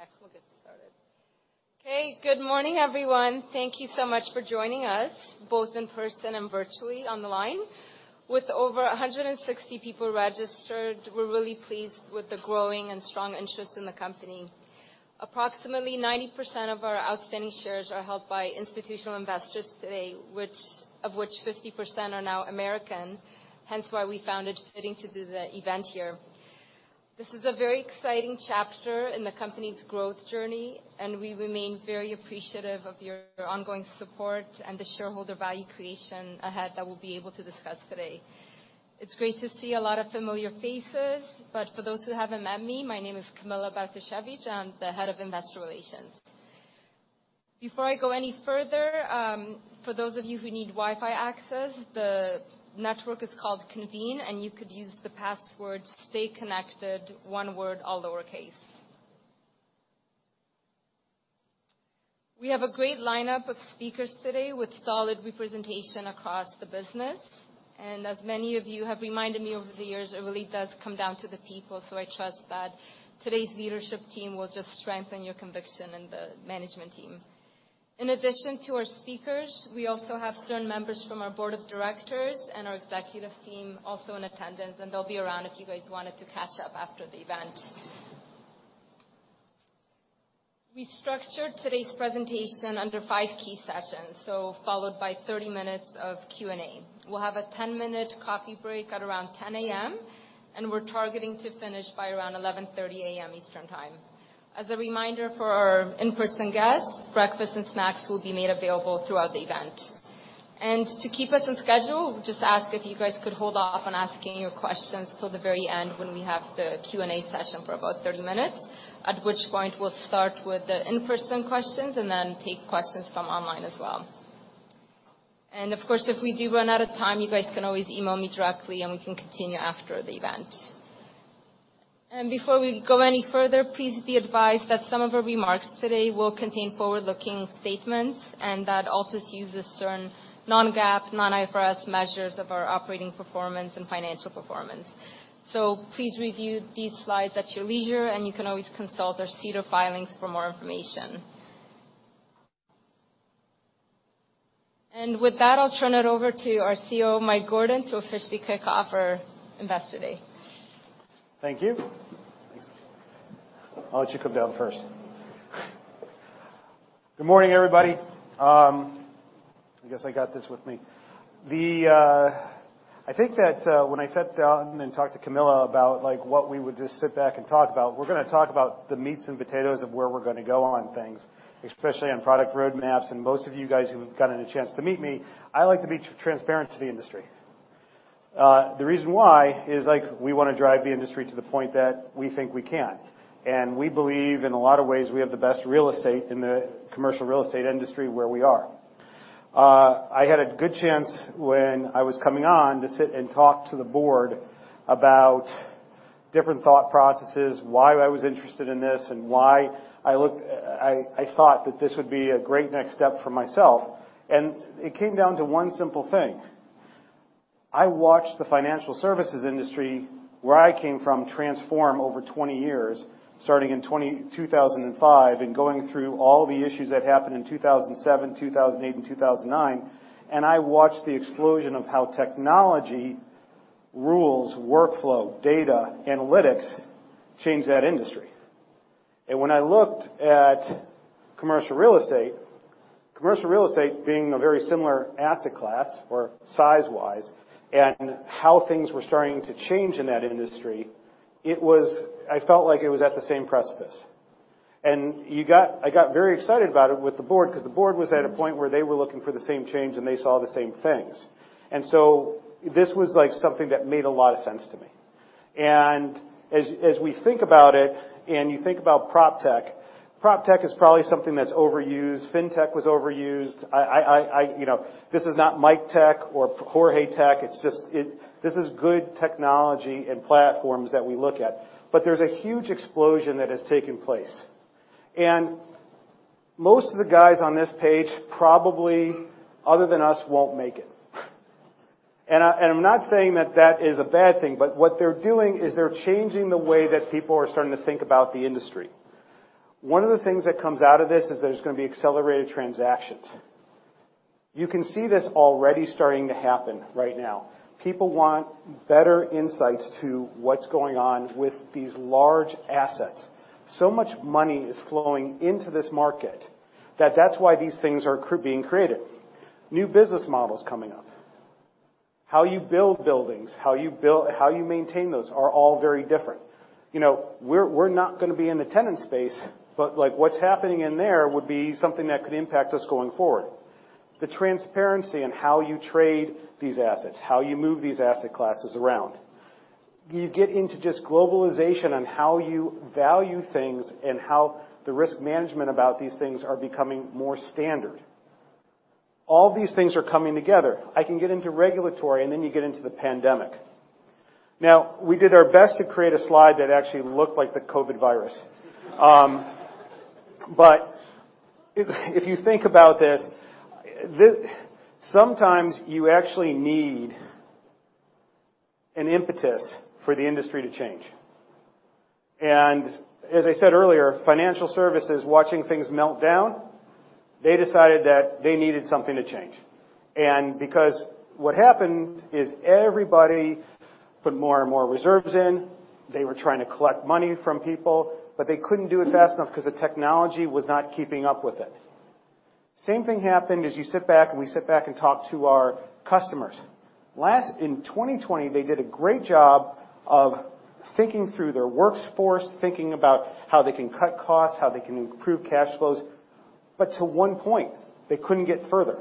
Okay, we'll get started. Okay, good morning, everyone. Thank you so much for joining us, both in person and virtually on the line. With over 160 people registered, we're really pleased with the growing and strong interest in the company. Approximately 90% of our outstanding shares are held by institutional investors today of which 50% are now American, hence why we found it fitting to do the event here. This is a very exciting chapter in the company's growth journey, and we remain very appreciative of your ongoing support and the shareholder value creation ahead that we'll be able to discuss today. It's great to see a lot of familiar faces, but for those who haven't met me, my name is Camilla Bartosiewicz. I'm the Head of Investor Relations. Before I go any further, for those of you who need Wi-Fi access, the network is called Convene, and you could use the password, stayconnected, one word, all lowercase. We have a great lineup of speakers today with solid representation across the business. As many of you have reminded me over the years, it really does come down to the people, so I trust that today's leadership team will just strengthen your conviction in the management team. In addition to our speakers, we also have certain members from our board of directors and our executive team also in attendance, and they'll be around if you guys wanted to catch up after the event. We structured today's presentation under five key sessions, so followed by 30 minutes of Q&A. We'll have a 10-minute coffee break at around 10 A.M., and we're targeting to finish by around 11:30 A.M. Eastern Time. As a reminder for our in-person guests, breakfast and snacks will be made available throughout the event. To keep us on schedule, just ask if you guys could hold off on asking your questions till the very end when we have the Q&A session for about 30 minutes, at which point we'll start with the in-person questions and then take questions from online as well. Of course, if we do run out of time, you guys can always email me directly, and we can continue after the event. Before we go any further, please be advised that some of our remarks today will contain forward-looking statements and that Altus uses certain non-GAAP, non-IFRS measures of our operating performance and financial performance. Please review these slides at your leisure, and you can always consult our SEDAR filings for more information. With that, I'll turn it over to our CEO, Mike Gordon, to officially kick off our Investor Day. Thank you. Thanks. I'll let you come down first. Good morning, everybody. I guess I got this with me. I think that when I sat down and talked to Camilla about, like, what we would just sit back and talk about, we're gonna talk about the meats and potatoes of where we're gonna go on things, especially on product roadmaps. Most of you guys who've gotten a chance to meet me, I like to be transparent to the industry. The reason why is, like, we wanna drive the industry to the point that we think we can. We believe in a lot of ways we have the best real estate in the commercial real estate industry where we are. I had a good chance when I was coming on to sit and talk to the board about different thought processes, why I was interested in this, and why I thought that this would be a great next step for myself. It came down to one simple thing. I watched the financial services industry, where I came from, transform over 20 years, starting in 2005 and going through all the issues that happened in 2007, 2008, and 2009. I watched the explosion of how technology rules, workflow, data, analytics, change that industry. When I looked at commercial real estate, commercial real estate being a very similar asset class or size-wise, and how things were starting to change in that industry, it was. I felt like it was at the same precipice. I got very excited about it with the board because the board was at a point where they were looking for the same change, and they saw the same things. This was, like, something that made a lot of sense to me. As we think about it and you think about PropTech is probably something that's overused. Fintech was overused. I, you know, this is not MikeTech or JorgeTech. It's just. This is good technology and platforms that we look at. There's a huge explosion that has taken place. Most of the guys on this page probably, other than us, won't make it. I'm not saying that is a bad thing, but what they're doing is they're changing the way that people are starting to think about the industry. One of the things that comes out of this is there's gonna be accelerated transactions. You can see this already starting to happen right now. People want better insights to what's going on with these large assets. So much money is flowing into this market that that's why these things are being created. New business models coming up. How you build buildings, how you maintain those are all very different. You know, we're not gonna be in the tenant space, but, like, what's happening in there would be something that could impact us going forward. The transparency in how you trade these assets, how you move these asset classes around. You get into just globalization on how you value things and how the risk management about these things are becoming more standard. All these things are coming together. I can get into regulatory, and then you get into the pandemic. Now, we did our best to create a slide that actually looked like the COVID virus. If you think about this, sometimes you actually need an impetus for the industry to change. As I said earlier, financial services, watching things melt down, they decided that they needed something to change. Because what happened is everybody put more and more reserves in. They were trying to collect money from people, but they couldn't do it fast enough because the technology was not keeping up with it. same thing happened as you sit back, and we sit back and talk to our customers. In 2020, they did a great job of thinking through their workforce, thinking about how they can cut costs, how they can improve cash flows. But at one point, they couldn't get further.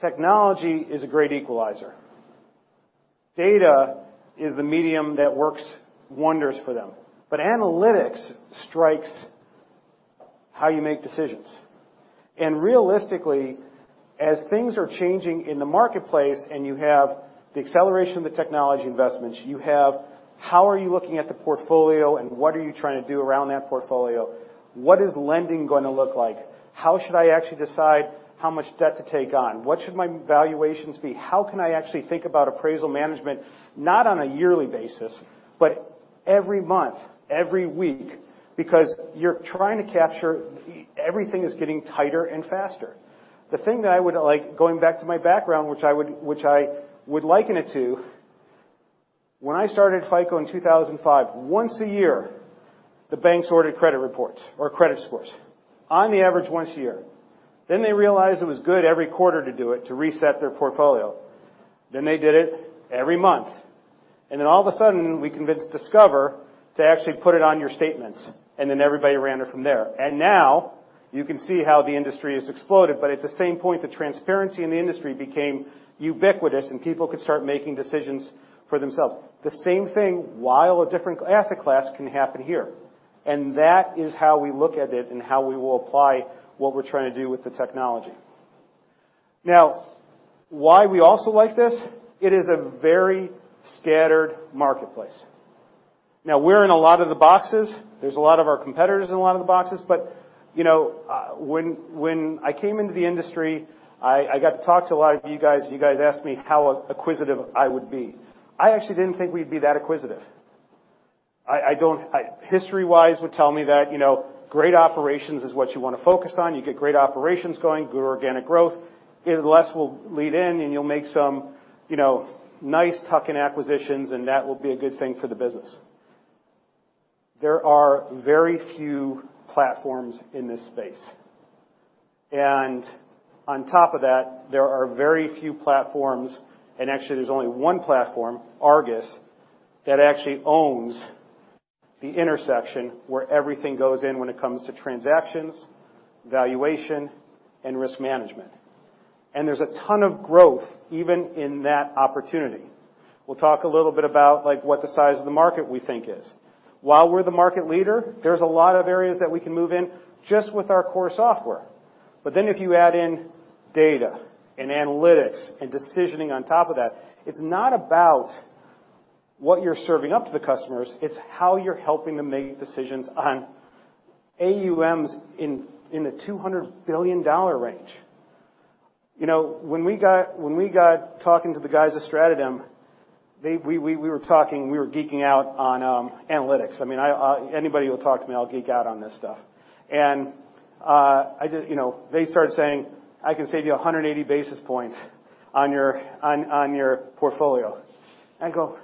Technology is a great equalizer. Data is the medium that works wonders for them. But analytics is how you make decisions. Realistically, as things are changing in the marketplace and you have the acceleration of the technology investments, you have how are you looking at the portfolio and what are you trying to do around that portfolio? What is lending gonna look like? How should I actually decide how much debt to take on? What should my valuations be? How can I actually think about appraisal management, not on a yearly basis, but every month, every week? Because you're trying to capture everything is getting tighter and faster. The thing that I would like, going back to my background, which I would liken it to when I started FICO in 2005, once a year, the bank sorted credit reports or credit scores. On the average, once a year. They realized it was good every quarter to do it, to reset their portfolio. They did it every month. All of a sudden, we convinced Discover to actually put it on your statements, and then everybody ran it from there. Now you can see how the industry has exploded. At the same point, the transparency in the industry became ubiquitous and people could start making decisions for themselves. The same thing, while a different asset class can happen here. That is how we look at it and how we will apply what we're trying to do with the technology. Now, why we also like this, it is a very scattered marketplace. Now we're in a lot of the boxes. There's a lot of our competitors in a lot of the boxes. But, you know, when I came into the industry, I got to talk to a lot of you guys. You guys asked me how acquisitive I would be. I actually didn't think we'd be that acquisitive. History-wise would tell me that, you know, great operations is what you wanna focus on. You get great operations going, good organic growth. Less will lead in, and you'll make some, you know, nice tuck-in acquisitions, and that will be a good thing for the business. There are very few platforms in this space. On top of that, there are very few platforms, and actually there's only one platform, ARGUS, that actually owns the intersection where everything goes in when it comes to transactions, valuation, and risk management. There's a ton of growth even in that opportunity. We'll talk a little bit about, like, what the size of the market we think is. While we're the market leader, there's a lot of areas that we can move in just with our core software. If you add in data and analytics and decisioning on top of that, it's not about what you're serving up to the customers, it's how you're helping them make decisions on AUMs in the $200 billion range. When we got talking to the guys at StratoDem, we were talking, we were geeking out on analytics. I mean, anybody will talk to me, I'll geek out on this stuff. I just. You know, they started saying, "I can save you 180 basis points on your portfolio." I go,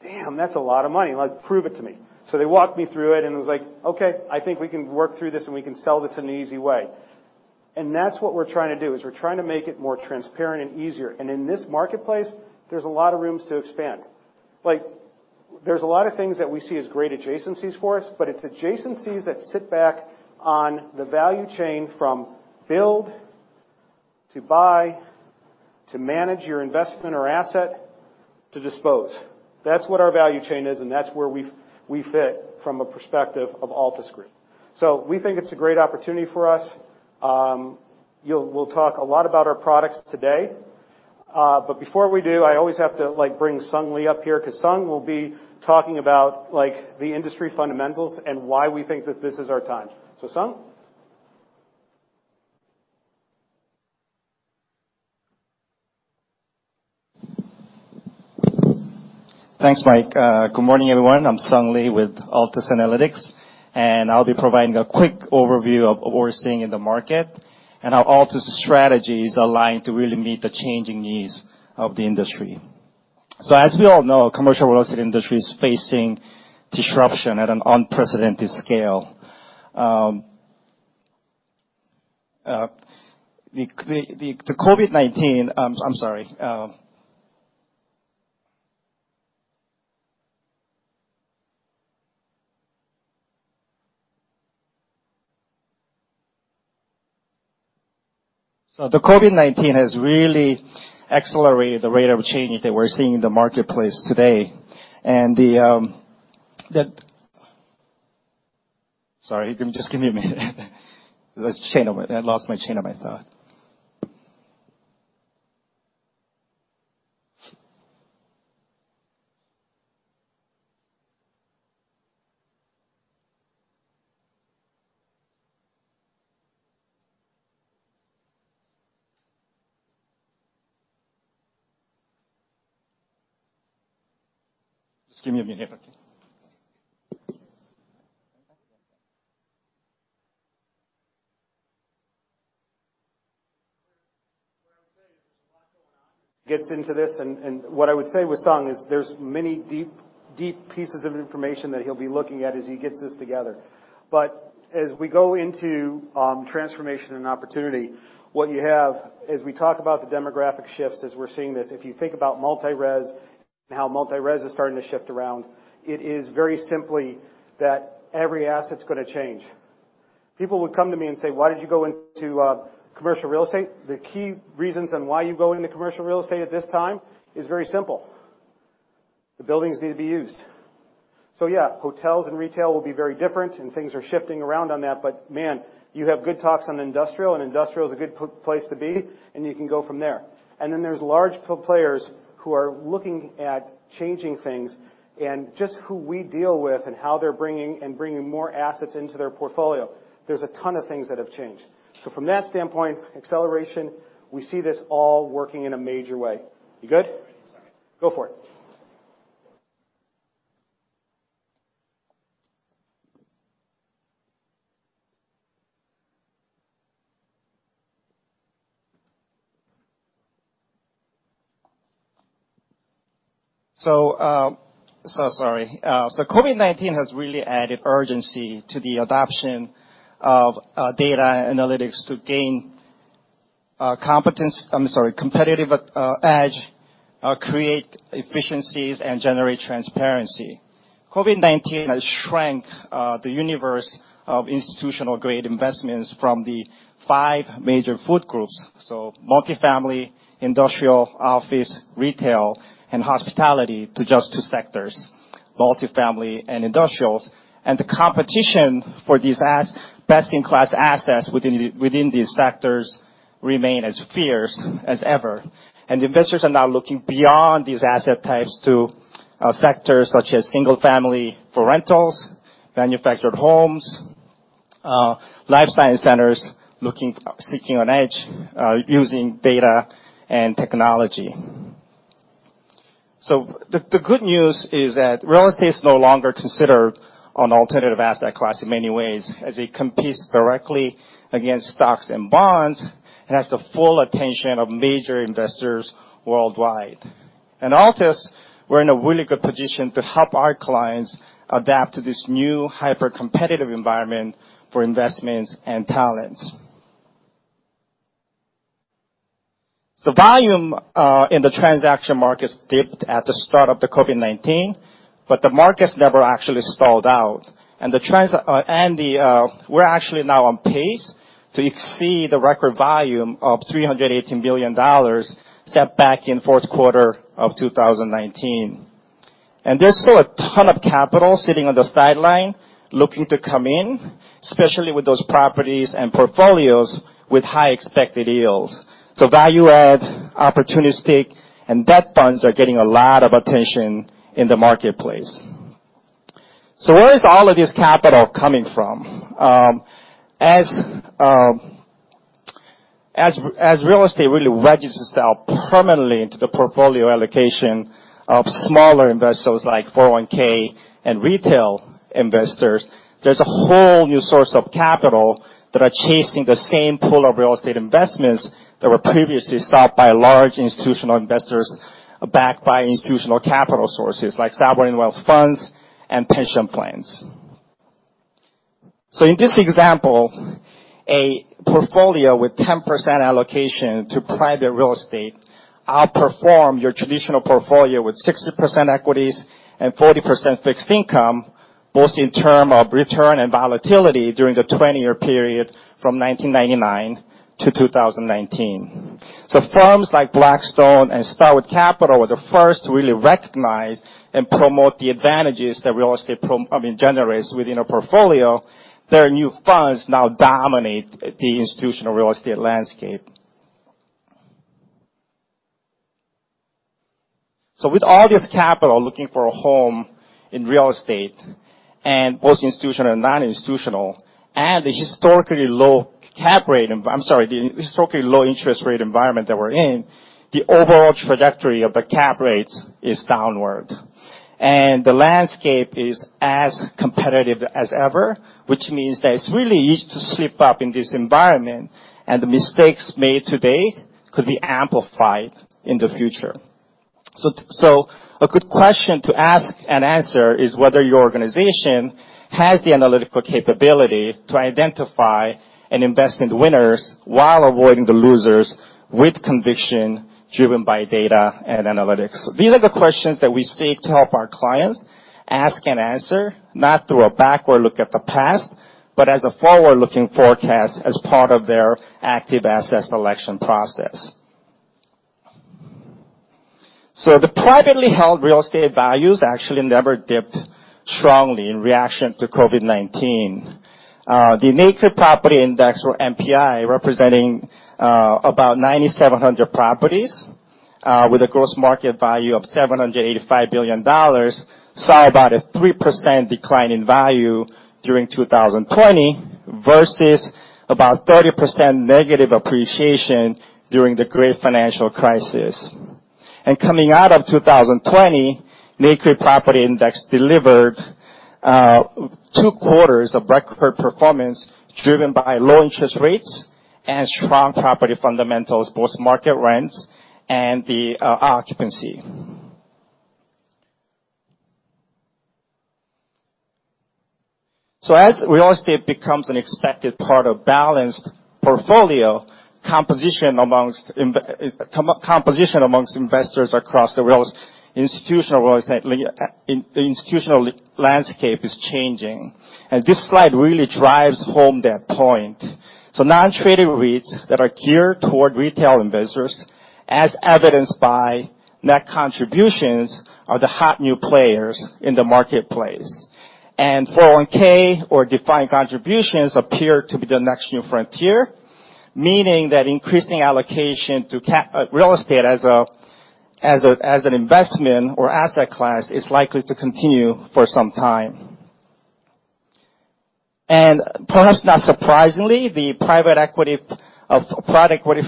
That's a lot of money. Like, prove it to me." They walked me through it, and it was like, "Okay, I think we can work through this, and we can sell this in an easy way." That's what we're trying to do, is we're trying to make it more transparent and easier. In this marketplace, there's a lot of room to expand. Like, there's a lot of things that we see as great adjacencies for us, but it's adjacencies that sit back on the value chain from build to buy, to manage your investment or asset, to dispose. That's what our value chain is, and that's where we fit from a perspective of Altus Group. We think it's a great opportunity for us. We'll talk a lot about our products today. Before we do, I always have to, like, bring Sung Lee up here 'cause Sung will be talking about, like, the industry fundamentals and why we think that this is our time. Sung? Thanks, Mike. Good morning, everyone. I'm Sung Lee with Altus Analytics, and I'll be providing a quick overview of what we're seeing in the market and how Altus strategies align to really meet the changing needs of the industry. As we all know, commercial real estate industry is facing disruption at an unprecedented scale. COVID-19 has really accelerated the rate of change that we're seeing in the marketplace today. I lost my chain of thought. Just give me a minute. Gets into this, and what I would say with Sung is there's many deep pieces of information that he'll be looking at as he gets this together. As we go into transformation and opportunity, what you have is we talk about the demographic shifts as we're seeing this. If you think about multi-res and how multi-res is starting to shift around, it is very simply that every asset's gonna change. People would come to me and say, "Why did you go into commercial real estate?" The key reasons on why you go into commercial real estate at this time is very simple. The buildings need to be used. Yeah, hotels and retail will be very different, and things are shifting around on that. Man, you have good talks on industrial, and industrial is a good place to be, and you can go from there. Then there's large players who are looking at changing things and just who we deal with and how they're bringing more assets into their portfolio. There's a ton of things that have changed. From that standpoint, acceleration, we see this all working in a major way. You good? Ready to start. Go for it. COVID-19 has really added urgency to the adoption of data analytics to gain competitive edge, create efficiencies, and generate transparency. COVID-19 has shrank the universe of institutional-grade investments from the five major food groups, multifamily, industrial, office, retail, and hospitality, to just two sectors, multifamily and industrials. The competition for these best-in-class assets within these sectors remain as fierce as ever. Investors are now looking beyond these asset types to sectors such as single-family for rentals, manufactured homes, lifestyle centers seeking an edge using data and technology. The good news is that real estate is no longer considered an alternative asset class in many ways, as it competes directly against stocks and bonds, and has the full attention of major investors worldwide. At Altus, we're in a really good position to help our clients adapt to this new hyper-competitive environment for investments and talents. The volume in the transaction markets dipped at the start of the COVID-19, but the markets never actually stalled out. We're actually now on pace to exceed the record volume of $318 billion set back in fourth quarter of 2019. There's still a ton of capital sitting on the sideline looking to come in, especially with those properties and portfolios with high expected yields. Value add, opportunistic, and debt funds are getting a lot of attention in the marketplace. Where is all of this capital coming from? As real estate really wedges itself permanently into the portfolio allocation of smaller investors like 401(k) and retail investors, there's a whole new source of capital that are chasing the same pool of real estate investments that were previously sought by large institutional investors backed by institutional capital sources like sovereign wealth funds and pension plans. In this example, a portfolio with 10% allocation to private real estate outperformed your traditional portfolio with 60% equities and 40% fixed income, both in terms of return and volatility during the 20-year period from 1999 to 2019. Firms like Blackstone and Starwood Capital were the first to really recognize and promote the advantages that real estate generates within a portfolio. Their new funds now dominate the institutional real estate landscape. With all this capital looking for a home in real estate and both institutional and non-institutional, and the historically low interest rate environment that we're in, the overall trajectory of the cap rates is downward. The landscape is as competitive as ever, which means that it's really easy to slip up in this environment, and the mistakes made today could be amplified in the future. A good question to ask and answer is whether your organization has the analytical capability to identify and invest in the winners while avoiding the losers with conviction driven by data and analytics. These are the questions that we seek to help our clients ask and answer, not through a backward look at the past, but as a forward-looking forecast as part of their active asset selection process. The privately held real estate values actually never dipped strongly in reaction to COVID-19. The NCREIF Property Index or NPI, representing about 9,700 properties with a gross market value of $785 billion, saw about a 3% decline in value during 2020, versus about 30% negative appreciation during the Great Financial Crisis. Coming out of 2020, NCREIF Property Index delivered two quarters of record performance driven by low interest rates and strong property fundamentals, both market rents and the occupancy. As real estate becomes an expected part of balanced portfolio composition amongst investors across the institutional real estate landscape is changing. This slide really drives home that point. Non-traded REITs that are geared toward retail investors, as evidenced by net contributions, are the hot new players in the marketplace. 401(k) or defined contributions appear to be the next new frontier, meaning that increasing allocation to real estate as an investment or asset class is likely to continue for some time. Perhaps not surprisingly, private equity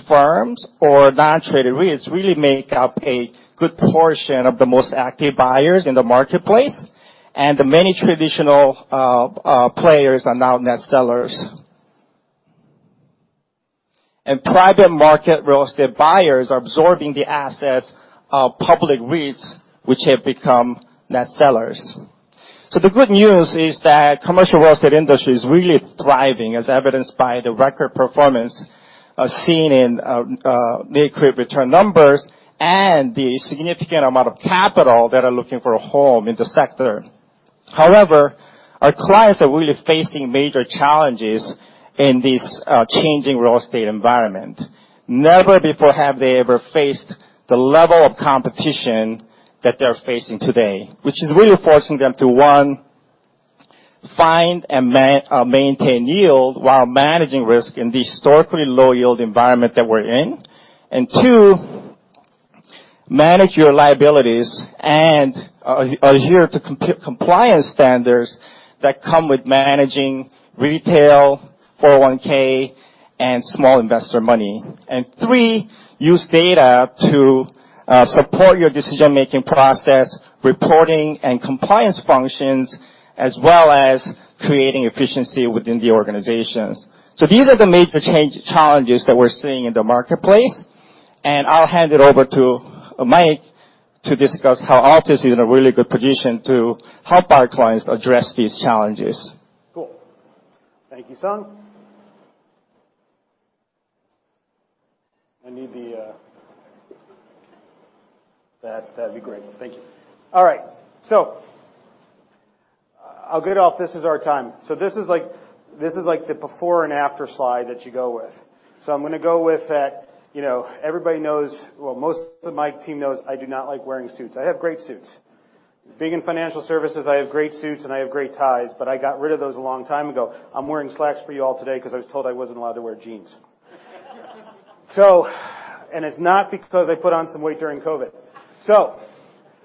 firms or non-traded REITs really make up a good portion of the most active buyers in the marketplace, and many traditional players are now net sellers. Private market real estate buyers are absorbing the assets of public REITs, which have become net sellers. The good news is that commercial real estate industry is really thriving, as evidenced by the record performance seen in NCREIF return numbers and the significant amount of capital that are looking for a home in the sector. However, our clients are really facing major challenges in this changing real estate environment. Never before have they ever faced the level of competition that they're facing today, which is really forcing them to, one, find and maintain yield while managing risk in the historically low-yield environment that we're in. And two, manage your liabilities and adhere to compliance standards that come with managing retail, 401(k) and small investor money. And three, use data to support your decision-making process, reporting and compliance functions, as well as creating efficiency within the organizations. These are the major challenges that we're seeing in the marketplace. I'll hand it over to Mike to discuss how Altus is in a really good position to help our clients address these challenges. Cool. Thank you, Sung. That'd be great. Thank you. All right. I'll get off this as our time. This is like the before and after slide that you go with. I'm gonna go with that, you know. Everybody knows, well, most of my team knows I do not like wearing suits. I have great suits. Being in financial services, I have great suits, and I have great ties, but I got rid of those a long time ago. I'm wearing slacks for you all today 'cause I was told I wasn't allowed to wear jeans. It's not because I put on some weight during COVID.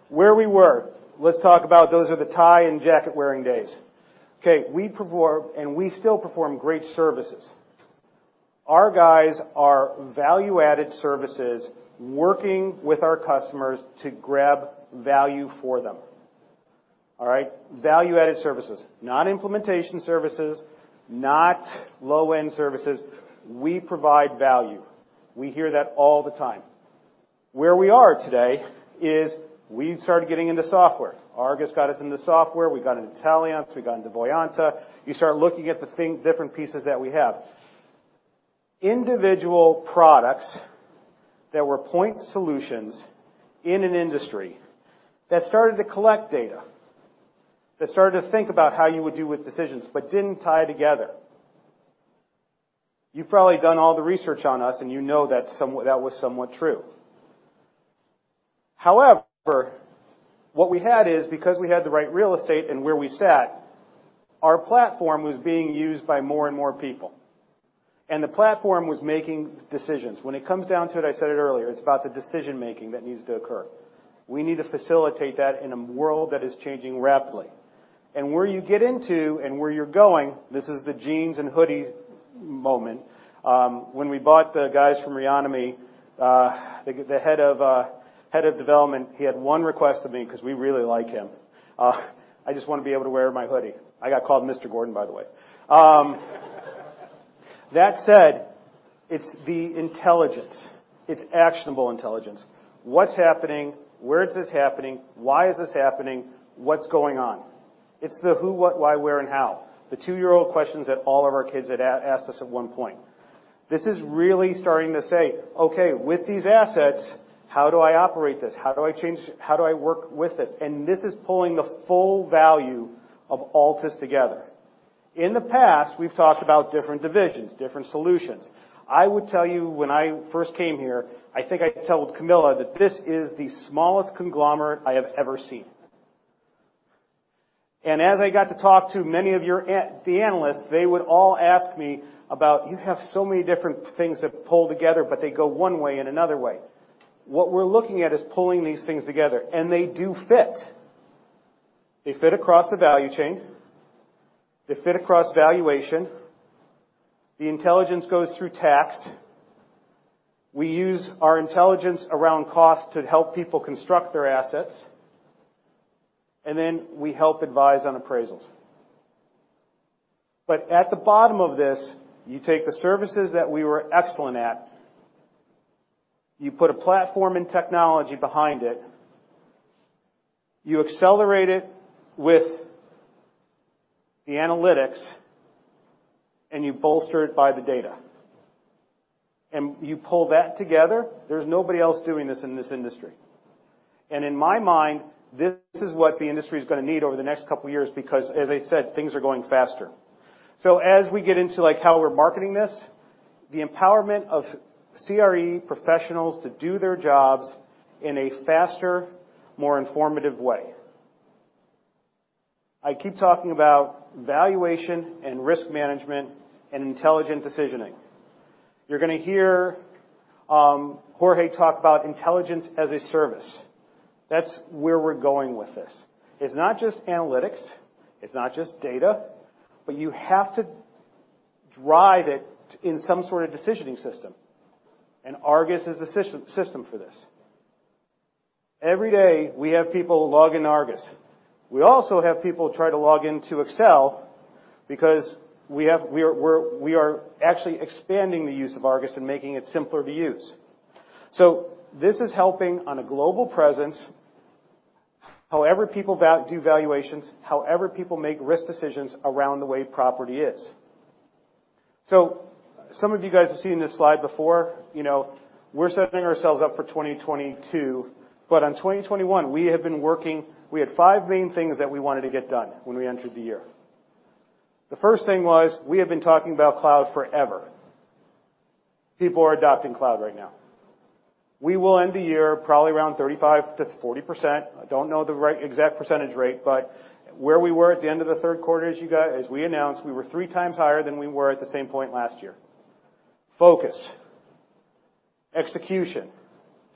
Where we were, let's talk about those are the tie and jacket-wearing days. Okay. We perform, and we still perform great services. Our guys are value-added services working with our customers to grab value for them. All right? Value-added services. Not implementation services, not low-end services. We provide value. We hear that all the time. Where we are today is we started getting into software. ARGUS got us into software. We got into Taliance. We got into Voyanta. You start looking at the thing, different pieces that we have. Individual products that were point solutions in an industry that started to collect data, that started to think about how you would do with decisions, but didn't tie together. You've probably done all the research on us, and you know that that was somewhat true. However, what we had is, because we had the right real estate and where we sat, our platform was being used by more and more people, and the platform was making decisions. When it comes down to it, I said it earlier, it's about the decision-making that needs to occur. We need to facilitate that in a world that is changing rapidly. Where you get into and where you're going, this is the jeans and hoodie moment. When we bought the guys from Reonomy, the head of development, he had one request of me, 'cause we really like him. "I just wanna be able to wear my hoodie." I got called Mr. Gordon, by the way. That said, it's the intelligence. It's actionable intelligence. What's happening? Where is this happening? Why is this happening? What's going on? It's the who, what, why, where, and how. The two-year-old questions that all of our kids had asked us at one point. This is really starting to say, "Okay, with these assets, how do I operate this? How do I work with this?" This is pulling the full value of Altus together. In the past, we've talked about different divisions, different solutions. I would tell you when I first came here, I think I told Camilla that this is the smallest conglomerate I have ever seen. As I got to talk to many of your analysts, they would all ask me about, "You have so many different things that pull together, but they go one way and another way." What we're looking at is pulling these things together, and they do fit. They fit across the value chain. They fit across valuation. The intelligence goes through tax. We use our intelligence around cost to help people construct their assets. Then we help advise on appraisals. At the bottom of this, you take the services that we were excellent at. You put a platform and technology behind it. You accelerate it with the analytics, and you bolster it by the data. You pull that together, there's nobody else doing this in this industry. In my mind, this is what the industry is gonna need over the next couple of years because, as I said, things are going faster. As we get into, like, how we're marketing this, the empowerment of CRE professionals to do their jobs in a faster, more informative way. I keep talking about valuation and risk management and intelligent decisioning. You're gonna hear, Jorge talk about intelligence as a service. That's where we're going with this. It's not just analytics, it's not just data, but you have to drive it into some sort of decision system. ARGUS is the system for this. Every day, we have people log into ARGUS. We also have people try to log into Excel because we are actually expanding the use of ARGUS and making it simpler to use. This is helping on a global presence, however people do valuations, however people make risk decisions around the way property is. Some of you guys have seen this slide before. You know, we're setting ourselves up for 2022. On 2021, we have been working. We had five main things that we wanted to get done when we entered the year. The first thing was we have been talking about cloud forever. People are adopting cloud right now. We will end the year probably around 35%-40%. I don't know the exact percentage rate, but where we were at the end of Q3, as we announced, we were three times higher than we were at the same point last year. Focus, execution,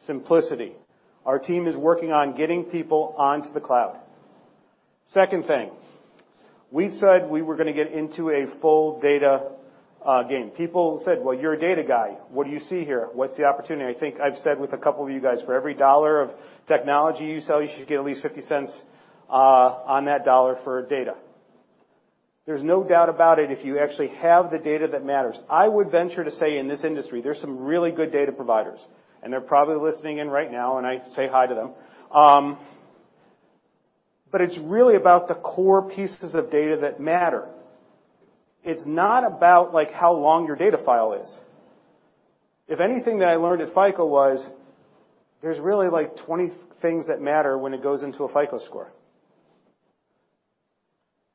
simplicity. Our team is working on getting people onto the cloud. Second thing, we said we were gonna get into a full data game. People said, "Well, you're a data guy. What do you see here? What's the opportunity?" I think I've said with a couple of you guys, for every dollar of technology you sell, you should get at least 50 cents on that dollar for data. There's no doubt about it if you actually have the data that matters. I would venture to say in this industry, there's some really good data providers, and they're probably listening in right now, and I say hi to them. It's really about the core pieces of data that matter. It's not about, like, how long your data file is. If anything that I learned at FICO was there's really, like, 20 things that matter when it goes into a FICO score.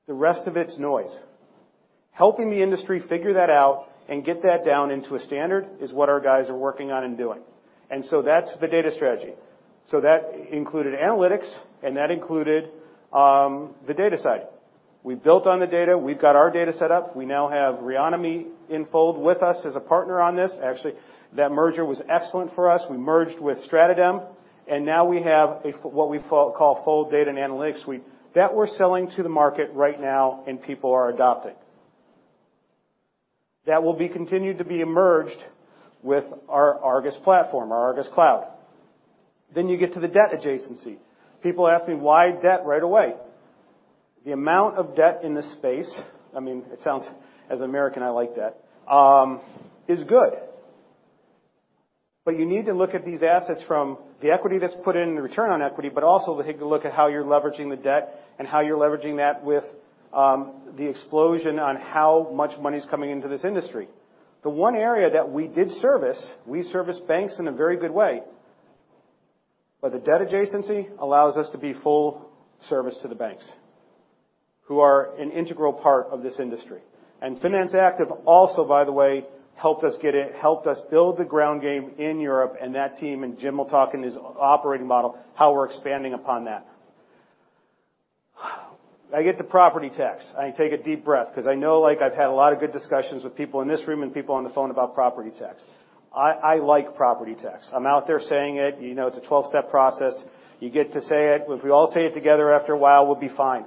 The rest of it's noise. Helping the industry figure that out and get that down into a standard is what our guys are working on and doing. That's the data strategy. That included analytics, and that included the data side. We built on the data. We've got our data set up. We now have Reonomy in the fold with us as a partner on this. Actually, that merger was excellent for us. We merged with StratoDem, and now we have what we call full data and analytics suite that we're selling to the market right now, and people are adopting. That will be continued to be merged with our ARGUS platform, our ARGUS Cloud. Then you get to the debt adjacency. People ask me, "Why debt right away?" The amount of debt in this space, I mean, it sounds as an American, I like that, is good. But you need to look at these assets from the equity that's put in, the return on equity, but also to take a look at how you're leveraging the debt and how you're leveraging that with the explosion on how much money's coming into this industry. The one area that we did service, we serviced banks in a very good way. The debt adjacency allows us to be full service to the banks, who are an integral part of this industry. Finance Active also, by the way, helped us build the ground game in Europe and that team, and Jim will talk in his operating model, how we're expanding upon that. I get to property tax. I take a deep breath because I know, like, I've had a lot of good discussions with people in this room and people on the phone about property tax. I like property tax. I'm out there saying it. You know, it's a 12-step process. You get to say it. If we all say it together after a while, we'll be fine.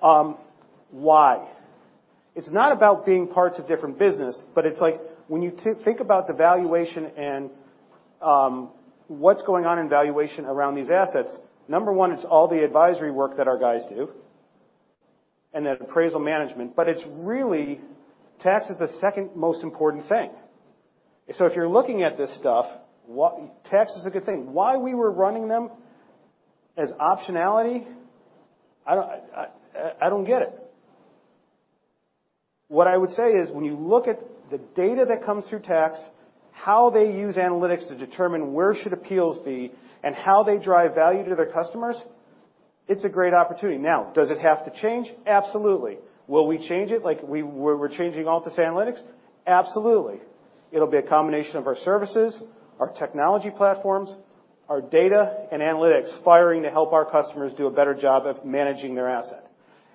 Why? It's not about being parts of different business, but it's like when you think about the valuation and, what's going on in valuation around these assets, number one, it's all the advisory work that our guys do and the appraisal management. It's really tax is the second most important thing. If you're looking at this stuff, tax is a good thing. Why we were running them as optionality, I don't get it. What I would say is, when you look at the data that comes through tax, how they use analytics to determine where should appeals be and how they drive value to their customers, it's a great opportunity. Now, does it have to change? Absolutely. Will we change it like we're changing Altus Analytics? Absolutely. It'll be a combination of our services, our technology platforms, our data and analytics firing to help our customers do a better job of managing their asset.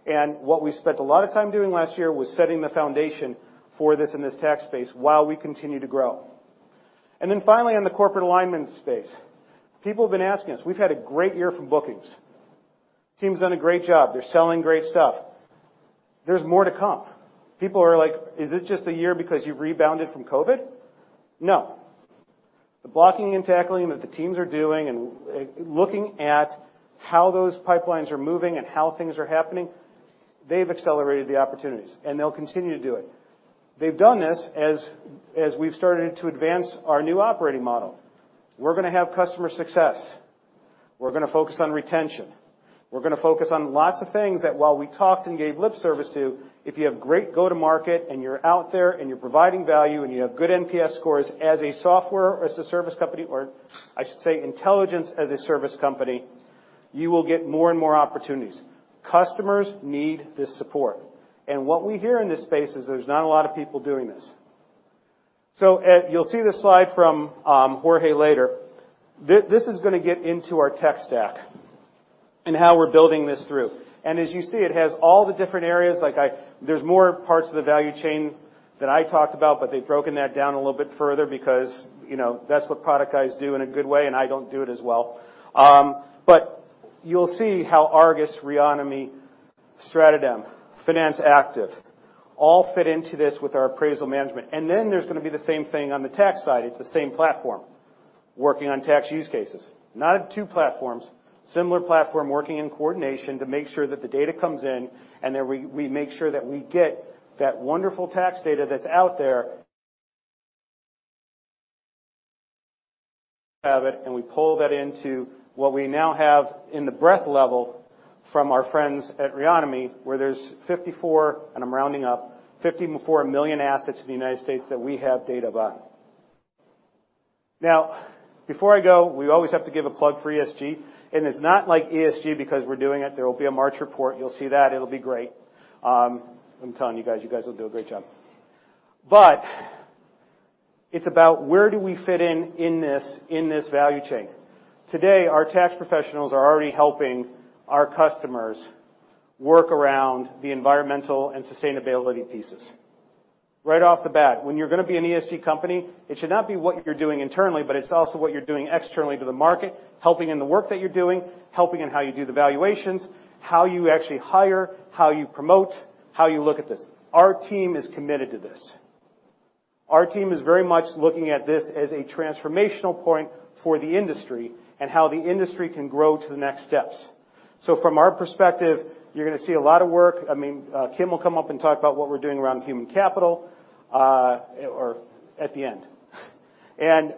What we spent a lot of time doing last year was setting the foundation for this in this tax space while we continue to grow. Finally, on the corporate alignment space, people have been asking us, we've had a great year from bookings. Team's done a great job. They're selling great stuff. There's more to come. People are like, "Is it just a year because you've rebounded from COVID?" No. The blocking and tackling that the teams are doing and looking at how those pipelines are moving and how things are happening, they've accelerated the opportunities, and they'll continue to do it. They've done this as we've started to advance our new operating model. We're gonna have customer success. We're gonna focus on retention. We're gonna focus on lots of things that while we talked and gave lip service to, if you have great go-to-market and you're out there, and you're providing value, and you have good NPS scores as a software, as a service company, or I should say intelligence as a service company, you will get more and more opportunities. Customers need this support. What we hear in this space is there's not a lot of people doing this. You'll see this slide from Jorge later. This is gonna get into our tech stack and how we're building this through. As you see, it has all the different areas. Like there's more parts of the value chain that I talked about, but they've broken that down a little bit further because, you know, that's what product guys do in a good way, and I don't do it as well. You'll see how ARGUS, Reonomy, StratoDem, Finance Active all fit into this with our appraisal management. There's gonna be the same thing on the tax side. It's the same platform working on tax use cases. Not two platforms, similar platform working in coordination to make sure that the data comes in and that we make sure that we get that wonderful tax data that's out there, have it, and we pull that into what we now have in the breadth level from our friends at Reonomy, where there's 54, and I'm rounding up, 54 million assets in the United States that we have data about. Now, before I go, we always have to give a plug for ESG. It's not like ESG because we're doing it. There will be a March report. You'll see that. It'll be great. I'm telling you guys, you guys will do a great job. It's about where do we fit in this value chain. Today, our tax professionals are already helping our customers work around the environmental and sustainability pieces. Right off the bat, when you're gonna be an ESG company, it should not be what you're doing internally, but it's also what you're doing externally to the market, helping in the work that you're doing, helping in how you do the valuations, how you actually hire, how you promote, how you look at this. Our team is committed to this. Our team is very much looking at this as a transformational point for the industry and how the industry can grow to the next steps. From our perspective, you're gonna see a lot of work. I mean, Kim will come up and talk about what we're doing around human capital, or at the end.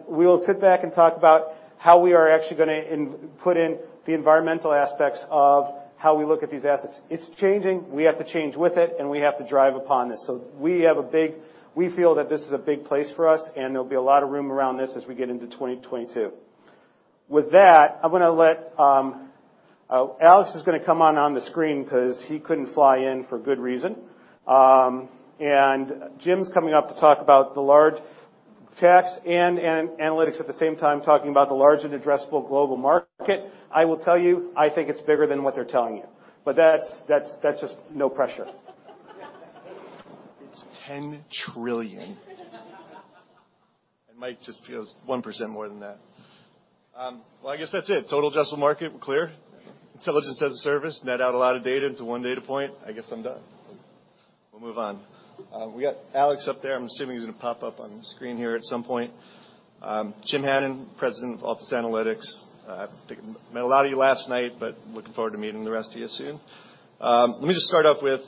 We will sit back and talk about how we are actually gonna put in the environmental aspects of how we look at these assets. It's changing, we have to change with it, and we have to drive upon this. We feel that this is a big place for us and there'll be a lot of room around this as we get into 2022. With that, I'm gonna let... Alex is gonna come on the screen 'cause he couldn't fly in for good reason. Jim's coming up to talk about Altus Tax and Analytics at the same time, talking about the large and addressable global market. I will tell you, I think it's bigger than what they're telling you. That's just no pressure. It's $10 trillion. Mike just feels 1% more than that. Well, I guess that's it. Total addressable market, we're clear. Intelligence as a service, net out a lot of data into one data point. I guess I'm done. We'll move on. We got Alex up there. I'm assuming he's gonna pop up on screen here at some point. Jim Hannon, President of Altus Analytics. I think I met a lot of you last night, but looking forward to meeting the rest of you soon. Let me just start off with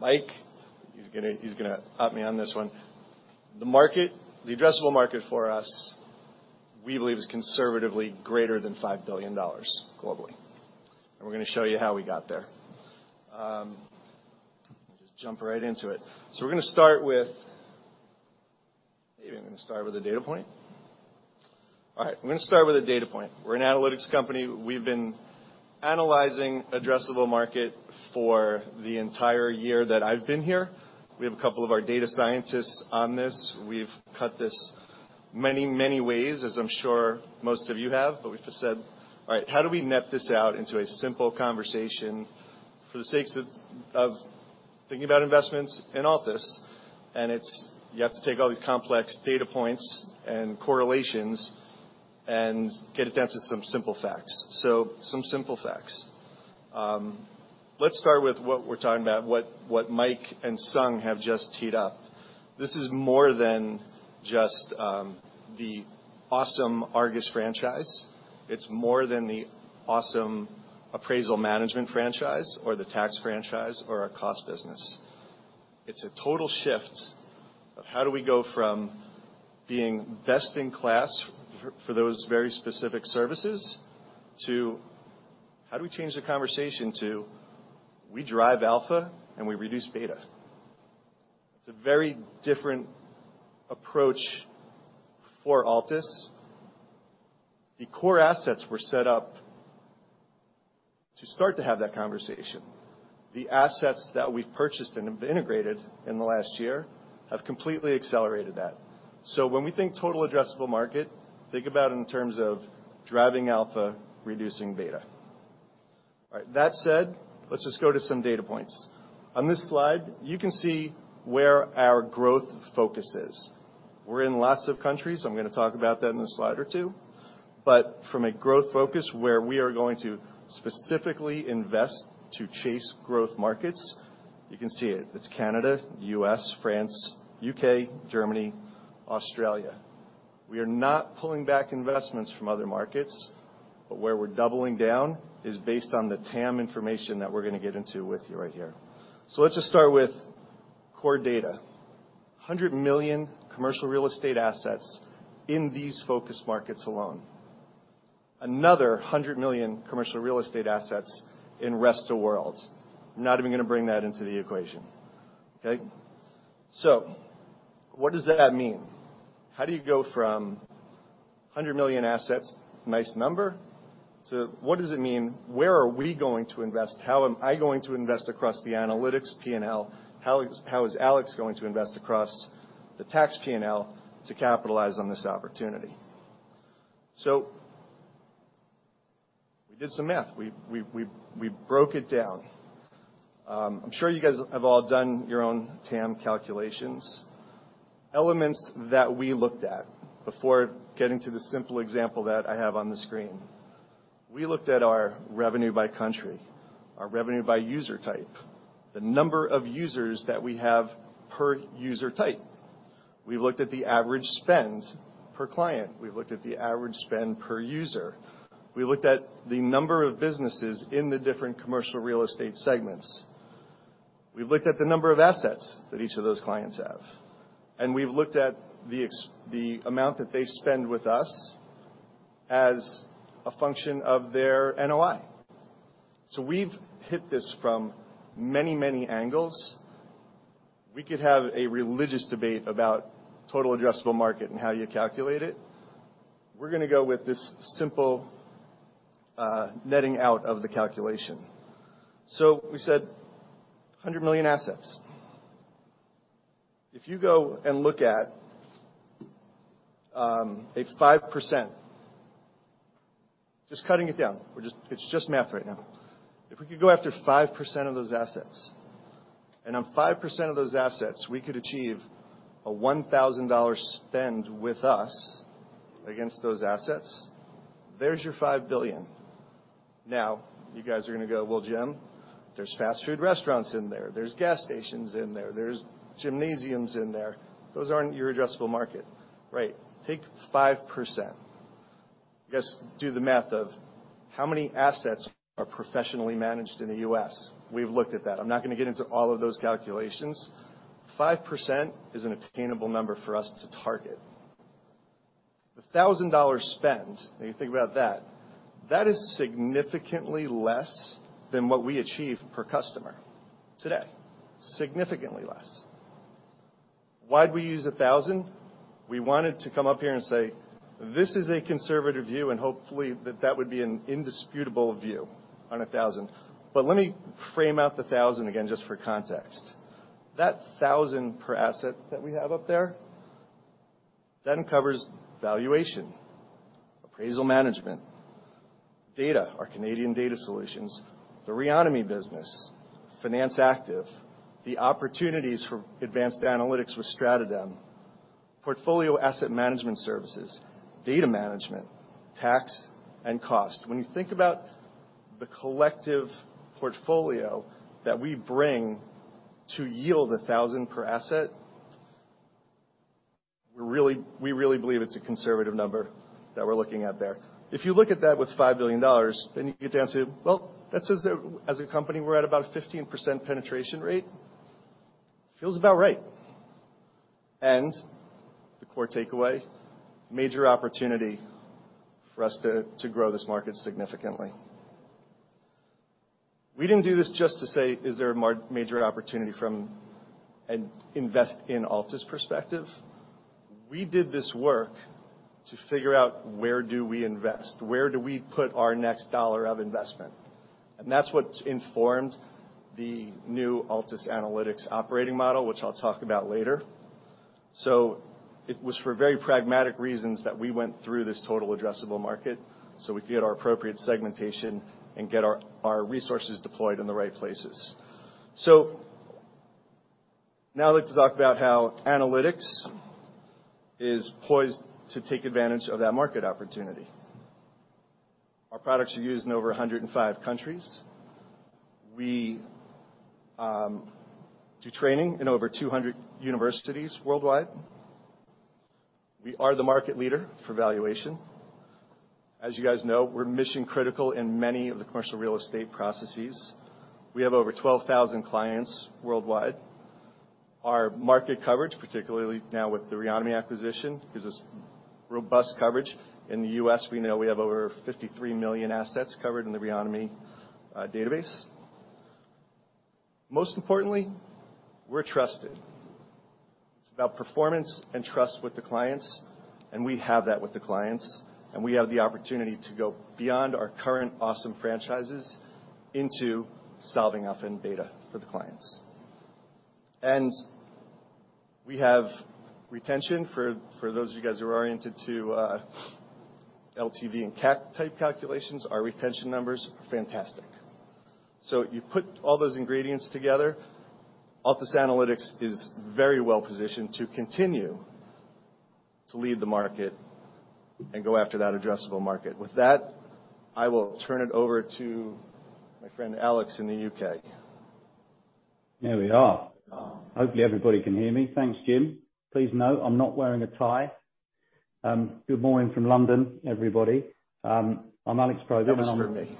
Mike, he's gonna help me on this one. The market, the addressable market for us, we believe is conservatively greater than $5 billion globally. We're gonna show you how we got there. Let me just jump right into it. We're gonna start with. All right, I'm gonna start with a data point. We're an analytics company. We've been analyzing addressable market for the entire year that I've been here. We have a couple of our data scientists on this. We've cut this many, many ways, as I'm sure most of you have, but we just said, "All right, how do we net this out into a simple conversation for the sake of thinking about investments in Altus?" It's you have to take all these complex data points and correlations and get it down to some simple facts. Some simple facts. Let's start with what we're talking about, what Mike and Sung have just teed up. This is more than just the awesome ARGUS franchise. It's more than the awesome appraisal management franchise or the tax franchise or our cost business. It's a total shift of how do we go from being best in class for those very specific services to how do we change the conversation to we drive alpha and we reduce beta? It's a very different approach for Altus. The core assets were set up to start to have that conversation. The assets that we've purchased and have integrated in the last year have completely accelerated that. When we think total addressable market, think about it in terms of driving alpha, reducing beta. All right, that said, let's just go to some data points. On this slide, you can see where our growth focus is. We're in lots of countries. I'm gonna talk about that in a slide or two. From a growth focus, where we are going to specifically invest to chase growth markets, you can see it. It's Canada, U.S., France, U.K., Germany, Australia. We are not pulling back investments from other markets, but where we're doubling down is based on the TAM information that we're gonna get into with you right here. Let's just start with core data. 100 million commercial real estate assets in these focus markets alone. Another 100 million commercial real estate assets in rest of world. I'm not even gonna bring that into the equation. Okay? What does that mean? How do you go from 100 million assets, nice number, to what does it mean? Where are we going to invest? How am I going to invest across the analytics P&L? How is Alex going to invest across the tax P&L to capitalize on this opportunity? We did some math. We broke it down. I'm sure you guys have all done your own TAM calculations. Elements that we looked at before getting to the simple example that I have on the screen, we looked at our revenue by country, our revenue by user type, the number of users that we have per user type. We've looked at the average spend per client. We've looked at the average spend per user. We looked at the number of businesses in the different commercial real estate segments. We've looked at the number of assets that each of those clients have. We've looked at the amount that they spend with us as a function of their NOI. We've hit this from many, many angles. We could have a religious debate about total addressable market and how you calculate it. We're gonna go with this simple, netting out of the calculation. We said 100 million assets. If you go and look at a 5%, just cutting it down. It's just math right now. If we could go after 5% of those assets, and on 5% of those assets, we could achieve a $1,000 spend with us against those assets, there's your $5 billion. Now, you guys are gonna go, "Well, Jim, there's fast food restaurants in there. There's gas stations in there. There's gymnasiums in there. Those aren't your addressable market." Right. Take 5%. You guys do the math of how many assets are professionally managed in the U.S. We've looked at that. I'm not gonna get into all of those calculations. 5% is an attainable number for us to target. The 1,000 dollar spend, now you think about that is significantly less than what we achieve per customer today. Significantly less. Why'd we use 1,000? We wanted to come up here and say, "This is a conservative view, and hopefully that would be an indisputable view on 1,000." Let me frame out the 1,000 again just for context. That 1,000 per asset that we have up there, that covers valuation, appraisal management, data, our Canadian data solutions, the Reonomy business, Finance Active, the opportunities for advanced analytics with StratoDem, portfolio asset management services, data management, tax, and cost. When you think about the collective portfolio that we bring to yield 1,000 per asset, we really believe it's a conservative number that we're looking at there. If you look at that with $5 billion, then you get down to, well, that says that as a company, we're at about 15% penetration rate. Feels about right. The core takeaway, major opportunity for us to grow this market significantly. We didn't do this just to say, "Is there a major opportunity from an investment in Altus perspective?" We did this work to figure out where do we invest? Where do we put our next dollar of investment? That's what's informed the new Altus Analytics operating model, which I'll talk about later. It was for very pragmatic reasons that we went through this total addressable market, so we could get our appropriate segmentation and get our resources deployed in the right places. Now let's talk about how analytics is poised to take advantage of that market opportunity. Our products are used in over 105 countries. We do training in over 200 universities worldwide. We are the market leader for valuation. As you guys know, we're mission-critical in many of the commercial real estate processes. We have over 12,000 clients worldwide. Our market coverage, particularly now with the Reonomy acquisition, gives us robust coverage. In the U.S., we know we have over 53 million assets covered in the Reonomy database. Most importantly, we're trusted. It's about performance and trust with the clients, and we have that with the clients, and we have the opportunity to go beyond our current awesome franchises into solving other data for the clients. We have retention for those of you guys who are oriented to LTV and cap-type calculations, our retention numbers are fantastic. You put all those ingredients together, Altus Analytics is very well-positioned to continue to lead the market and go after that addressable market. With that, I will turn it over to my friend Alex in the U.K. Here we are. Hopefully, everybody can hear me. Thanks, Jim. Please note, I'm not wearing a tie. Good morning from London, everybody. I'm Alex Probyn. That was for me.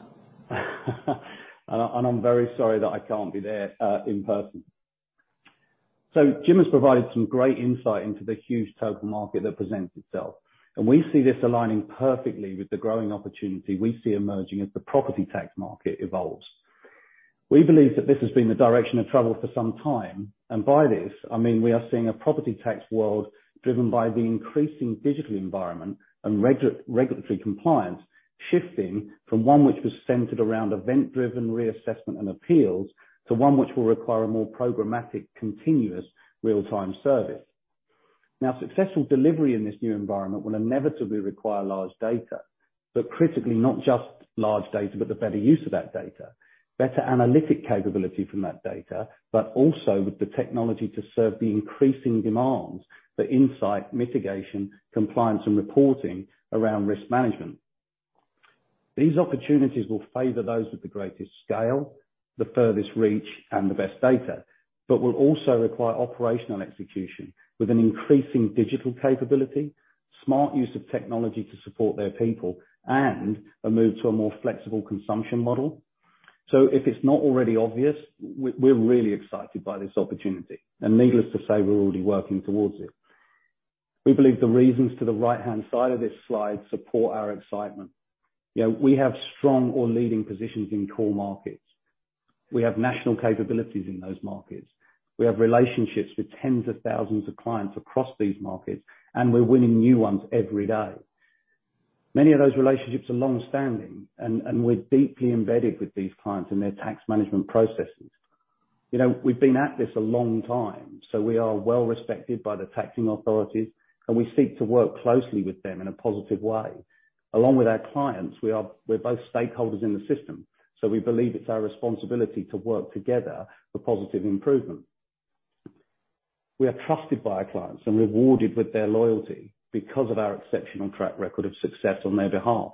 I'm very sorry that I can't be there in person. Jim has provided some great insight into the huge total market that presents itself, and we see this aligning perfectly with the growing opportunity we see emerging as the property tax market evolves. We believe that this has been the direction of travel for some time, and by this, I mean we are seeing a property tax world driven by the increasing digital environment and regulatory compliance shifting from one which was centered around event-driven reassessment and appeals to one which will require a more programmatic, continuous real-time service. Now, successful delivery in this new environment will inevitably require large data. Critically, not just large data, but the better use of that data, better analytic capability from that data, but also with the technology to serve the increasing demands for insight, mitigation, compliance, and reporting around risk management. These opportunities will favor those with the greatest scale, the furthest reach, and the best data, but will also require operational execution with an increasing digital capability, smart use of technology to support their people, and a move to a more flexible consumption model. If it's not already obvious, we're really excited by this opportunity. Needless to say, we're already working towards it. We believe the reasons to the right-hand side of this slide support our excitement. You know, we have strong or leading positions in core markets. We have national capabilities in those markets. We have relationships with tens of thousands of clients across these markets, and we're winning new ones every day. Many of those relationships are long-standing, and we're deeply embedded with these clients and their tax management processes. You know, we've been at this a long time, so we are well respected by the taxing authorities, and we seek to work closely with them in a positive way. Along with our clients, we're both stakeholders in the system, so we believe it's our responsibility to work together for positive improvement. We are trusted by our clients and rewarded with their loyalty because of our exceptional track record of success on their behalf.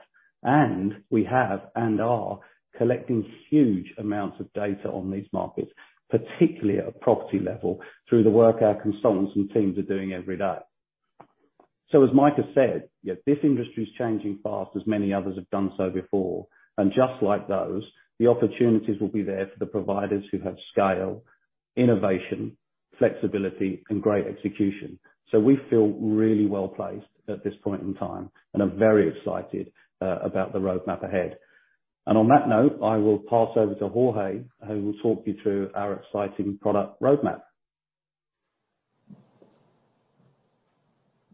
We have and are collecting huge amounts of data on these markets, particularly at a property level, through the work our consultants and teams are doing every day. As Mike has said, you know, this industry is changing fast as many others have done so before. Just like those, the opportunities will be there for the providers who have scale, innovation, flexibility, and great execution. We feel really well placed at this point in time and are very excited about the roadmap ahead. On that note, I will pass over to Jorge, who will talk you through our exciting product roadmap.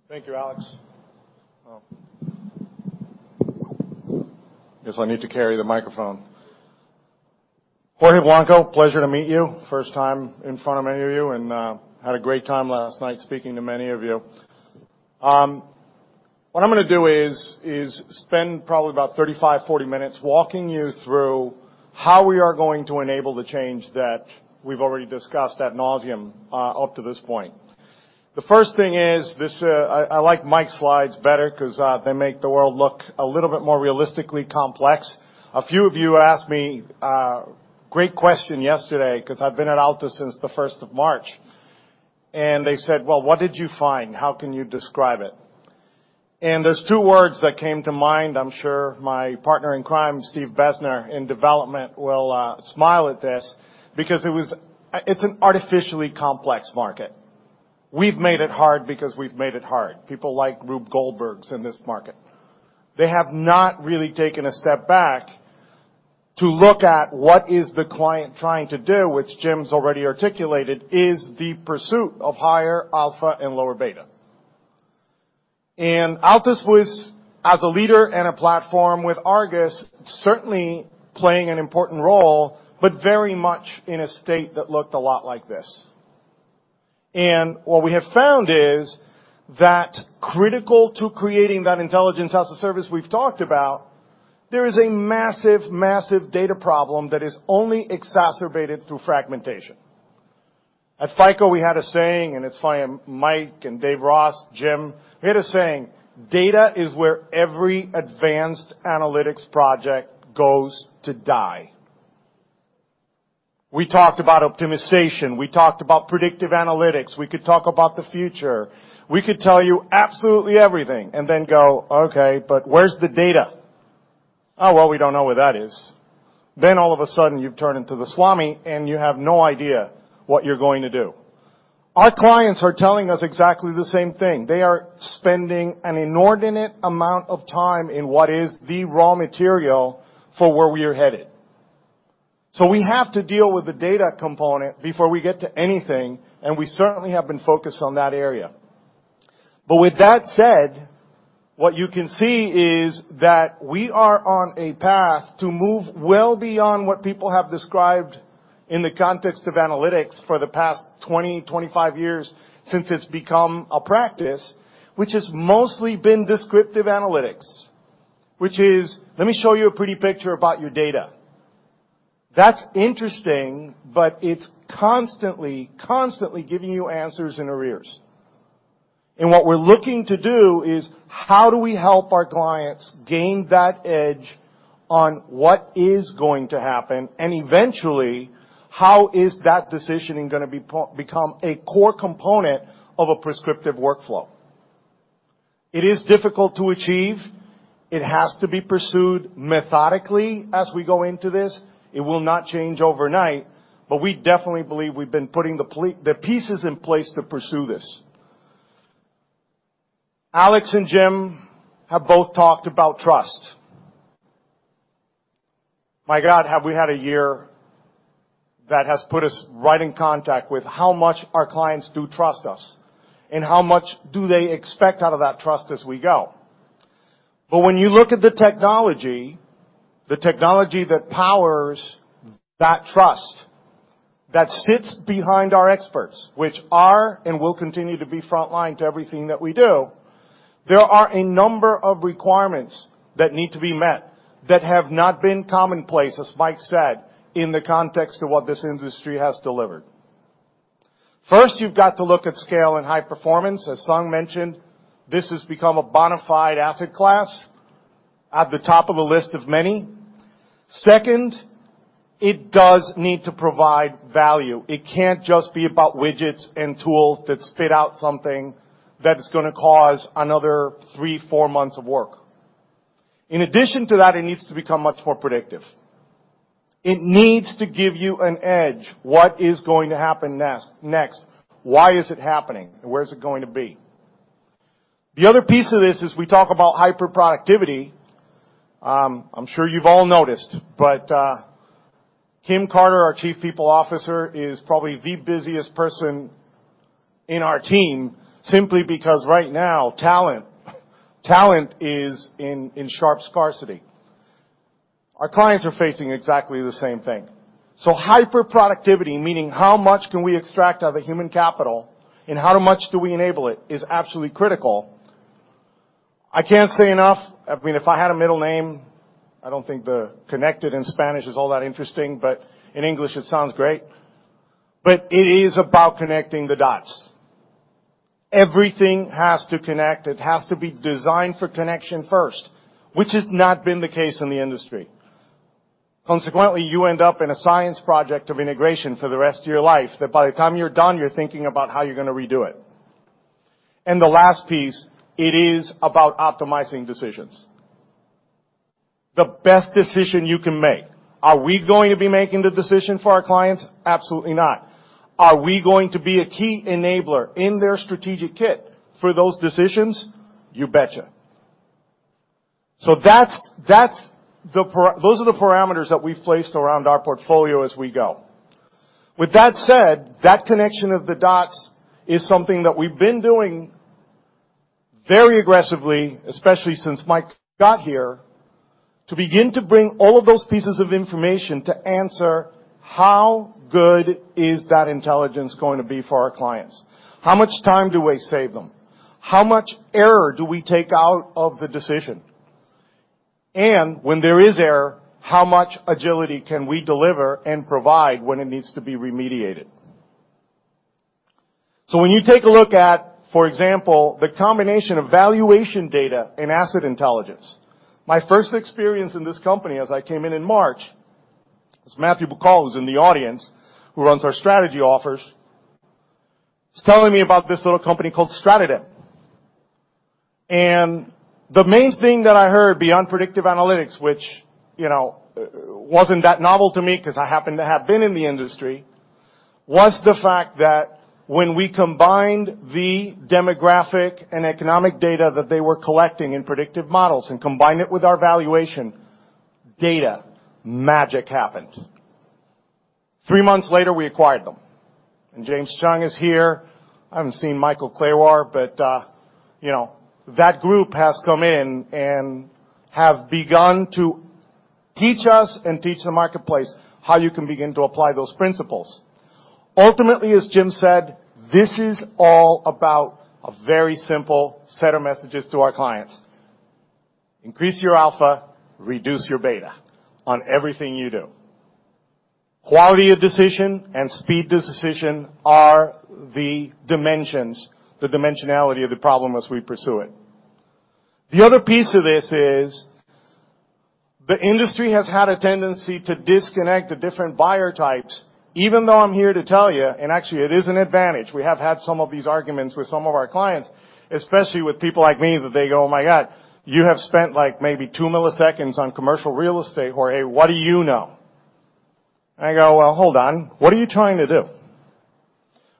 Thank you, Alex. Guess I need to carry the microphone. Jorge Blanco, pleasure to meet you. First time in front of any of you and had a great time last night speaking to many of you. What I'm gonna do is spend probably about 35, 40 minutes walking you through how we are going to enable the change that we've already discussed ad nauseam up to this point. The first thing is this. I like Mike's slides better 'cause they make the world look a little bit more realistically complex. A few of you asked me a great question yesterday, 'cause I've been at Altus since 1 March. They said, "Well, what did you find? How can you describe it?" There's two words that came to mind. I'm sure my partner in crime, Steve Bessner, in development will smile at this because it's an artificially complex market. We've made it hard because we've made it hard. People like Rube Goldberg in this market. They have not really taken a step back to look at what is the client trying to do, which Jim's already articulated is the pursuit of higher alpha and lower beta. Altus was, as a leader and a platform with ARGUS, certainly playing an important role, but very much in a state that looked a lot like this. What we have found is that critical to creating that intelligence as a service we've talked about, there is a massive data problem that is only exacerbated through fragmentation. At FICO, we had a saying, and it's funny, Mike and David Ross, Jim, "Data is where every advanced analytics project goes to die." We talked about optimization. We talked about predictive analytics. We could talk about the future. We could tell you absolutely everything and then go, "Okay, but where's the data?" "Oh, well, we don't know where that is." All of a sudden, you've turned into the Swami, and you have no idea what you're going to do. Our clients are telling us exactly the same thing. They are spending an inordinate amount of time in what is the raw material for where we are headed. We have to deal with the data component before we get to anything, and we certainly have been focused on that area. With that said, what you can see is that we are on a path to move well beyond what people have described in the context of analytics for the past 20-25 years since it's become a practice, which has mostly been descriptive analytics. Which is, let me show you a pretty picture about your data. That's interesting, but it's constantly giving you answers in arrears. What we're looking to do is, how do we help our clients gain that edge on what is going to happen? Eventually, how is that decisioning gonna be become a core component of a prescriptive workflow? It is difficult to achieve. It has to be pursued methodically as we go into this. It will not change overnight, but we definitely believe we've been putting the pieces in place to pursue this. Alex and Jim have both talked about trust. My God, have we had a year that has put us right in contact with how much our clients do trust us, and how much do they expect out of that trust as we go. When you look at the technology, the technology that powers that trust, that sits behind our experts, which are and will continue to be front line to everything that we do, there are a number of requirements that need to be met that have not been commonplace, as Mike said, in the context of what this industry has delivered. First, you've got to look at scale and high performance. As Sung mentioned, this has become a bona fide asset class at the top of a list of many. Second, it does need to provide value. It can't just be about widgets and tools that spit out something that is gonna cause another three, four months of work. In addition to that, it needs to become much more predictive. It needs to give you an edge. What is going to happen next? Why is it happening, and where is it going to be? The other piece of this is we talk about hyper-productivity. I'm sure you've all noticed, but Kim Carter, our Chief People Officer, is probably the busiest person in our team, simply because right now, talent is in sharp scarcity. Our clients are facing exactly the same thing. Hyper-productivity, meaning how much can we extract out of human capital, and how much do we enable it, is absolutely critical. I can't say enough. I mean, if I had a middle name, I don't think the connected in Spanish is all that interesting, but in English it sounds great. It is about connecting the dots. Everything has to connect. It has to be designed for connection first, which has not been the case in the industry. Consequently, you end up in a science project of integration for the rest of your life, that by the time you're done, you're thinking about how you're gonna redo it. The last piece, it is about optimizing decisions. The best decision you can make. Are we going to be making the decision for our clients? Absolutely not. Are we going to be a key enabler in their strategic kit for those decisions? You betcha. So those are the parameters that we've placed around our portfolio as we go. With that said, that connection of the dots is something that we've been doing very aggressively, especially since Mike got here, to begin to bring all of those pieces of information to answer, how good is that intelligence going to be for our clients? How much time do we save them? How much error do we take out of the decision? And when there is error, how much agility can we deliver and provide when it needs to be remediated? When you take a look at, for example, the combination of valuation data and asset intelligence, my first experience in this company as I came in in March, as Matthew Buckle, who's in the audience, who runs our strategy office, was telling me about this little company called StratoDem. The main thing that I heard beyond predictive analytics, which, you know, wasn't that novel to me 'cause I happen to have been in the industry, was the fact that when we combined the demographic and economic data that they were collecting in predictive models and combined it with our valuation data, magic happened. Three months later, we acquired them. James Chung is here. I haven't seen Michael Clawar, but, you know, that group has come in and have begun to teach us and teach the marketplace how you can begin to apply those principles. Ultimately, as Jim said, this is all about a very simple set of messages to our clients. Increase your alpha, reduce your beta on everything you do. Quality of decision and speed to decision are the dimensions, the dimensionality of the problem as we pursue it. The other piece of this is the industry has had a tendency to disconnect the different buyer types, even though I'm here to tell you, and actually it is an advantage, we have had some of these arguments with some of our clients, especially with people like me, that they go, "Oh my God, you have spent like maybe 2ms on commercial real estate, Jorge. What do you know?" I go, well, hold on. What are you trying to do?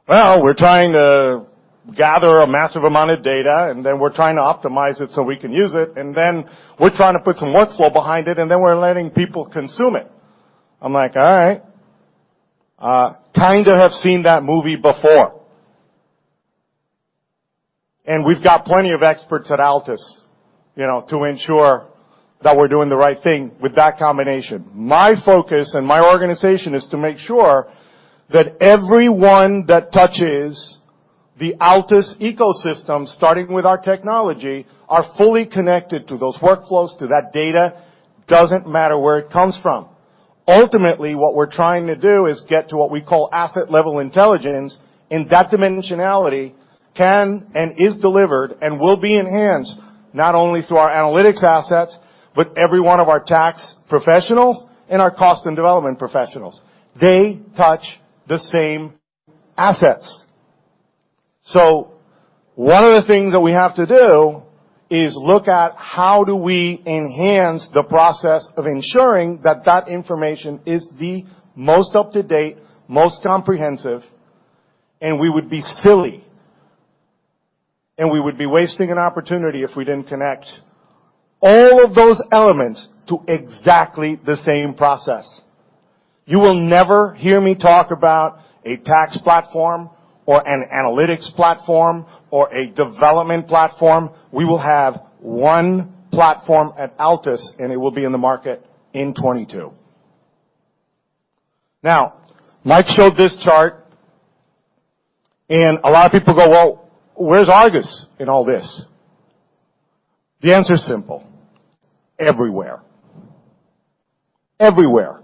Well, we're trying to gather a massive amount of data, and then we're trying to optimize it so we can use it, and then we're trying to put some workflow behind it, and then we're letting people consume it. I'm like, all right. Kind of have seen that movie before. We've got plenty of experts at Altus, you know, to ensure that we're doing the right thing with that combination. My focus and my organization is to make sure that everyone that touches the Altus ecosystem, starting with our technology, are fully connected to those workflows, to that data. Doesn't matter where it comes from. Ultimately, what we're trying to do is get to what we call asset-level intelligence, and that dimensionality can and is delivered and will be enhanced not only through our analytics assets, but every one of our tax professionals and our cost and development professionals. They touch the same assets. One of the things that we have to do is look at how do we enhance the process of ensuring that that information is the most up-to-date, most comprehensive, and we would be silly, and we would be wasting an opportunity if we didn't connect all of those elements to exactly the same process. You will never hear me talk about a tax platform or an analytics platform or a development platform. We will have one platform at Altus, and it will be in the market in 2022. Now, Mike showed this chart, and a lot of people go, "Well, where's ARGUS in all this?" The answer is simple. Everywhere. Everywhere.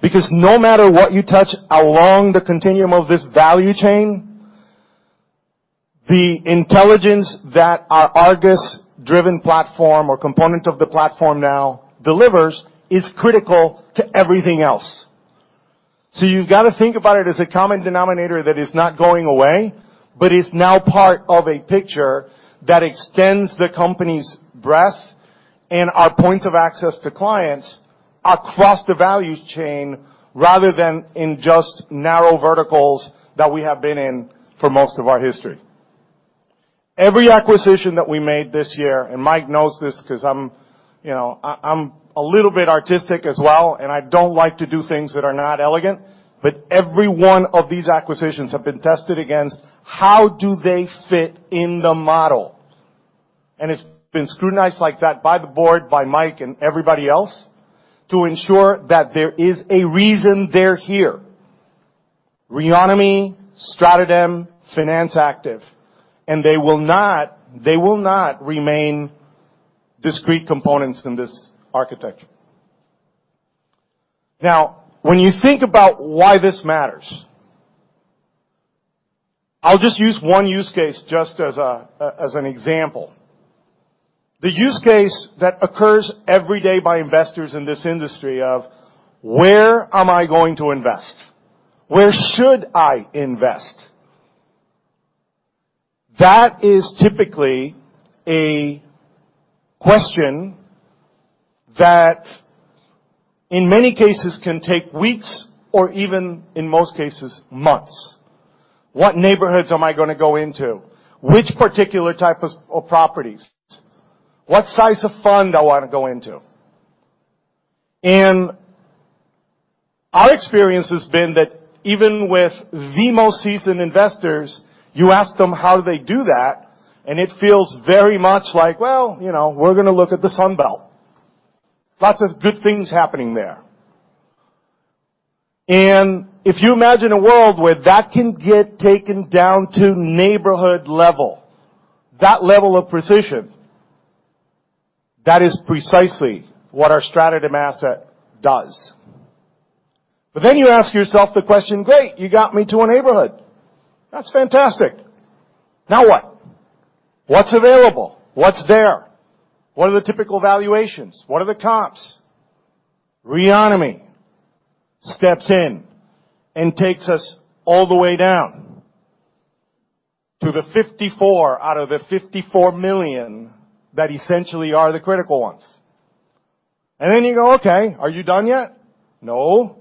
Because no matter what you touch along the continuum of this value chain, the intelligence that our ARGUS-driven platform or component of the platform now delivers is critical to everything else. You've got to think about it as a common denominator that is not going away, but is now part of a picture that extends the company's breadth and our points of access to clients across the value chain rather than in just narrow verticals that we have been in for most of our history. Every acquisition that we made this year, and Mike knows this because I'm, you know, I'm a little bit artistic as well, and I don't like to do things that are not elegant, but every one of these acquisitions have been tested against how do they fit in the model. It's been scrutinized like that by the board, by Mike, and everybody else to ensure that there is a reason they're here. Reonomy, StratoDem, Finance Active, and they will not remain discrete components in this architecture. Now, when you think about why this matters, I'll just use one use case as an example. The use case that occurs every day by investors in this industry of where am I going to invest? Where should I invest? That is typically a question that in many cases can take weeks or even in most cases, months. What neighborhoods am I going to go into? Which particular type of properties? What size of fund I want to go into? Our experience has been that even with the most seasoned investors, you ask them how they do that, and it feels very much like, well, you know, we're going to look at the Sun Belt. Lots of good things happening there. If you imagine a world where that can get taken down to neighborhood level, that level of precision, that is precisely what our StratoDem asset does. You ask yourself the question, great, you got me to a neighborhood. That's fantastic. Now what? What's available? What's there? What are the typical valuations? What are the comps? Reonomy steps in and takes us all the way down to the 54 out of the 54 million that essentially are the critical ones. You go, okay, are you done yet? No.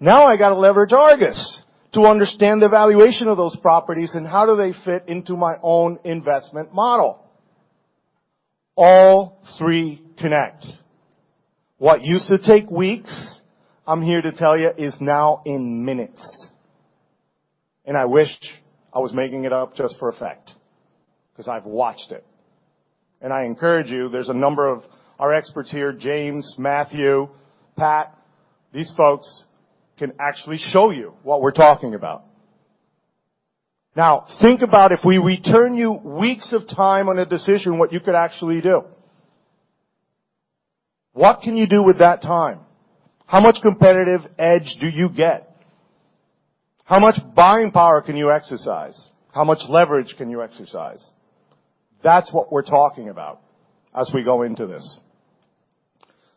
Now I got to leverage ARGUS to understand the valuation of those properties and how do they fit into my own investment model. All three connect. What used to take weeks, I'm here to tell you, is now in minutes. I wish I was making it up just for effect because I've watched it. I encourage you, there's a number of our experts here, James, Matthew, Pat, these folks can actually show you what we're talking about. Now, think about if we return you weeks of time on a decision, what you could actually do. What can you do with that time? How much competitive edge do you get? How much buying power can you exercise? How much leverage can you exercise? That's what we're talking about as we go into this.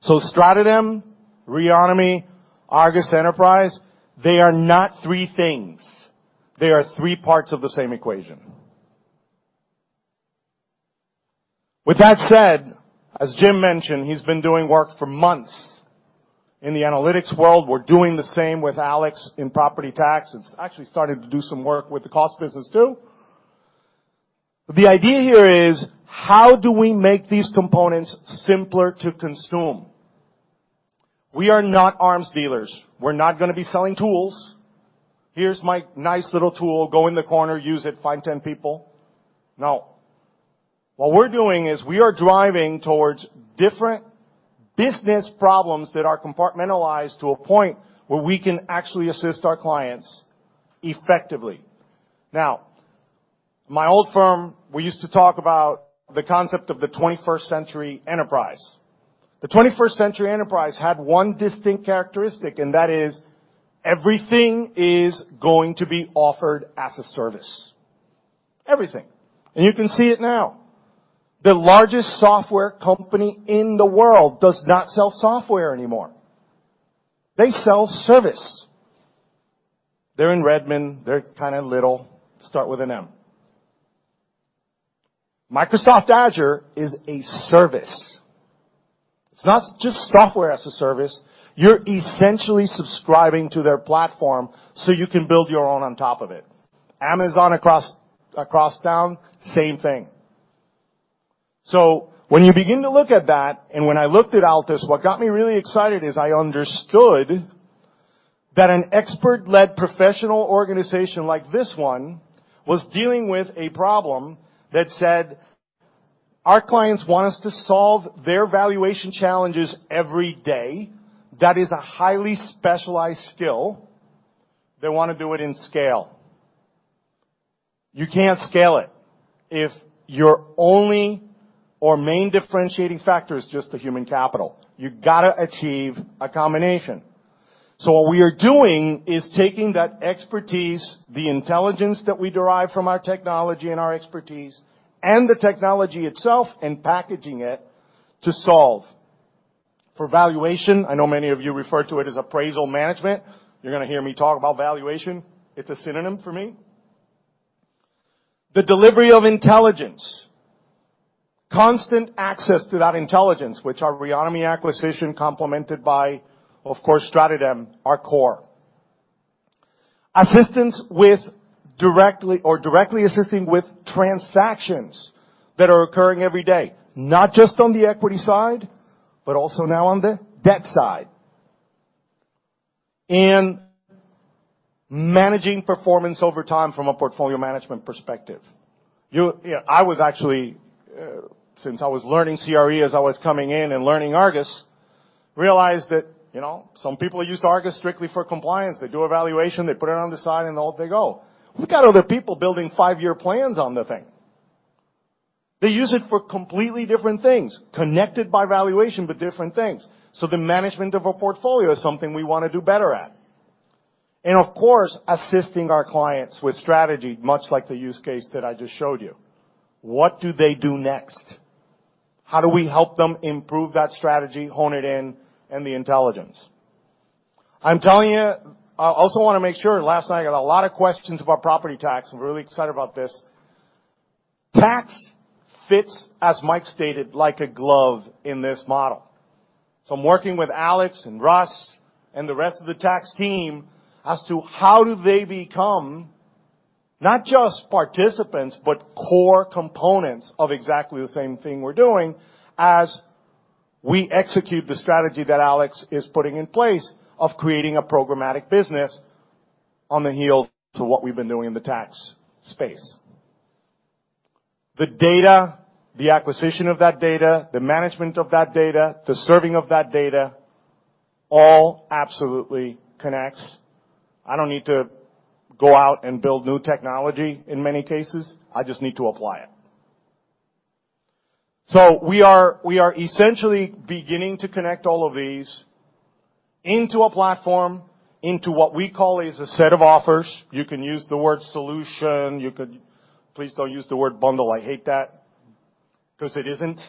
StratoDem, Reonomy, ARGUS Enterprise, they are not three things. They are three parts of the same equation. With that said, as Jim mentioned, he's been doing work for months in the analytics world. We're doing the same with Alex in property tax. It's actually starting to do some work with the COTS business too. The idea here is how do we make these components simpler to consume? We are not arms dealers. We're not gonna be selling tools. Here's my nice little tool. Go in the corner, use it, find 10 people. No. What we're doing is we are driving towards different business problems that are compartmentalized to a point where we can actually assist our clients effectively. Now, my old firm, we used to talk about the concept of the 21st century enterprise. The 21st century enterprise had one distinct characteristic, and that is everything is going to be offered as a service. Everything. You can see it now. The largest software company in the world does not sell software anymore. They sell service. They're in Redmond. They're kinda little. Start with an M. Microsoft Azure is a service. It's not just software as a service. You're essentially subscribing to their platform, so you can build your own on top of it. Amazon across town, same thing. When you begin to look at that, when I looked at Altus, what got me really excited is I understood that an expert-led professional organization like this one was dealing with a problem that said, "Our clients want us to solve their valuation challenges every day. That is a highly specialized skill. They wanna do it in scale." You can't scale it if your only or main differentiating factor is just the human capital. You gotta achieve a combination. What we are doing is taking that expertise, the intelligence that we derive from our technology and our expertise and the technology itself, and packaging it to solve. For valuation, I know many of you refer to it as appraisal management. You're gonna hear me talk about valuation. It's a synonym for me. The delivery of intelligence. Constant access to that intelligence, which our Reonomy acquisition complemented by, of course, StratoDem, our core. Directly assisting with transactions that are occurring every day, not just on the equity side, but also now on the debt side. Managing performance over time from a portfolio management perspective. Yeah, I was actually since I was learning CRE as I was coming in and learning ARGUS, realized that, you know, some people use ARGUS strictly for compliance. They do valuation, they put it on the side, and off they go. We've got other people building five-year plans on the thing. They use it for completely different things, connected by valuation, but different things. The management of a portfolio is something we wanna do better at. Of course, assisting our clients with strategy, much like the use case that I just showed you. What do they do next? How do we help them improve that strategy, hone it in, and the intelligence? I'm telling you, I also wanna make sure, last night I got a lot of questions about property tax. I'm really excited about this. Tax fits, as Mike stated, like a glove in this model. I'm working with Alex and Russ and the rest of the tax team as to how do they become not just participants, but core components of exactly the same thing we're doing as we execute the strategy that Alex is putting in place of creating a programmatic business on the heels of what we've been doing in the tax space. The data, the acquisition of that data, the management of that data, the serving of that data all absolutely connects. I don't need to go out and build new technology in many cases. I just need to apply it. We are essentially beginning to connect all of these into a platform, into what we call is a set of offers. You can use the word solution. Please don't use the word bundle. I hate that because it isn't.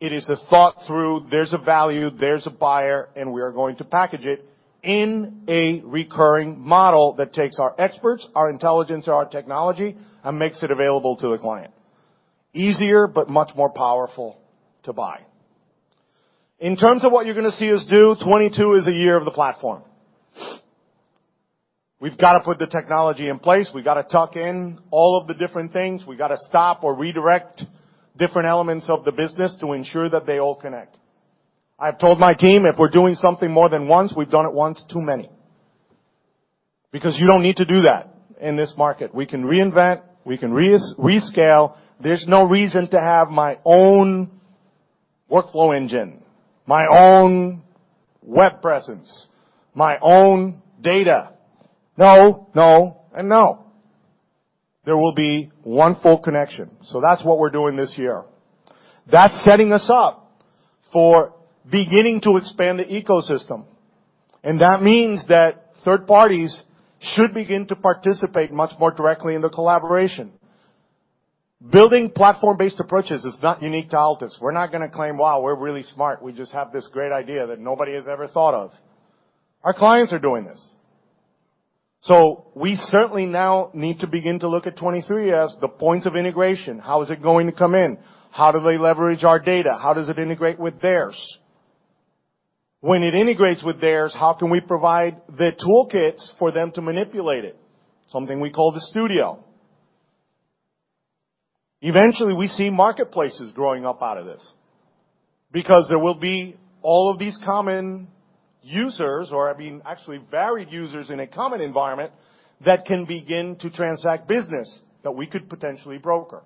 It is a thought through. There's a value, there's a buyer, and we are going to package it in a recurring model that takes our experts, our intelligence, our technology, and makes it available to a client easier, but much more powerful to buy. In terms of what you're gonna see us do, 2022 is the year of the platform. We've got to put the technology in place. We've got to tuck in all of the different things. We've got to stop or redirect different elements of the business to ensure that they all connect. I've told my team, if we're doing something more than once, we've done it once too many. Because you don't need to do that in this market. We can reinvent. We can re-rescale. There's no reason to have my own workflow engine, my own web presence, my own data. No, no, and no. There will be one full connection. That's what we're doing this year. That's setting us up for beginning to expand the ecosystem, and that means that third parties should begin to participate much more directly in the collaboration. Building platform-based approaches is not unique to Altus. We're not gonna claim, "Wow, we're really smart. We just have this great idea that nobody has ever thought of." Our clients are doing this. We certainly now need to begin to look at 2023 as the points of integration. How is it going to come in? How do they leverage our data? How does it integrate with theirs? When it integrates with theirs, how can we provide the toolkits for them to manipulate it? Something we call the Studio. Eventually, we see marketplaces growing up out of this because there will be all of these common users, or I mean, actually varied users in a common environment that can begin to transact business that we could potentially broker.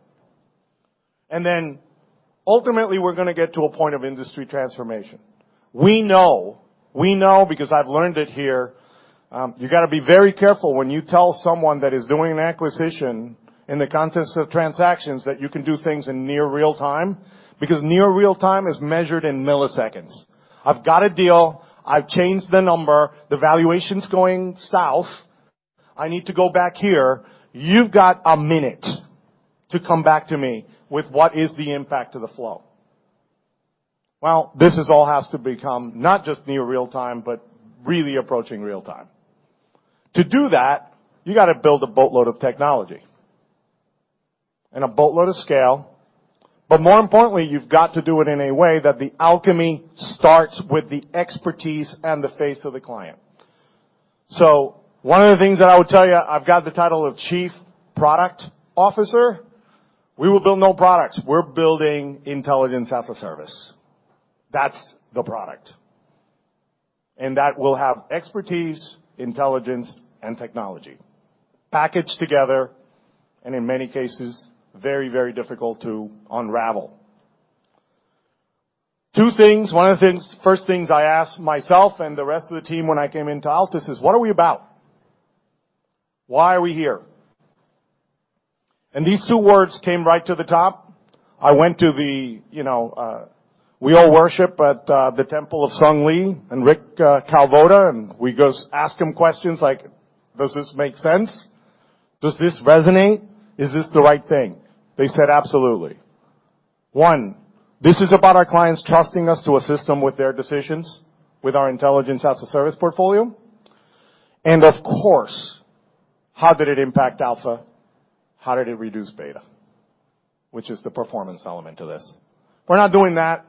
Ultimately, we're gonna get to a point of industry transformation. We know because I've learned it here, you got to be very careful when you tell someone that is doing an acquisition in the context of transactions that you can do things in near real time, because near real time is measured in milliseconds. I've got a deal. I've changed the number. The valuation's going south. I need to go back here. You've got a minute to come back to me with what is the impact to the flow. Well, this all has to become not just near real time, but really approaching real time. To do that, you got to build a boatload of technology and a boatload of scale. More importantly, you've got to do it in a way that the alchemy starts with the expertise and the face of the client. One of the things that I would tell you, I've got the title of Chief Product Officer. We will build no products. We're building intelligence as a service. That's the product. And that will have expertise, intelligence, and technology packaged together, and in many cases, very, very difficult to unravel. Two things. One of the first things I asked myself and the rest of the team when I came into Altus is, what are we about? Why are we here? And these two words came right to the top. I went to the, you know, we all worship at the temple of Sung Lee and Rick Kalvoda, and we go ask them questions like, "Does this make sense? Does this resonate? Is this the right thing?" They said, "Absolutely." One, this is about our clients trusting us to assist them with their decisions with our intelligence as a service portfolio. Of course, how did it impact alpha? How did it reduce beta? Which is the performance element to this. If we're not doing that,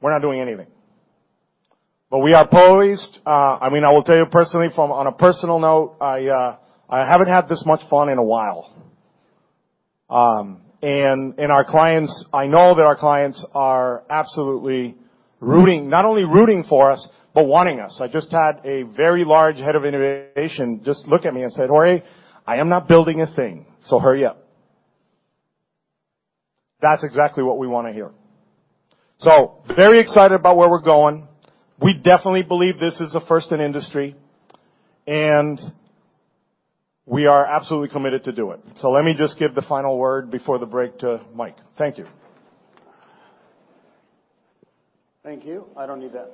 we're not doing anything. We are poised. I mean, I will tell you personally on a personal note, I haven't had this much fun in a while. And our clients, I know that our clients are absolutely rooting, not only rooting for us, but wanting us. I just had a very large head of innovation just look at me and said, "Jorge, I am not building a thing, so hurry up." That's exactly what we wanna hear. Very excited about where we're going. We definitely believe this is a first in industry, and we are absolutely committed to do it. Let me just give the final word before the break to Mike. Thank you. Thank you. I don't need that.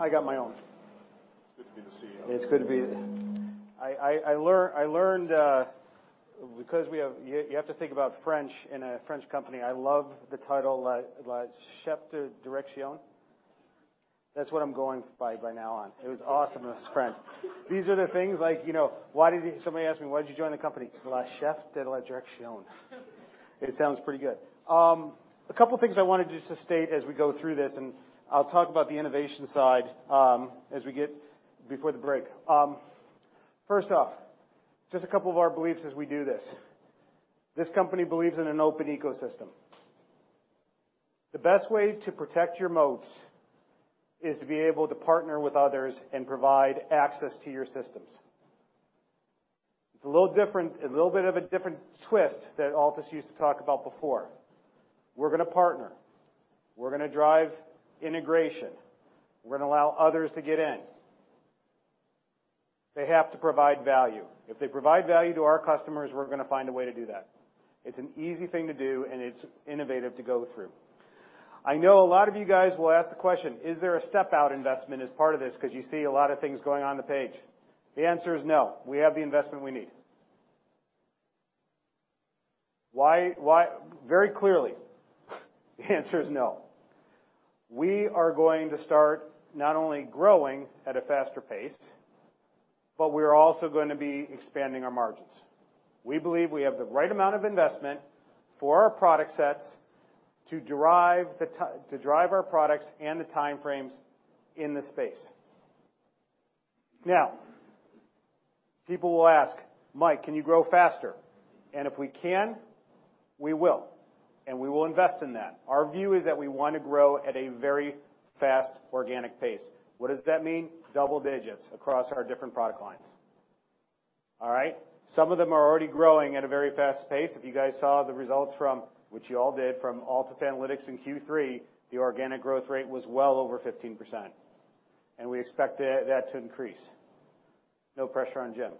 I got my own. It's good to be the CEO. It's good to be. I learned because you have to think about French in a French company. I love the title, le chef de la direction. That's what I'm going by from now on. It was awesome in French. These are the things like why did you join the company. Somebody asked me, "Why did you join the company?" Le chef de la direction. It sounds pretty good. A couple of things I wanted to just state as we go through this, and I'll talk about the innovation side as we go before the break. First off, just a couple of our beliefs as we do this. This company believes in an open ecosystem. The best way to protect your moats is to be able to partner with others and provide access to your systems. It's a little different, a little bit of a different twist that Altus used to talk about before. We're gonna partner. We're gonna drive integration. We're gonna allow others to get in. They have to provide value. If they provide value to our customers, we're gonna find a way to do that. It's an easy thing to do, and it's innovative to go through. I know a lot of you guys will ask the question, is there a step-out investment as part of this because you see a lot of things going on the page? The answer is no. We have the investment we need. Very clearly, the answer is no. We are going to start not only growing at a faster pace, but we are also gonna be expanding our margins. We believe we have the right amount of investment for our product sets to drive our products and the time frames in the space. Now, people will ask, "Mike, can you grow faster?" If we can, we will, and we will invest in that. Our view is that we want to grow at a very fast organic pace. What does that mean? Double digits across our different product lines. All right? Some of them are already growing at a very fast pace. If you guys saw the results from Altus Analytics, which you all did, the organic growth rate was well over 15%, and we expect that to increase. No pressure on Jim.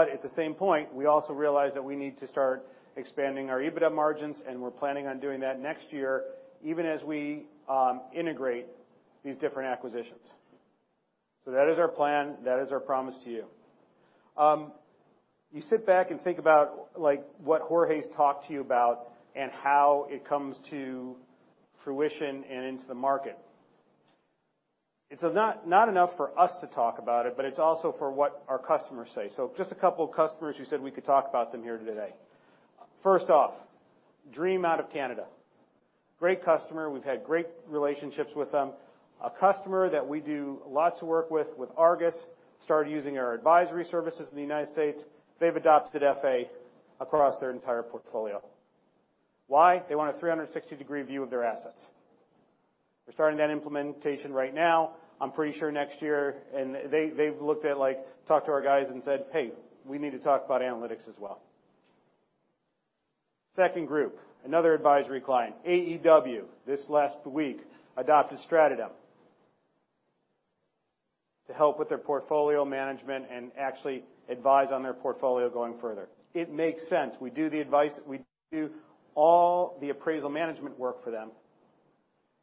At the same point, we also realize that we need to start expanding our EBITDA margins, and we're planning on doing that next year, even as we integrate these different acquisitions. That is our plan. That is our promise to you. You sit back and think about, like, what Jorge's talked to you about and how it comes to fruition and into the market. It's not enough for us to talk about it, but it's also for what our customers say. Just a couple of customers who said we could talk about them here today. First off, Dream out of Canada. Great customer. We've had great relationships with them. A customer that we do lots of work with ARGUS, started using our advisory services in the United States. They've adopted FA across their entire portfolio. Why? They want a 360-degree view of their assets. We're starting that implementation right now. I'm pretty sure next year and they've looked at, like, talked to our guys and said, "Hey, we need to talk about analytics as well." Second group, another advisory client, AEW, this last week, adopted StratoDem to help with their portfolio management and actually advise on their portfolio going further. It makes sense. We do the advice. We do all the appraisal management work for them.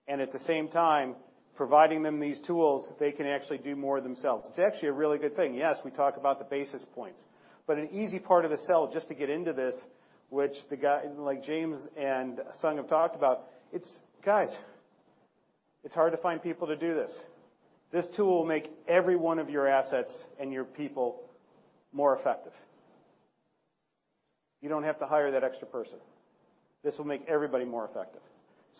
At the same time, providing them these tools, they can actually do more themselves. It's actually a really good thing. Yes, we talk about the basis points, but an easy part of the sell just to get into this, which guys like James and Sung have talked about, it's, guys, it's hard to find people to do this. This tool will make every one of your assets and your people more effective. You don't have to hire that extra person. This will make everybody more effective.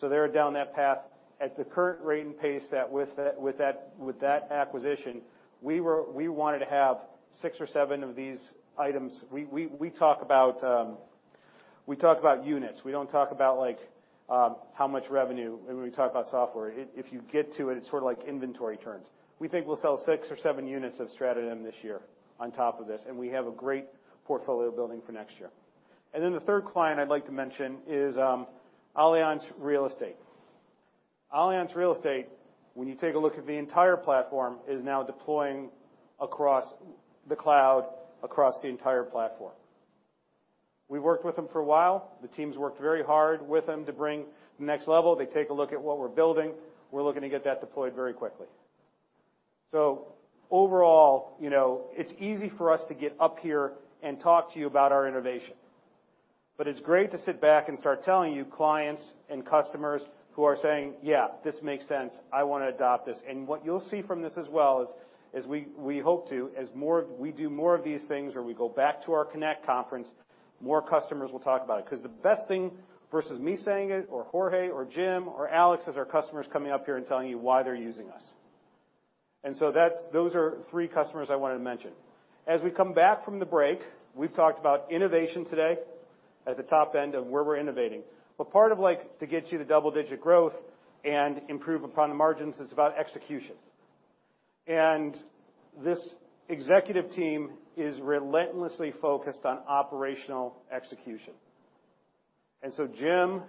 They're down that path. At the current rate and pace that with that acquisition, we wanted to have six or seven of these items. We talk about units. We don't talk about how much revenue when we talk about software. If you get to it's sort of like inventory turns. We think we'll sell six or seven units of StratoDem this year on top of this, and we have a great portfolio building for next year. Then the third client I'd like to mention is Allianz Real Estate. Allianz Real Estate, when you take a look at the entire platform, is now deploying across the cloud across the entire platform. We worked with them for a while. The teams worked very hard with them to bring the next level. They take a look at what we're building. We're looking to get that deployed very quickly. So overall, you know, it's easy for us to get up here and talk to you about our innovation. But it's great to sit back and start telling you clients and customers who are saying, "Yeah, this makes sense. I wanna adopt this." What you'll see from this as well is we hope as we do more of these things or we go back to our Connect conference, more customers will talk about it. Because the best thing versus me saying it or Jorge or Jim or Alex is our customers coming up here and telling you why they're using us. That's, those are three customers I wanted to mention. As we come back from the break, we've talked about innovation today at the top end of where we're innovating. Part of, like, to get to the double-digit growth and improve upon the margins is about execution. This executive team is relentlessly focused on operational execution. Jim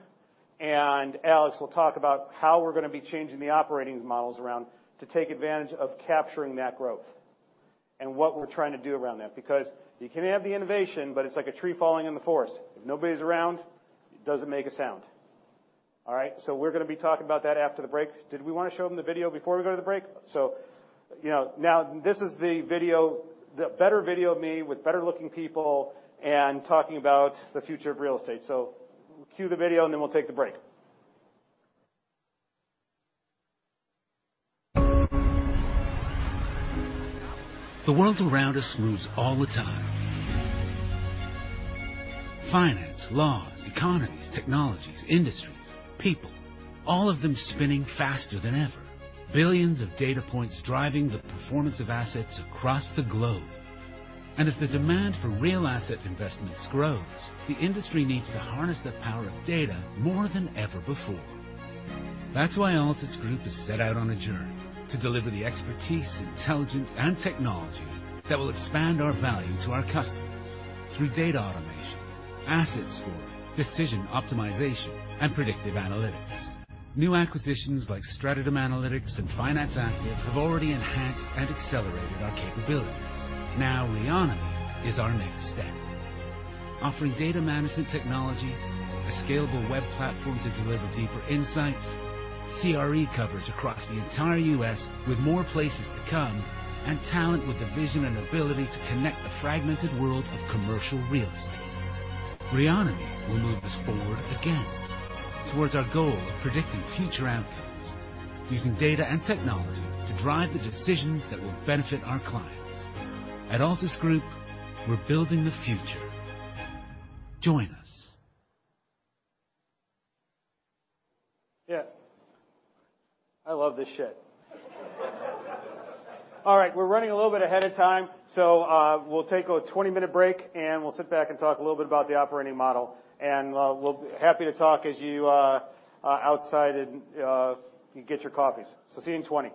and Alex will talk about how we're gonna be changing the operating models around to take advantage of capturing that growth and what we're trying to do around that. Because you can have the innovation, but it's like a tree falling in the forest. If nobody's around, it doesn't make a sound. All right? We're gonna be talking about that after the break. Did we wanna show them the video before we go to the break? You know, now this is the video, the better video of me with better-looking people and talking about the future of real estate. Cue the video, and then we'll take the break. The world around us moves all the time. Finance, laws, economies, technologies, industries, people, all of them spinning faster than ever. Billions of data points driving the performance of assets across the globe. As the demand for real asset investments grows, the industry needs to harness the power of data more than ever before. That's why Altus Group has set out on a journey to deliver the expertise, intelligence, and technology that will expand our value to our customers through data automation, asset scoring, decision optimization, and predictive analytics. New acquisitions like StratoDem Analytics and Finance Active have already enhanced and accelerated our capabilities. Now Reonomy is our next step, offering data management technology, a scalable web platform to deliver deeper insights, CRE coverage across the entire U.S. with more places to come, and talent with the vision and ability to connect the fragmented world of commercial real estate. Reonomy will move us forward again towards our goal of predicting future outcomes using data and technology to drive the decisions that will benefit our clients. At Altus Group, we're building the future. Join us. Yeah. I love this. All right, we're running a little bit ahead of time, so we'll take a 20-minute break, and we'll sit back and talk a little bit about the operating model. We'll be happy to talk to you outside while you get your coffees. See you in 20.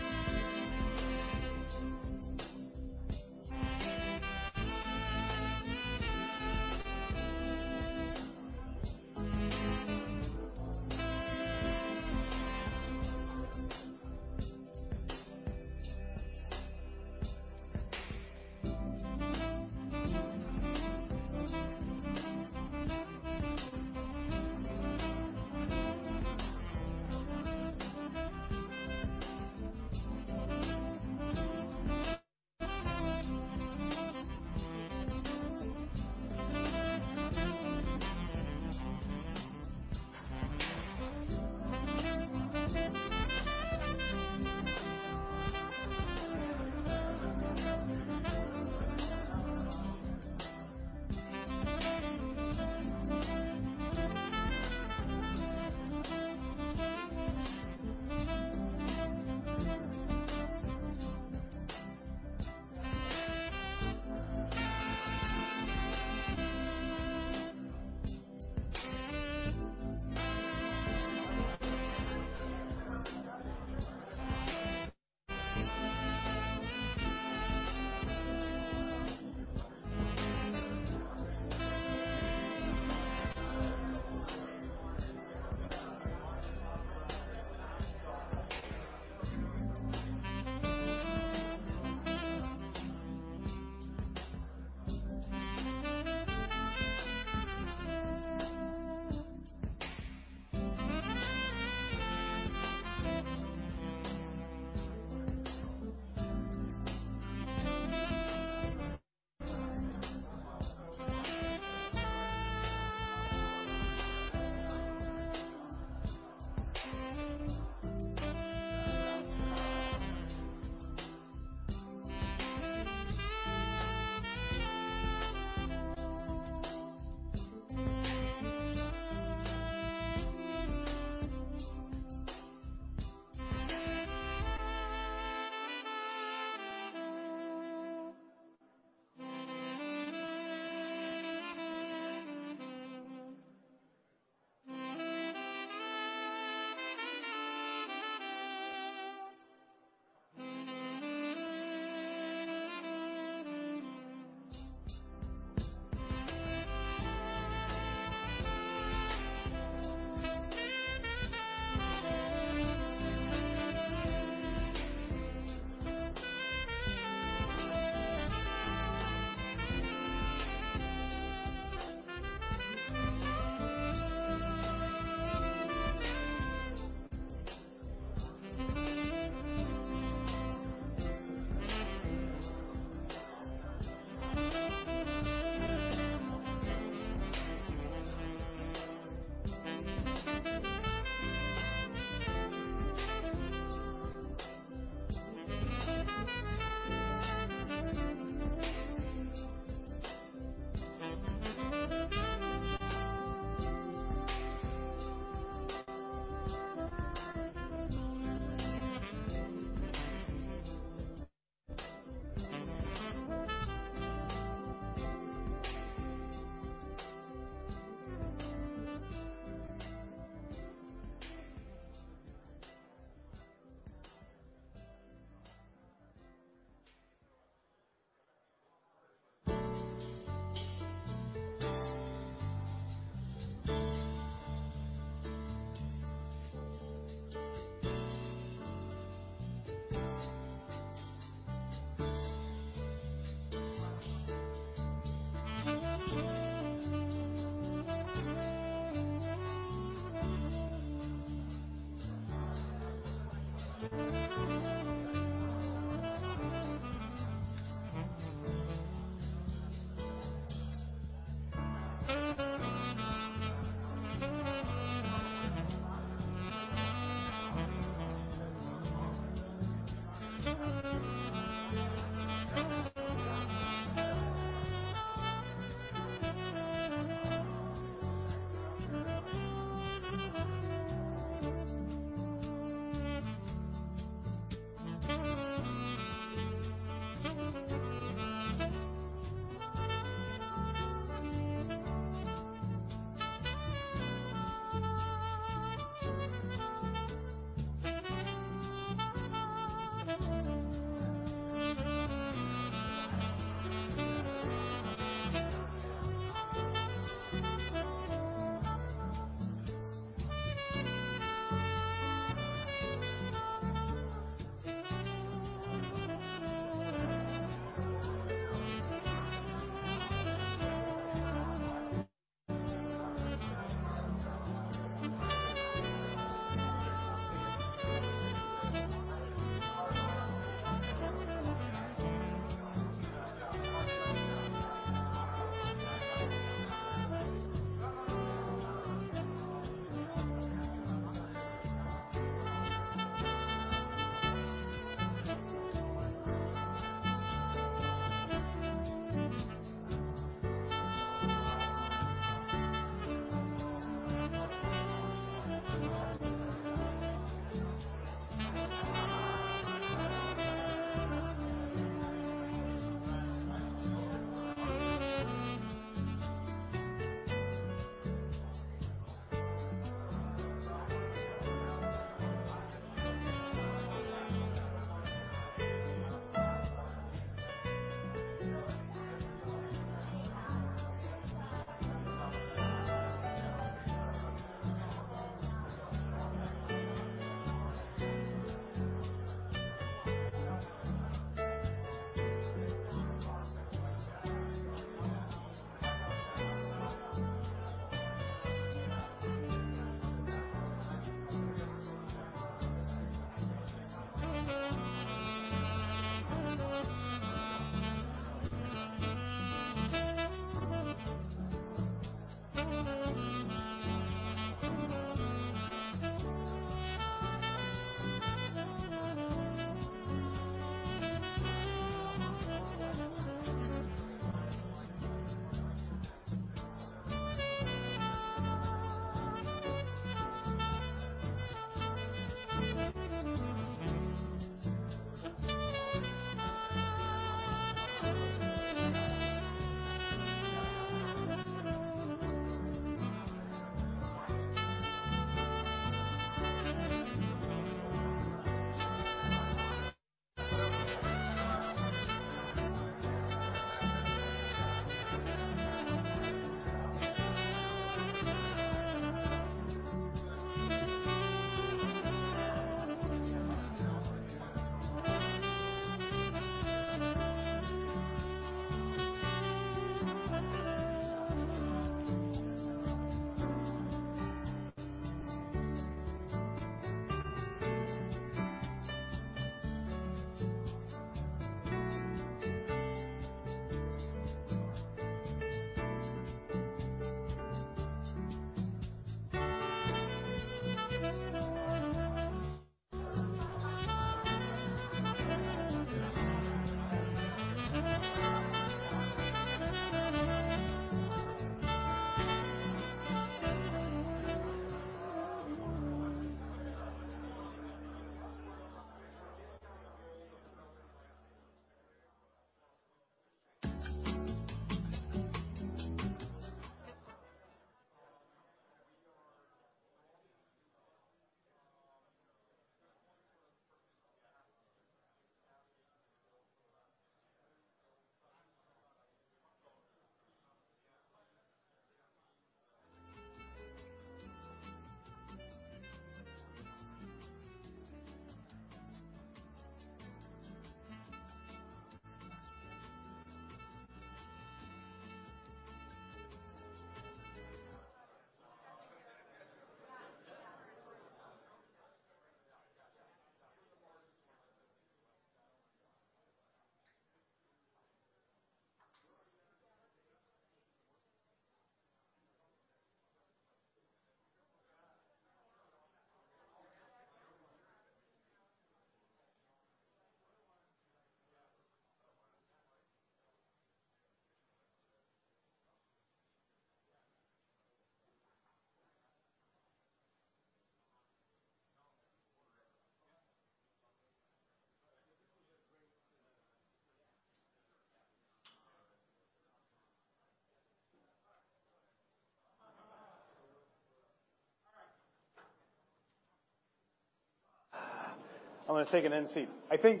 I'm gonna take an end seat. I think.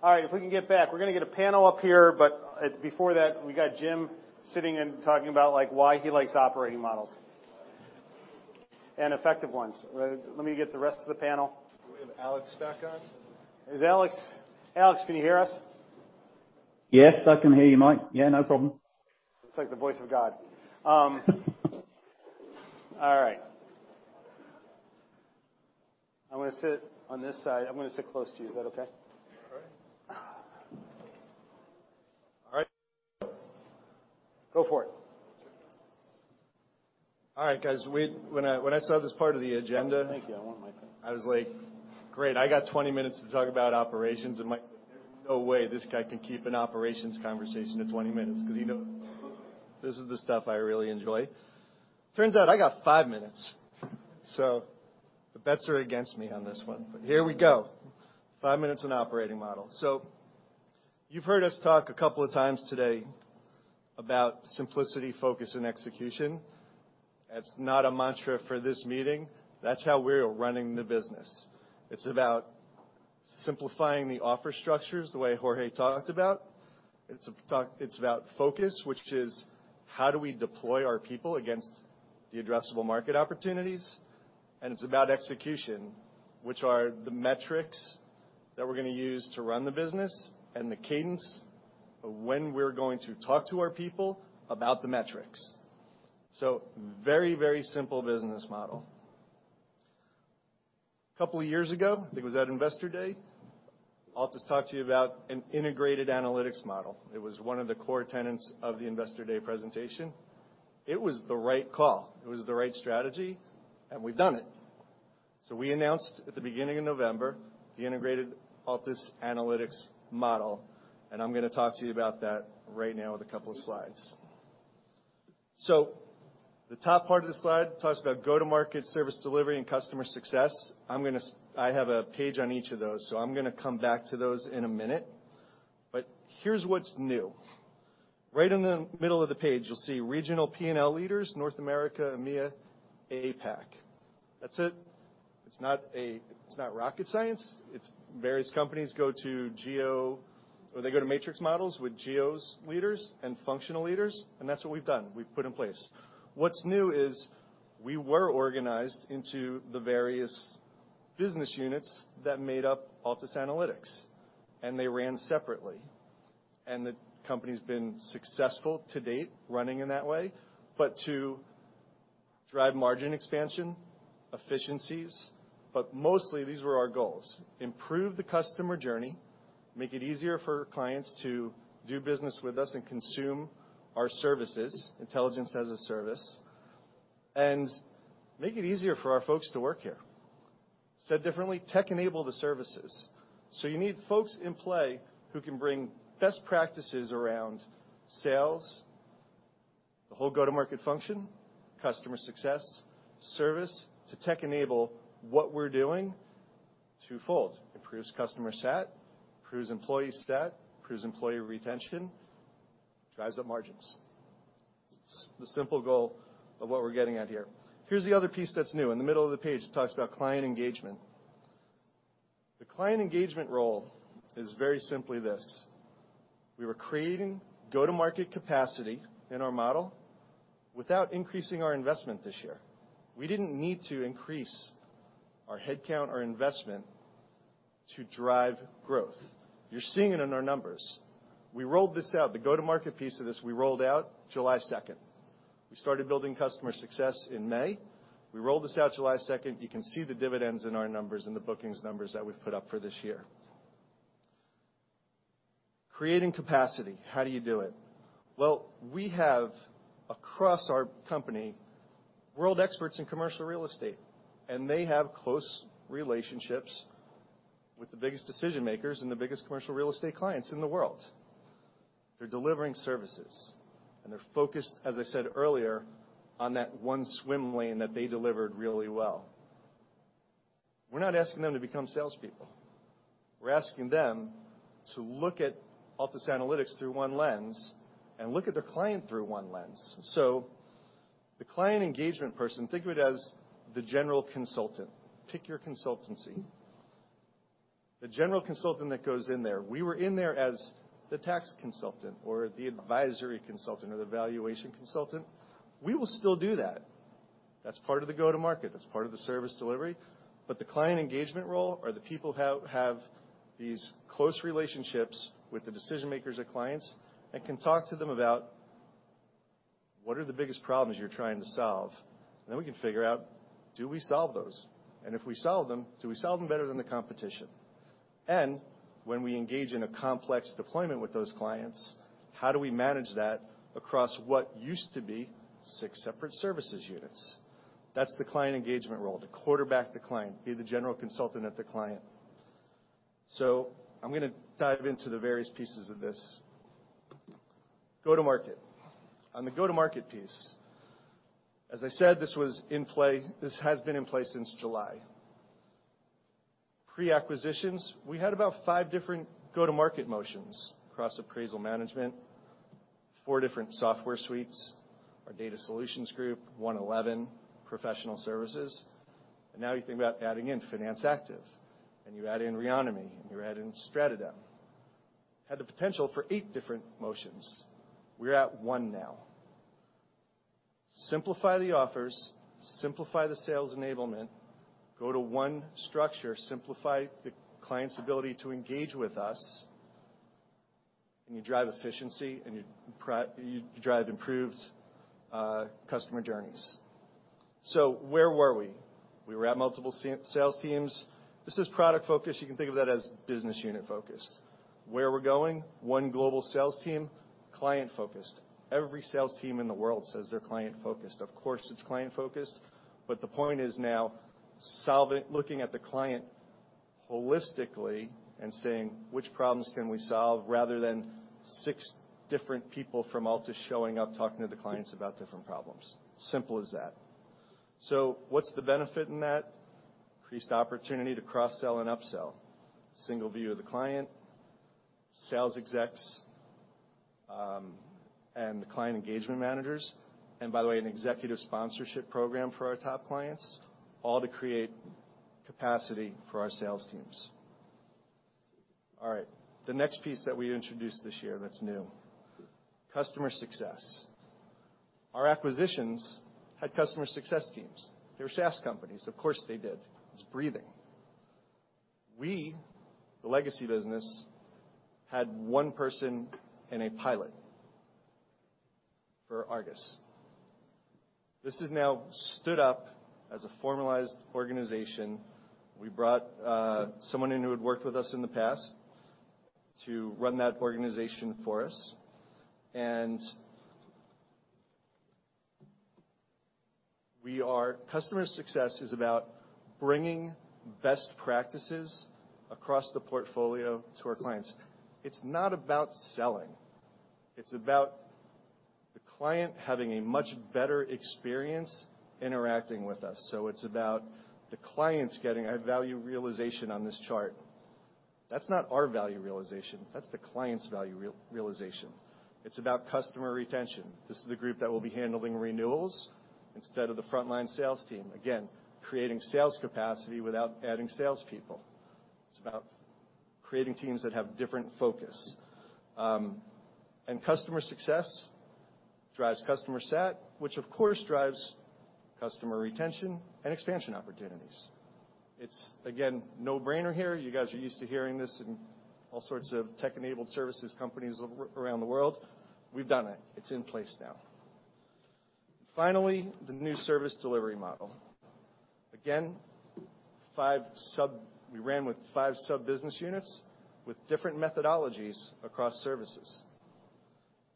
All right, if we can get back, we're gonna get a panel up here, but before that, we got Jim sitting and talking about, like, why he likes operating models. Effective ones. Let me get the rest of the panel. We have Alex back on. Alex, can you hear us? Yes, I can hear you, Mike. Yeah, no problem. It's like the voice of God. All right. I'm gonna sit on this side. I'm gonna sit close to you. Is that okay? All right. All right. Go for it. All right, guys, when I saw this part of the agenda. Oh, thank you. I want a microphone. I was like, "Great, I got 20 minutes to talk about operations, there's no way this guy can keep an operations conversation to 20 minutes 'cause he knows this is the stuff I really enjoy." Turns out I got five minutes, so the bets are against me on this one. Here we go. Five minutes on operating models. You've heard us talk a couple of times today about simplicity, focus, and execution. That's not a mantra for this meeting. That's how we are running the business. It's about simplifying the offer structures the way Jorge talked about. It's about focus, which is how do we deploy our people against the addressable market opportunities? It's about execution, which are the metrics that we're gonna use to run the business and the cadence of when we're going to talk to our people about the metrics. Very, very simple business model. Couple years ago, I think it was at Investor Day, Altus talked to you about an integrated analytics model. It was one of the core tenets of the Investor Day presentation. It was the right call, it was the right strategy, and we've done it. We announced at the beginning of November, the integrated Altus Analytics model, and I'm gonna talk to you about that right now with a couple of slides. The top part of the slide talks about go-to-market, service delivery, and customer success. I have a page on each of those, so I'm gonna come back to those in a minute. Here's what's new. Right in the middle of the page, you'll see regional P&L leaders, North America, EMEA, APAC. That's it. It's not rocket science. It's various companies go to geo, or they go to matrix models with geos leaders and functional leaders, and that's what we've done. We've put in place. What's new is we were organized into the various business units that made up Altus Analytics, and they ran separately. The company's been successful to date running in that way. To drive margin expansion, efficiencies, but mostly these were our goals: improve the customer journey, make it easier for clients to do business with us and consume our services, intelligence as a service, and make it easier for our folks to work here. Said differently, tech enable the services. You need folks in play who can bring best practices around sales, the whole go-to-market function, customer success, service, to tech enable what we're doing. Twofold. Improves customer sat, improves employee stat, improves employee retention, drives up margins. It's the simple goal of what we're getting at here. Here's the other piece that's new. In the middle of the page, it talks about client engagement. The client engagement role is very simply this. We were creating go-to-market capacity in our model without increasing our investment this year. We didn't need to increase our head count or investment to drive growth. You're seeing it in our numbers. We rolled this out. The go-to-market piece of this, we rolled out 2 July. We started building customer success in May. We rolled this out 2 July. You can see the dividends in our numbers and the bookings numbers that we've put up for this year. Creating capacity. How do you do it? Well, we have, across our company, world experts in commercial real estate, and they have close relationships with the biggest decision-makers and the biggest commercial real estate clients in the world. They're delivering services, and they're focused, as I said earlier, on that one swim lane that they delivered really well. We're not asking them to become salespeople. We're asking them to look at Altus Analytics through one lens and look at the client through one lens. The client engagement person, think of it as the general consultant. Pick your consultancy. The general consultant that goes in there. We were in there as the tax consultant or the advisory consultant or the valuation consultant. We will still do that. That's part of the go-to-market. That's part of the service delivery. The client engagement role are the people have these close relationships with the decision makers or clients and can talk to them about what are the biggest problems you're trying to solve. Then we can figure out, do we solve those? If we solve them, do we solve them better than the competition? When we engage in a complex deployment with those clients, how do we manage that across what used to be six separate services units? That's the client engagement role, to quarterback the client, be the general consultant at the client. I'm gonna dive into the various pieces of this. Go-to-market. On the go-to-market piece, as I said, this was in play this has been in play since July. Pre-acquisitions, we had about five different go-to-market motions across appraisal management, four different software suites, our data solutions group, one eleven professional services. Now you think about adding in Finance Active, and you add in Reonomy, and you add in StratoDem. Had the potential for eight different motions. We're at one now. Simplify the offers, simplify the sales enablement, go to one structure, simplify the client's ability to engage with us, and you drive efficiency and you drive improved customer journeys. Where were we? We were at multiple sales teams. This is product-focused. You can think of that as business unit-focused. Where we're going, one global sales team, client-focused. Every sales team in the world says they're client-focused. Of course, it's client-focused, but the point is now looking at the client holistically and saying which problems can we solve rather than six different people from Altus showing up talking to the clients about different problems. Simple as that. What's the benefit in that? Increased opportunity to cross-sell and upsell. Single view of the client. Sales execs and the client engagement managers. By the way, an executive sponsorship program for our top clients, all to create capacity for our sales teams. All right. The next piece that we introduced this year that's new, customer success. Our acquisitions had customer success teams. They were SaaS companies. Of course, they did. It's breathing. We, the legacy business, had one person in a pilot for ARGUS. This is now stood up as a formalized organization. We brought someone in who had worked with us in the past to run that organization for us. Customer success is about bringing best practices across the portfolio to our clients. It's not about selling. It's about the client having a much better experience interacting with us. It's about the clients getting a value realization on this chart. That's not our value realization. That's the client's value realization. It's about customer retention. This is the group that will be handling renewals instead of the frontline sales team. Again, creating sales capacity without adding salespeople. It's about creating teams that have different focus. Customer success drives customer sat, which of course drives customer retention and expansion opportunities. It's again no-brainer here. You guys are used to hearing this in all sorts of tech-enabled services companies around the world. We've done it. It's in place now. Finally, the new service delivery model. We ran with five sub business units with different methodologies across services.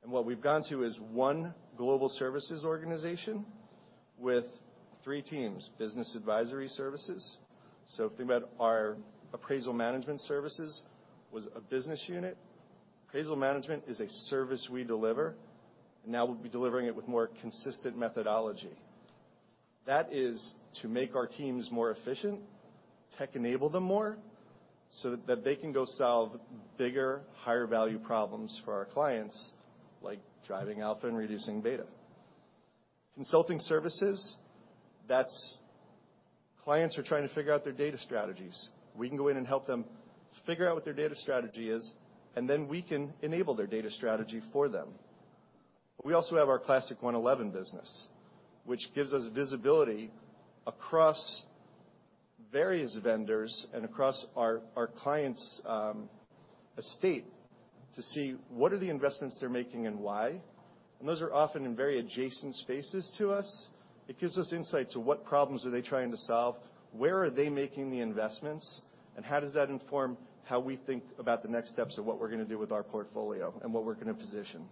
What we've gone to is one global services organization with three teams, business advisory services. If you think about our appraisal management services was a business unit. Appraisal management is a service we deliver. Now we'll be delivering it with more consistent methodology. That is to make our teams more efficient, tech enable them more, so that they can go solve bigger, higher value problems for our clients, like driving alpha and reducing beta. Consulting services, that's clients are trying to figure out their data strategies. We can go in and help them figure out what their data strategy is, and then we can enable their data strategy for them. But we also have our classic one eleven business, which gives us visibility across various vendors and across our clients estate to see what are the investments they're making and why. Those are often in very adjacent spaces to us. It gives us insight to what problems are they trying to solve, where are they making the investments, and how does that inform how we think about the next steps of what we're gonna do with our portfolio and what we're gonna position.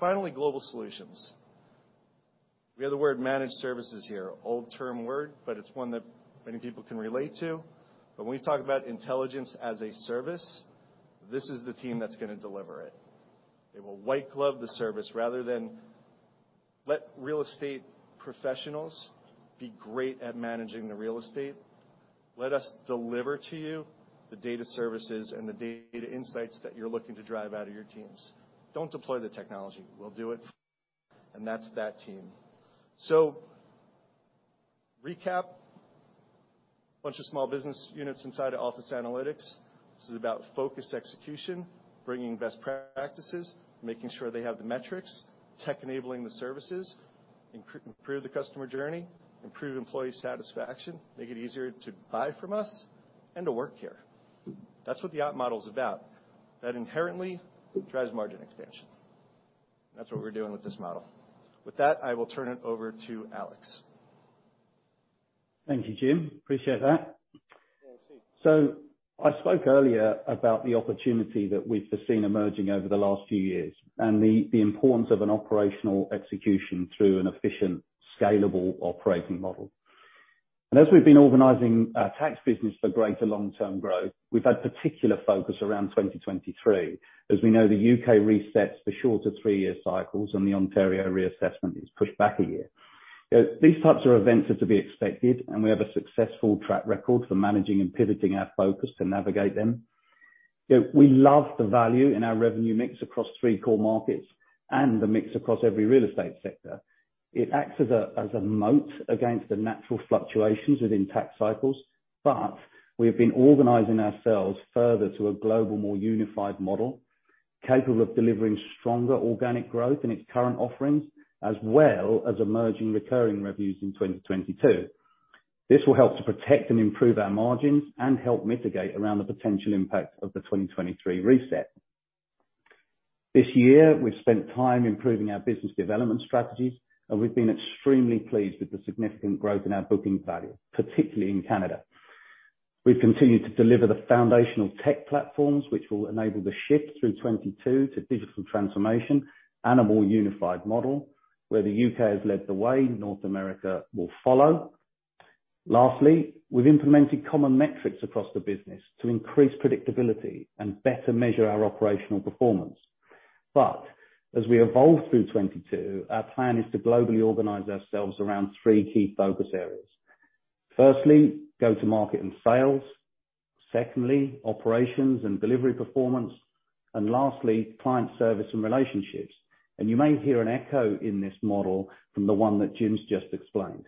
Finally, global solutions. We have the word managed services here. Old term word, but it's one that many people can relate to. When we talk about intelligence as a service, this is the team that's gonna deliver it. They will white glove the service rather than let real estate professionals be great at managing the real estate. Let us deliver to you the data services and the data insights that you're looking to drive out of your teams. Don't deploy the technology. We'll do it, and that's that team. Recap. Bunch of small business units inside of Altus Analytics. This is about focused execution, bringing best practices, making sure they have the metrics, tech enabling the services, improve the customer journey, improve employee satisfaction, make it easier to buy from us and to work here. That's what the OPT model is about. That inherently drives margin expansion. That's what we're doing with this model. With that, I will turn it over to Alex. Thank you, Jim. I appreciate that. Yeah. I spoke earlier about the opportunity that we've seen emerging over the last few years and the importance of an operational execution through an efficient, scalable operating model. As we've been organizing our tax business for greater long-term growth, we've had particular focus around 2023, as we know the U.K. resets for shorter three-year cycles and the Ontario reassessment is pushed back a year. You know, these types of events are to be expected, and we have a successful track record for managing and pivoting our focus to navigate them. You know, we love the value in our revenue mix across three core markets and the mix across every real estate sector. It acts as a moat against the natural fluctuations within tax cycles. We have been organizing ourselves further to a global, more unified model, capable of delivering stronger organic growth in its current offerings, as well as emerging recurring revenues in 2022. This will help to protect and improve our margins and help mitigate around the potential impact of the 2023 reset. This year, we've spent time improving our business development strategies, and we've been extremely pleased with the significant growth in our booking value, particularly in Canada. We've continued to deliver the foundational tech platforms, which will enable the shift through 2022 to digital transformation and a more unified model where the U.K. has led the way, North America will follow. Lastly, we've implemented common metrics across the business to increase predictability and better measure our operational performance. As we evolve through 2022, our plan is to globally organize ourselves around three key focus areas. Firstly, go-to-market and sales. Secondly, operations and delivery performance. Lastly, client service and relationships. You may hear an echo in this model from the one that Jim's just explained.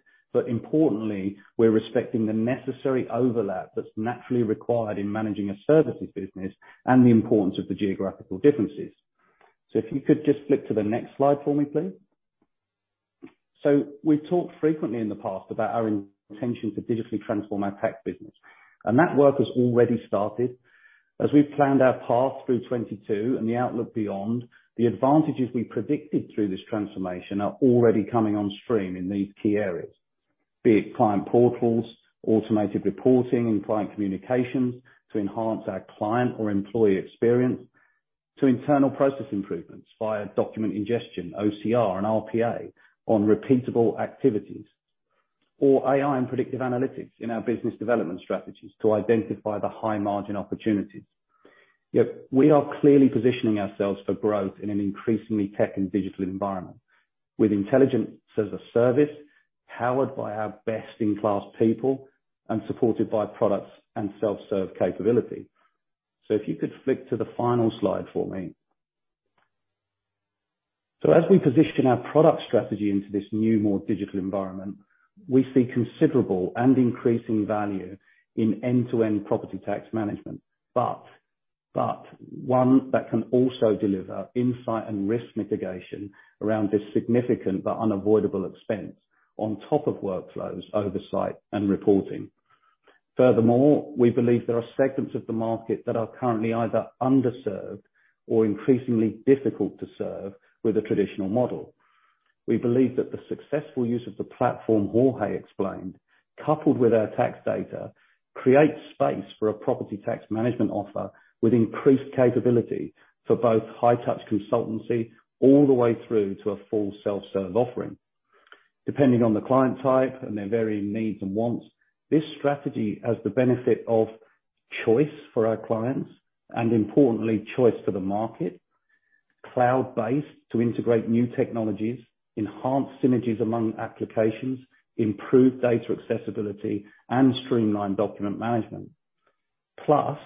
Importantly, we're respecting the necessary overlap that's naturally required in managing a services business and the importance of the geographical differences. If you could just flip to the next slide for me, please. We've talked frequently in the past about our intention to digitally transform our tech business, and that work has already started. As we've planned our path through 2022 and the outlook beyond, the advantages we predicted through this transformation are already coming on stream in these key areas. Be it client portals, automated reporting and client communications to enhance our client or employee experience, to internal process improvements via document ingestion, OCR and RPA on repeatable activities, or AI and predictive analytics in our business development strategies to identify the high-margin opportunities. We are clearly positioning ourselves for growth in an increasingly tech and digital environment with intelligence as a service, powered by our best-in-class people and supported by products and self-serve capability. If you could flick to the final slide for me. As we position our product strategy into this new, more digital environment, we see considerable and increasing value in end-to-end property tax management, one that can also deliver insight and risk mitigation around this significant but unavoidable expense on top of workflows, oversight, and reporting. Furthermore, we believe there are segments of the market that are currently either underserved or increasingly difficult to serve with a traditional model. We believe that the successful use of the platform Jorge explained, coupled with our tax data, creates space for a property tax management offer with increased capability for both high-touch consultancy all the way through to a full self-serve offering. Depending on the client type and their varying needs and wants, this strategy has the benefit of choice for our clients, and importantly, choice for the market. Cloud-based to integrate new technologies, enhance synergies among applications, improve data accessibility, and streamline document management. Plus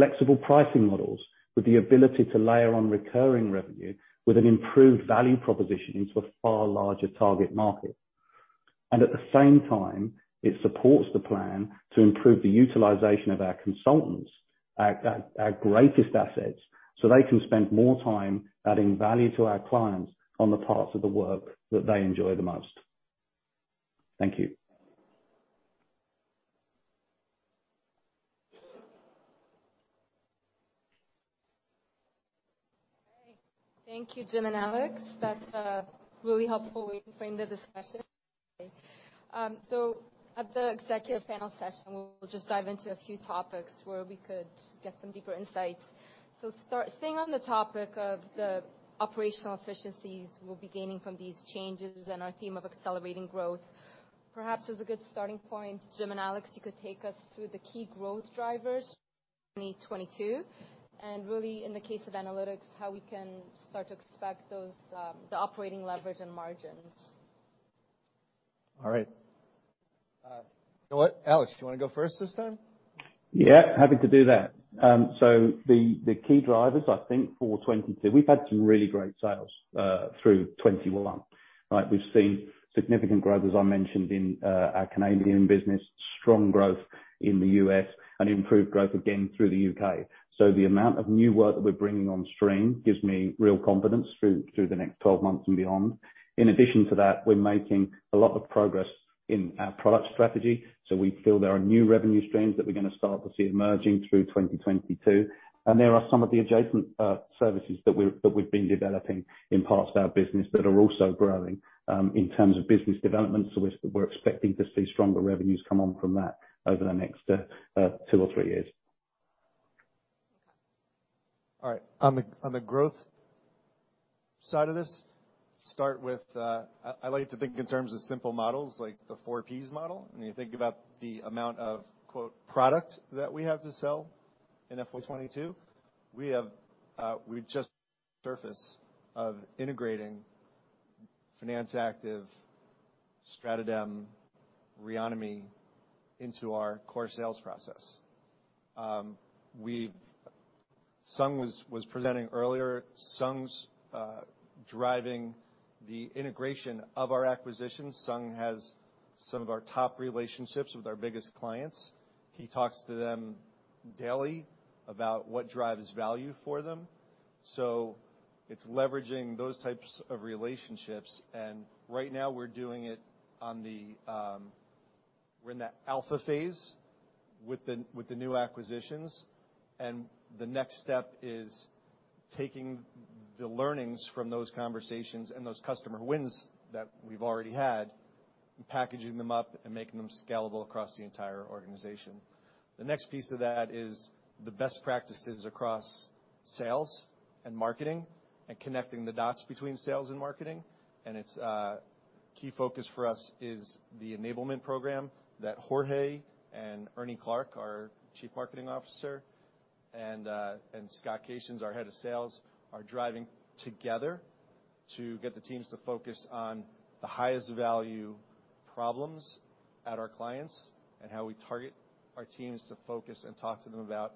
flexible pricing models with the ability to layer on recurring revenue with an improved value proposition into a far larger target market. It supports the plan to improve the utilization of our consultants, our greatest assets, so they can spend more time adding value to our clients on the parts of the work that they enjoy the most. Thank you. Great. Thank you, Jim and Alex. That's a really helpful way to frame the discussion. At the executive panel session, we'll just dive into a few topics where we could get some deeper insights. Staying on the topic of the operational efficiencies we'll be gaining from these changes and our theme of accelerating growth, perhaps as a good starting point, Jim and Alex, you could take us through the key growth drivers 2022. In the case of analytics, how we can start to expect those, the operating leverage and margins. All right. You know what, Alex, do you wanna go first this time? Yeah, happy to do that. The key drivers, I think for 2022, we've had some really great sales through 2021, right? We've seen significant growth, as I mentioned, in our Canadian business, strong growth in the U.S., and improved growth again through the U.K. The amount of new work that we're bringing on stream gives me real confidence through the next 12 months and beyond. In addition to that, we're making a lot of progress in our product strategy. We feel there are new revenue streams that we're gonna start to see emerging through 2022. There are some of the adjacent services that we've been developing in parts of our business that are also growing in terms of business development. We're expecting to see stronger revenues come on from that over the next two or three years. All right. On the growth side of this, start with. I like to think in terms of simple models like the four Ps model. When you think about the amount of, quote, "product" that we have to sell in FY 2022, we've just started integrating Finance Active, StratoDem, Reonomy into our core sales process. Sung was presenting earlier. Sung's driving the integration of our acquisitions. Sung has some of our top relationships with our biggest clients. He talks to them daily about what drives value for them. It's leveraging those types of relationships, and right now we're doing it on the...., we're in that alpha phase with the new acquisitions, and the next step is taking the learnings from those conversations and those customer wins that we've already had, and packaging them up and making them scalable across the entire organization. The next piece of that is the best practices across sales and marketing and connecting the dots between sales and marketing. It's key focus for us is the enablement program that Jorge and Ernie Clark, our Chief Marketing Officer, and Scott Cations, our Head of Sales, are driving together to get the teams to focus on the highest value problems at our clients, and how we target our teams to focus and talk to them about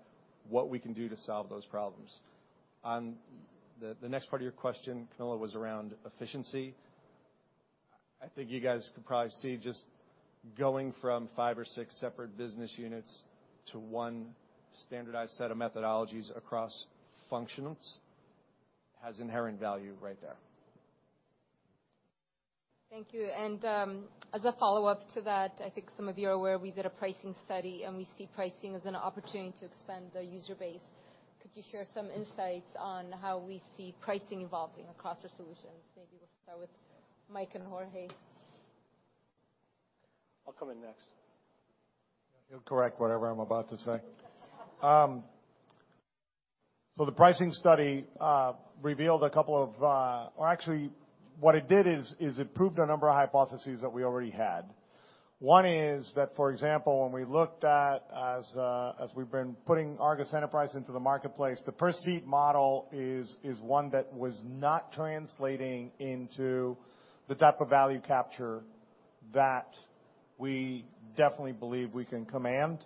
what we can do to solve those problems. On the next part of your question, Camilla, was around efficiency. I think you guys could probably see just going from five or six separate business units to one standardized set of methodologies across functions has inherent value right there. Thank you. As a follow-up to that, I think some of you are aware we did a pricing study, and we see pricing as an opportunity to expand the user base. Could you share some insights on how we see pricing evolving across our solutions? Maybe we'll start with Mike and Jorge. I'll come in next. You'll correct whatever I'm about to say. The pricing study actually proved a number of hypotheses that we already had. One is that, for example, as we've been putting ARGUS Enterprise into the marketplace, the per-seat model is one that was not translating into the type of value capture that we definitely believe we can command.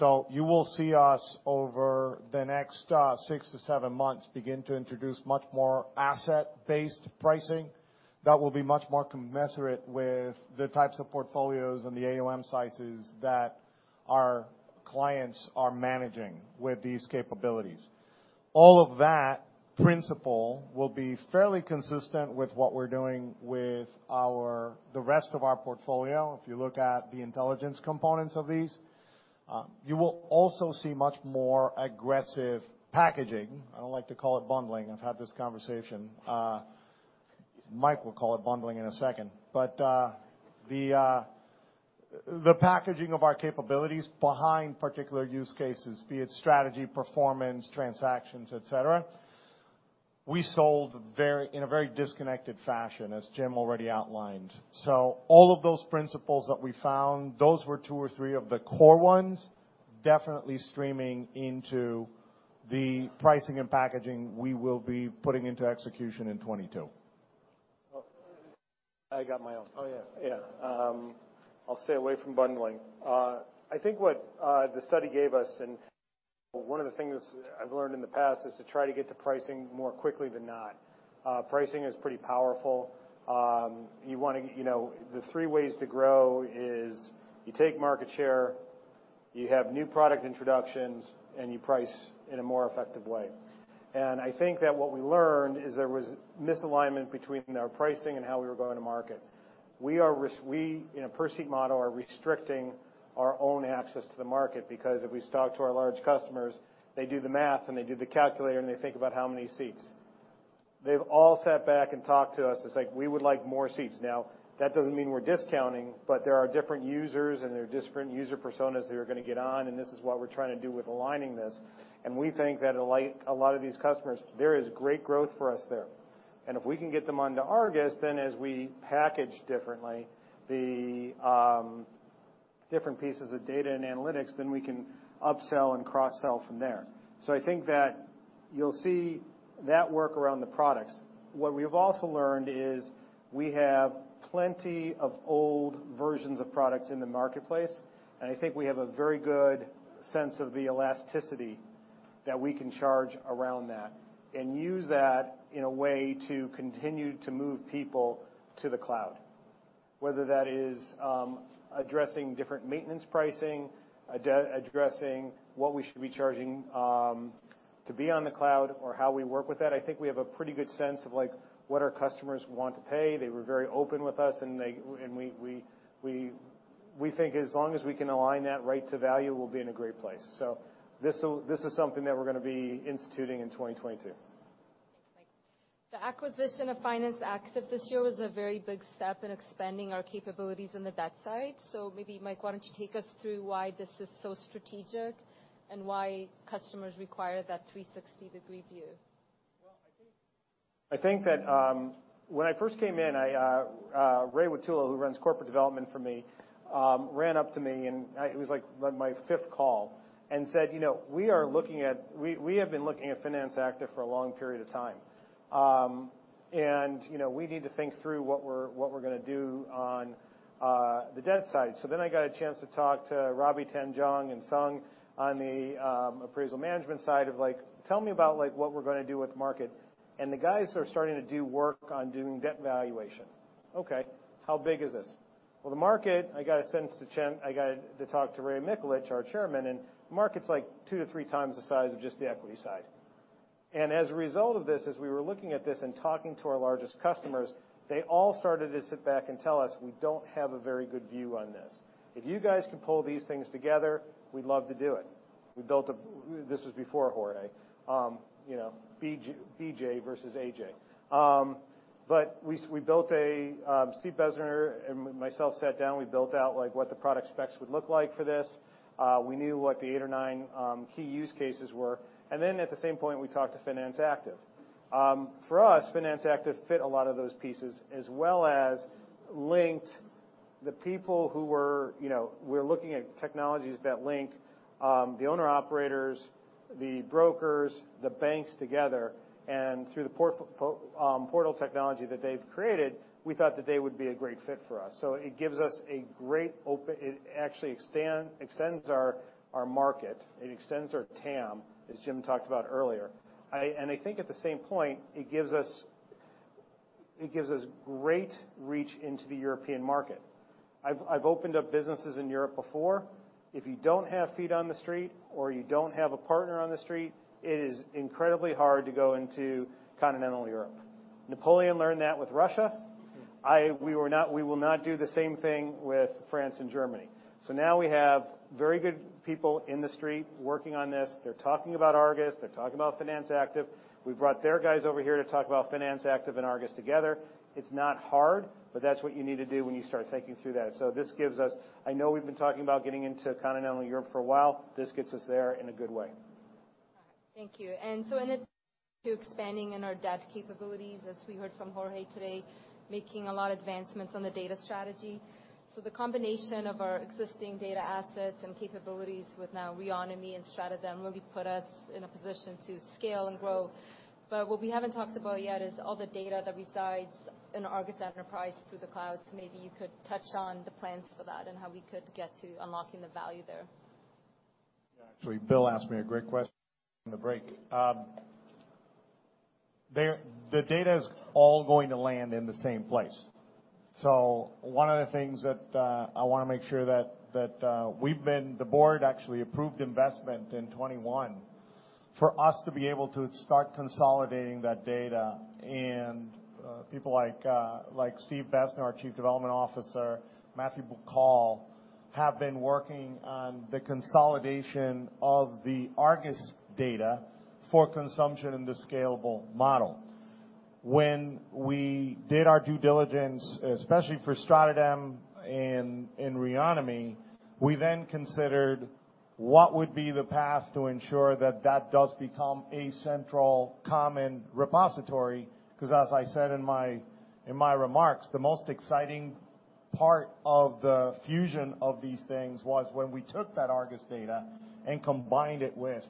You will see us, over the next six to seven months, begin to introduce much more asset-based pricing that will be much more commensurate with the types of portfolios and the AUM sizes that our clients are managing with these capabilities. All of that principle will be fairly consistent with what we're doing with the rest of our portfolio. If you look at the intelligence components of these, you will also see much more aggressive packaging. I don't like to call it bundling. I've had this conversation. Mike will call it bundling in a second. The packaging of our capabilities behind particular use cases, be it strategy, performance, transactions, et cetera, we sold in a very disconnected fashion, as Jim already outlined. All of those principles that we found, those were two or three of the core ones definitely streaming into the pricing and packaging we will be putting into execution in 2022. I got my own. Oh, yeah. Yeah. I'll stay away from bundling. I think what the study gave us, and one of the things I've learned in the past, is to try to get to pricing more quickly than not. Pricing is pretty powerful. You know, the three ways to grow is you take market share, you have new product introductions, and you price in a more effective way. I think that what we learned is there was misalignment between our pricing and how we were going to market. We, in a per seat model, are restricting our own access to the market because if we talk to our large customers, they do the math and they do the calculation, and they think about how many seats. They've all sat back and talked to us. It's like, "We would like more seats." Now, that doesn't mean we're discounting, but there are different users, and there are different user personas that are gonna get on, and this is what we're trying to do with aligning this. We think that a lot of these customers, there is great growth for us there. If we can get them onto ARGUS, then as we package differently the, different pieces of data and analytics, then we can upsell and cross-sell from there. I think that you'll see that work around the products. What we have also learned is we have plenty of old versions of products in the marketplace, and I think we have a very good sense of the elasticity that we can charge around that and use that in a way to continue to move people to the cloud. Whether that is addressing different maintenance pricing, addressing what we should be charging to be on the cloud or how we work with that, I think we have a pretty good sense of, like, what our customers want to pay. They were very open with us, and we think as long as we can align that right to value, we'll be in a great place. This is something that we're gonna be instituting in 2022. Thanks, Mike. The acquisition of Finance Active this year was a very big step in expanding our capabilities in the debt side. Maybe, Mike, why don't you take us through why this is so strategic and why customers require that 360-degree view? Well, I think that when I first came in, Ray Watulo, who runs corporate development for me, ran up to me and it was like my fifth call, and said, "You know, we are looking at. We have been looking at Finance Active for a long period of time. And you know, we need to think through what we're gonna do on the debt side." I got a chance to talk to Robbie, Tan Jong, and Sung on the appraisal management side of like, "Tell me about, like, what we're gonna do with market." And the guys are starting to do work on doing debt valuation. "Okay. How big is this?" "Well, the market," I gotta send this to Chen. I got to talk to Raymond Mikulich, our chairman, and market's, like, 2-3x the size of just the equity side. As a result of this, as we were looking at this and talking to our largest customers, they all started to sit back and tell us, "We don't have a very good view on this. If you guys can pull these things together, we'd love to do it." This was before Jorge. You know, BJ versus AJ. But Steve Bezner and myself sat down. We built out, like, what the product specs would look like for this. We knew what the eight or nine key use cases were. Then at the same point, we talked to Finance Active. For us, Finance Active fits a lot of those pieces as well as links the people, you know, we're looking at technologies that link the owner-operators, the brokers, the banks together. Through the portal technology that they've created, we thought that they would be a great fit for us. It gives us a great opportunity. It actually extends our market. It extends our TAM, as Jim talked about earlier. I think at the same time, it gives us great reach into the European market. I've opened up businesses in Europe before. If you don't have feet on the street or you don't have a partner on the street, it is incredibly hard to go into continental Europe. Napoleon learned that with Russia. We will not do the same thing with France and Germany. Now we have very good people in the street working on this. They're talking about ARGUS. They're talking about Finance Active. We've brought their guys over here to talk about Finance Active and ARGUS together. It's not hard, but that's what you need to do when you start thinking through that. This gives us. I know we've been talking about getting into continental Europe for a while. This gets us there in a good way. All right. Thank you. In to expanding in our debt capabilities, as we heard from Jorge today, making a lot of advancements on the data strategy. The combination of our existing data assets and capabilities with now Reonomy and StratoDem really put us in a position to scale and grow. What we haven't talked about yet is all the data that resides in ARGUS Enterprise through the cloud. Maybe you could touch on the plans for that and how we could get to unlocking the value there. Yeah. Actually, Bill asked me a great question on the break. The data is all going to land in the same place. One of the things that I wanna make sure that the board actually approved investment in 2021 for us to be able to start consolidating that data. People like Steve Bezner, our Chief Software Development Officer, Matthew Buckle, have been working on the consolidation of the ARGUS data for consumption in the scalable model. When we did our due diligence, especially for StratoDem and Reonomy, we then considered what would be the path to ensure that that does become a central common repository. Because as I said in my remarks, the most exciting part of the fusion of these things was when we took that ARGUS data and combined it with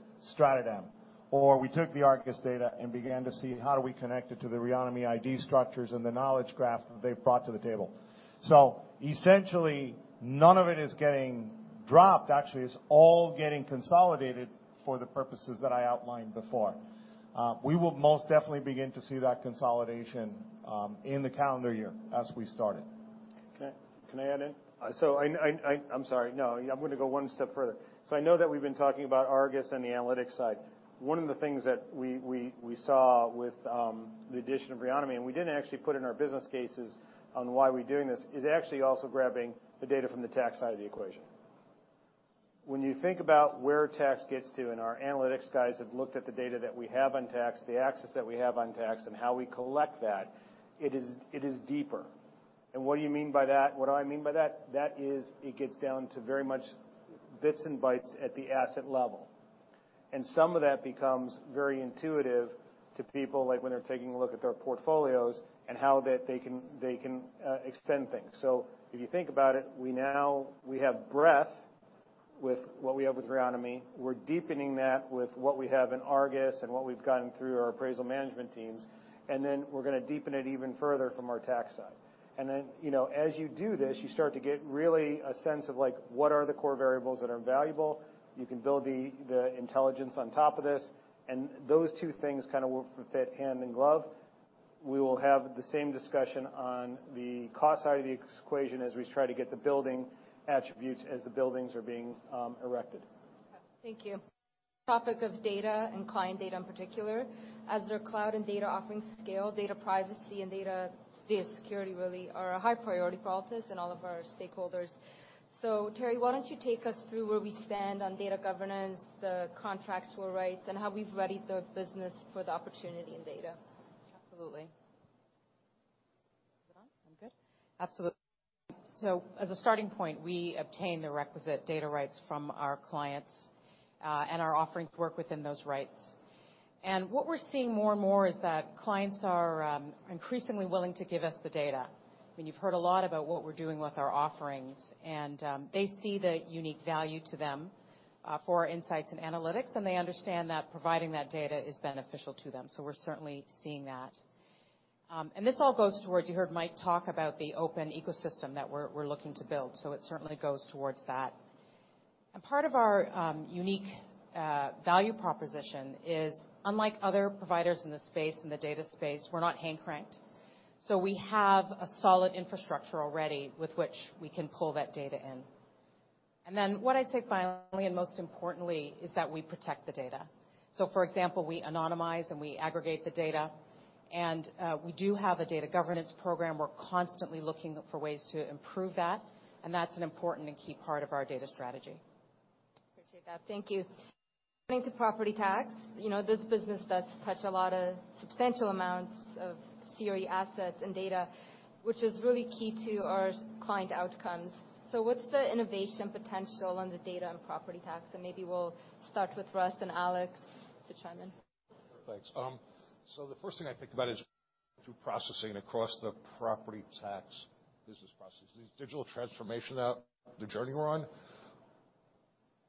StratoDem. We took the ARGUS data and began to see how do we connect it to the Reonomy ID structures and the knowledge graph that they've brought to the table. Essentially, none of it is getting dropped. Actually, it's all getting consolidated for the purposes that I outlined before. We will most definitely begin to see that consolidation in the calendar year as we started. Okay. Can I add in? I'm sorry. No, I'm gonna go one step further. I know that we've been talking about ARGUS and the analytics side. One of the things that we saw with the addition of Reonomy, and we didn't actually put in our business cases on why we're doing this, is actually also grabbing the data from the tax side of the equation. When you think about where tax gets to, and our analytics guys have looked at the data that we have on tax, the access that we have on tax and how we collect that, it is deeper. What do you mean by that? What do I mean by that? That is it gets down to very much bits and bytes at the asset level. Some of that becomes very intuitive to people, like when they're taking a look at their portfolios and how they can extend things. If you think about it, we now have breadth with what we have with Reonomy. We're deepening that with what we have in ARGUS and what we've gotten through our appraisal management teams. Then we're gonna deepen it even further from our tax side. You know, as you do this, you start to get really a sense of, like, what are the core variables that are valuable. You can build the intelligence on top of this, and those two things kind of fit hand in glove. We will have the same discussion on the cost side of the equation as we try to get the building attributes as the buildings are being erected. Okay. Thank you. Topic of data and client data in particular. As our cloud and data offerings scale, data privacy and data security really are a high priority for Altus and all of our stakeholders. Terri, why don't you take us through where we stand on data governance, the contractual rights, and how we've readied the business for the opportunity in data. Absolutely. Is it on? I'm good? Absolutely. As a starting point, we obtain the requisite data rights from our clients, and our offerings work within those rights. What we're seeing more and more is that clients are increasingly willing to give us the data. I mean, you've heard a lot about what we're doing with our offerings, and they see the unique value to them for our insights and analytics, and they understand that providing that data is beneficial to them. We're certainly seeing that. This all goes towards you heard Mike talk about the open ecosystem that we're looking to build. It certainly goes towards that. Part of our unique value proposition is, unlike other providers in the space, in the data space, we're not hand-cranked. We have a solid infrastructure already with which we can pull that data in. Then what I'd say finally and most importantly is that we protect the data. For example, we anonymize and we aggregate the data, and we do have a data governance program. We're constantly looking for ways to improve that, and that's an important and key part of our data strategy. Appreciate that. Thank you. Turning to property tax. You know, this business does touch a lot of substantial amounts of the real assets and data, which is really key to our client outcomes. So what's the innovation potential on the data and property tax? Maybe we'll start with Russ and Alex to chime in. Thanks. The first thing I think about is through processing across the Property Tax business processes. The digital transformation of the journey we're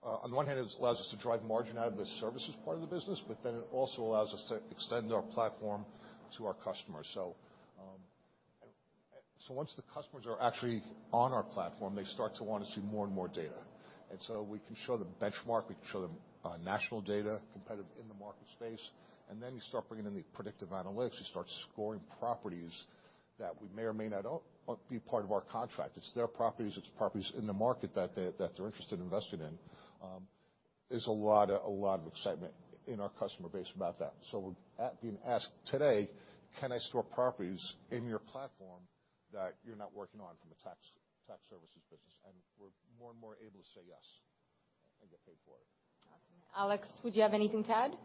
on one hand, it allows us to drive margin out of the services part of the business, but it also allows us to extend our platform to our customers. Once the customers are actually on our platform, they start to wanna see more and more data. We can show them benchmark, we can show them national data competitive in the market space. You start bringing in the predictive analytics. You start scoring properties that we may or may not own or be part of our contract. It's their properties, it's properties in the market that they're interested in investing in. There's a lot of excitement in our customer base about that. We're being asked today, "Can I store properties in your platform that you're not working on from a tax services business?" We're more and more able to say yes and get paid for it. Awesome. Alex, would you have anything to add?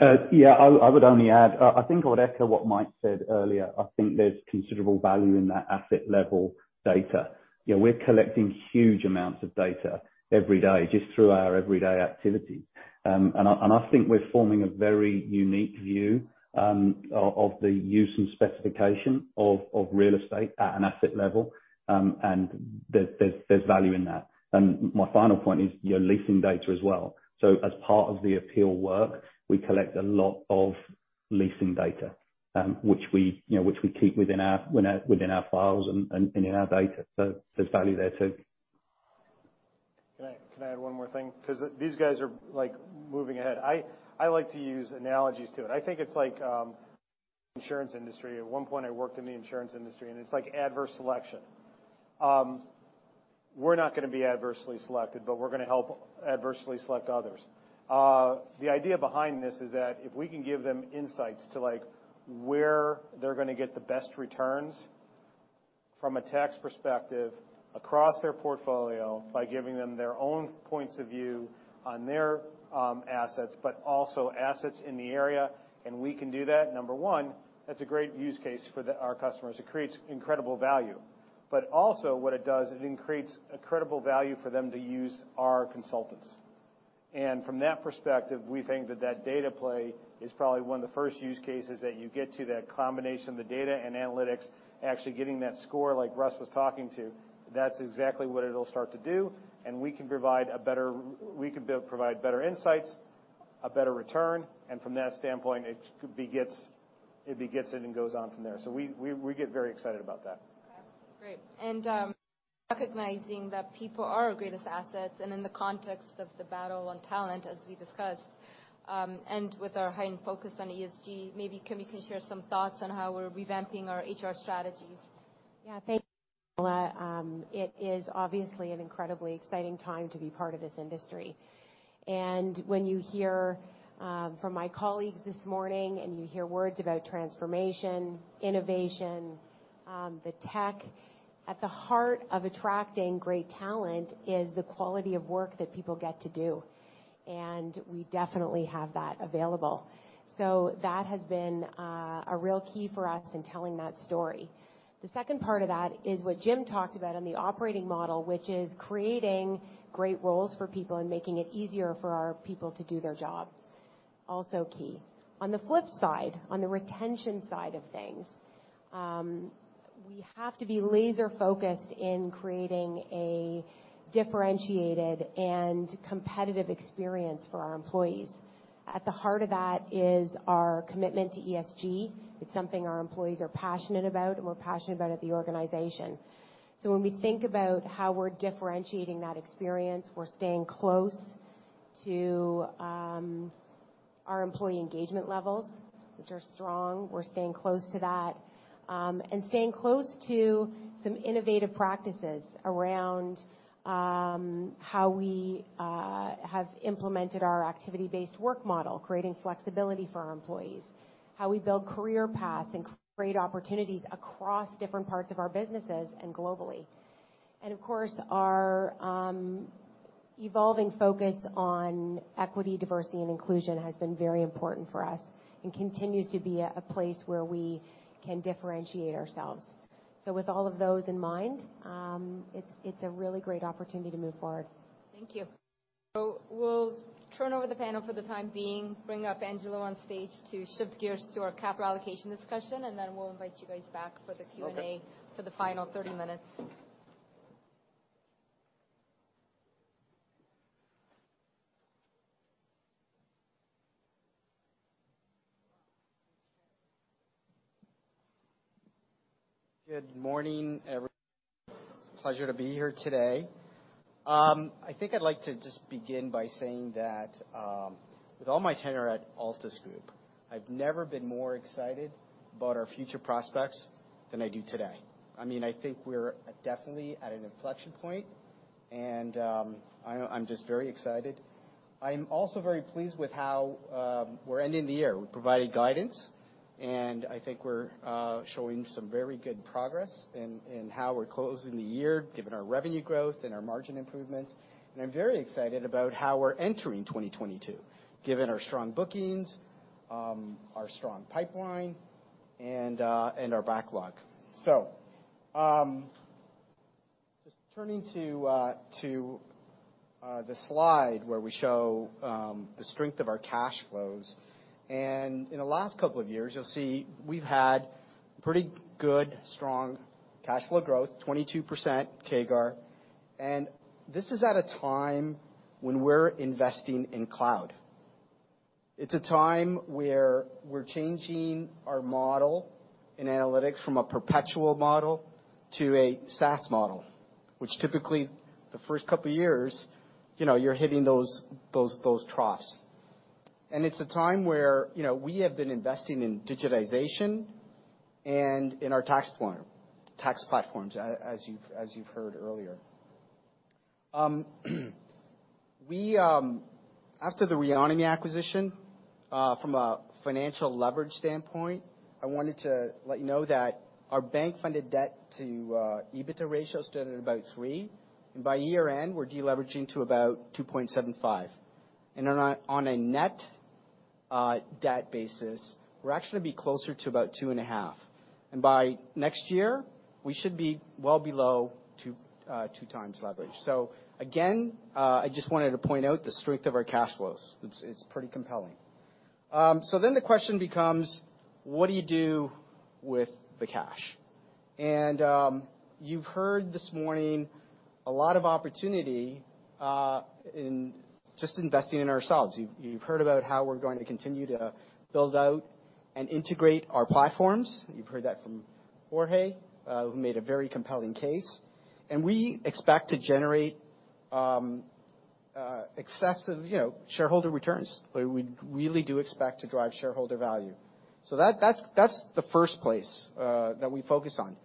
I would only add. I think I would echo what Mike said earlier. I think there's considerable value in that asset level data. You know, we're collecting huge amounts of data every day just through our everyday activity. I think we're forming a very unique view of the use and specification of real estate at an asset level. There's value in that. My final point is your leasing data as well. As part of the appeal work, we collect a lot of leasing data, which we, you know, which we keep within our files and in our data. There's value there too. Can I add one more thing? 'Cause these guys are, like, moving ahead. I like to use analogies to it. I think it's like insurance industry. At one point, I worked in the insurance industry, and it's like adverse selection. We're not gonna be adversely selected, but we're gonna help adversely select others. The idea behind this is that if we can give them insights to, like, where they're gonna get the best returns from a tax perspective across their portfolio by giving them their own points of view on their assets, but also assets in the area, and we can do that, number one, that's a great use case for our customers. It creates incredible value. Also what it does, it creates incredible value for them to use our consultants. From that perspective, we think that the data play is probably one of the first use cases that you get to that combination of the data and analytics actually giving that score like Russ was talking about. That's exactly what it'll start to do, and we can provide better insights, a better return, and from that standpoint, it goes on from there. We get very excited about that. Okay. Great. Recognizing that people are our greatest assets and in the context of the battle on talent, as we discussed, and with our heightened focus on ESG, maybe Kim can share some thoughts on how we're revamping our HR strategy. Yeah. Thanks, Camilla. It is obviously an incredibly exciting time to be part of this industry. When you hear from my colleagues this morning and you hear words about transformation, innovation, the tech, at the heart of attracting great talent is the quality of work that people get to do. We definitely have that available. That has been a real key for us in telling that story. The second part of that is what Jim talked about on the operating model, which is creating great roles for people and making it easier for our people to do their job, also key. On the flip side, on the retention side of things, we have to be laser-focused in creating a differentiated and competitive experience for our employees. At the heart of that is our commitment to ESG. It's something our employees are passionate about, and we're passionate about at the organization. When we think about how we're differentiating that experience, we're staying close to our employee engagement levels, which are strong. We're staying close to that, and staying close to some innovative practices around how we have implemented our activity-based work model, creating flexibility for our employees, how we build career paths and create opportunities across different parts of our businesses and globally. Of course, our evolving focus on equity, diversity, and inclusion has been very important for us and continues to be a place where we can differentiate ourselves. With all of those in mind, it's a really great opportunity to move forward. Thank you. We'll turn over the panel for the time being, bring up Angelo on stage to shift gears to our capital allocation discussion, and then we'll invite you guys back for the Q&A. Okay. For the final 30 minutes. Good morning, everyone. It's a pleasure to be here today. I think I'd like to just begin by saying that, with all my tenure at Altus Group, I've never been more excited about our future prospects than I do today. I mean, I think we're definitely at an inflection point, and I'm just very excited. I'm also very pleased with how we're ending the year. We provided guidance, and I think we're showing some very good progress in how we're closing the year, given our revenue growth and our margin improvements. I'm very excited about how we're entering 2022, given our strong bookings, our strong pipeline and our backlog. Just turning to the slide where we show the strength of our cash flows, and in the last couple of years, you'll see we've had pretty good, strong cash flow growth, 22% CAGR, and this is at a time when we're investing in cloud. It's a time where we're changing our model in analytics from a perpetual model to a SaaS model, which typically the first couple years, you know, you're hitting those troughs. It's a time where, you know, we have been investing in digitization and in our tax form, tax platforms as you've heard earlier. We after the Reonomy acquisition, from a financial leverage standpoint, I wanted to let you know that our bank-funded debt-to-EBITDA ratio stood at about three, and by year-end, we're deleveraging to about 2.75. On a net debt basis, we're actually closer to about 2.5. By next year, we should be well below 2x leverage. I just wanted to point out the strength of our cash flows. It's pretty compelling. The question becomes: what do you do with the cash? You've heard this morning a lot of opportunity in just investing in ourselves. You've heard about how we're going to continue to build out and integrate our platforms. You've heard that from Jorge, who made a very compelling case. We expect to generate excessive, you know, shareholder returns. We really do expect to drive shareholder value. That's the first place that we focus on.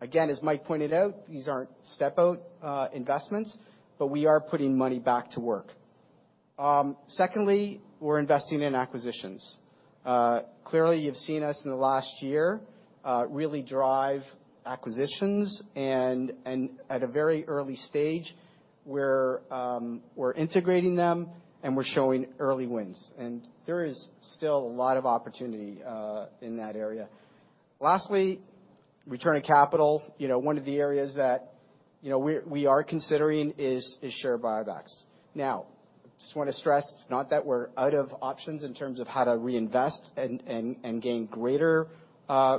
Again, as Mike pointed out, these aren't step-out investments, but we are putting money back to work. Secondly, we're investing in acquisitions. Clearly, you've seen us in the last year really drive acquisitions. At a very early stage, we're integrating them, and we're showing early wins. There is still a lot of opportunity in that area. Lastly, return on capital. You know, one of the areas that, you know, we are considering is share buybacks. Now, just wanna stress, it's not that we're out of options in terms of how to reinvest and gain greater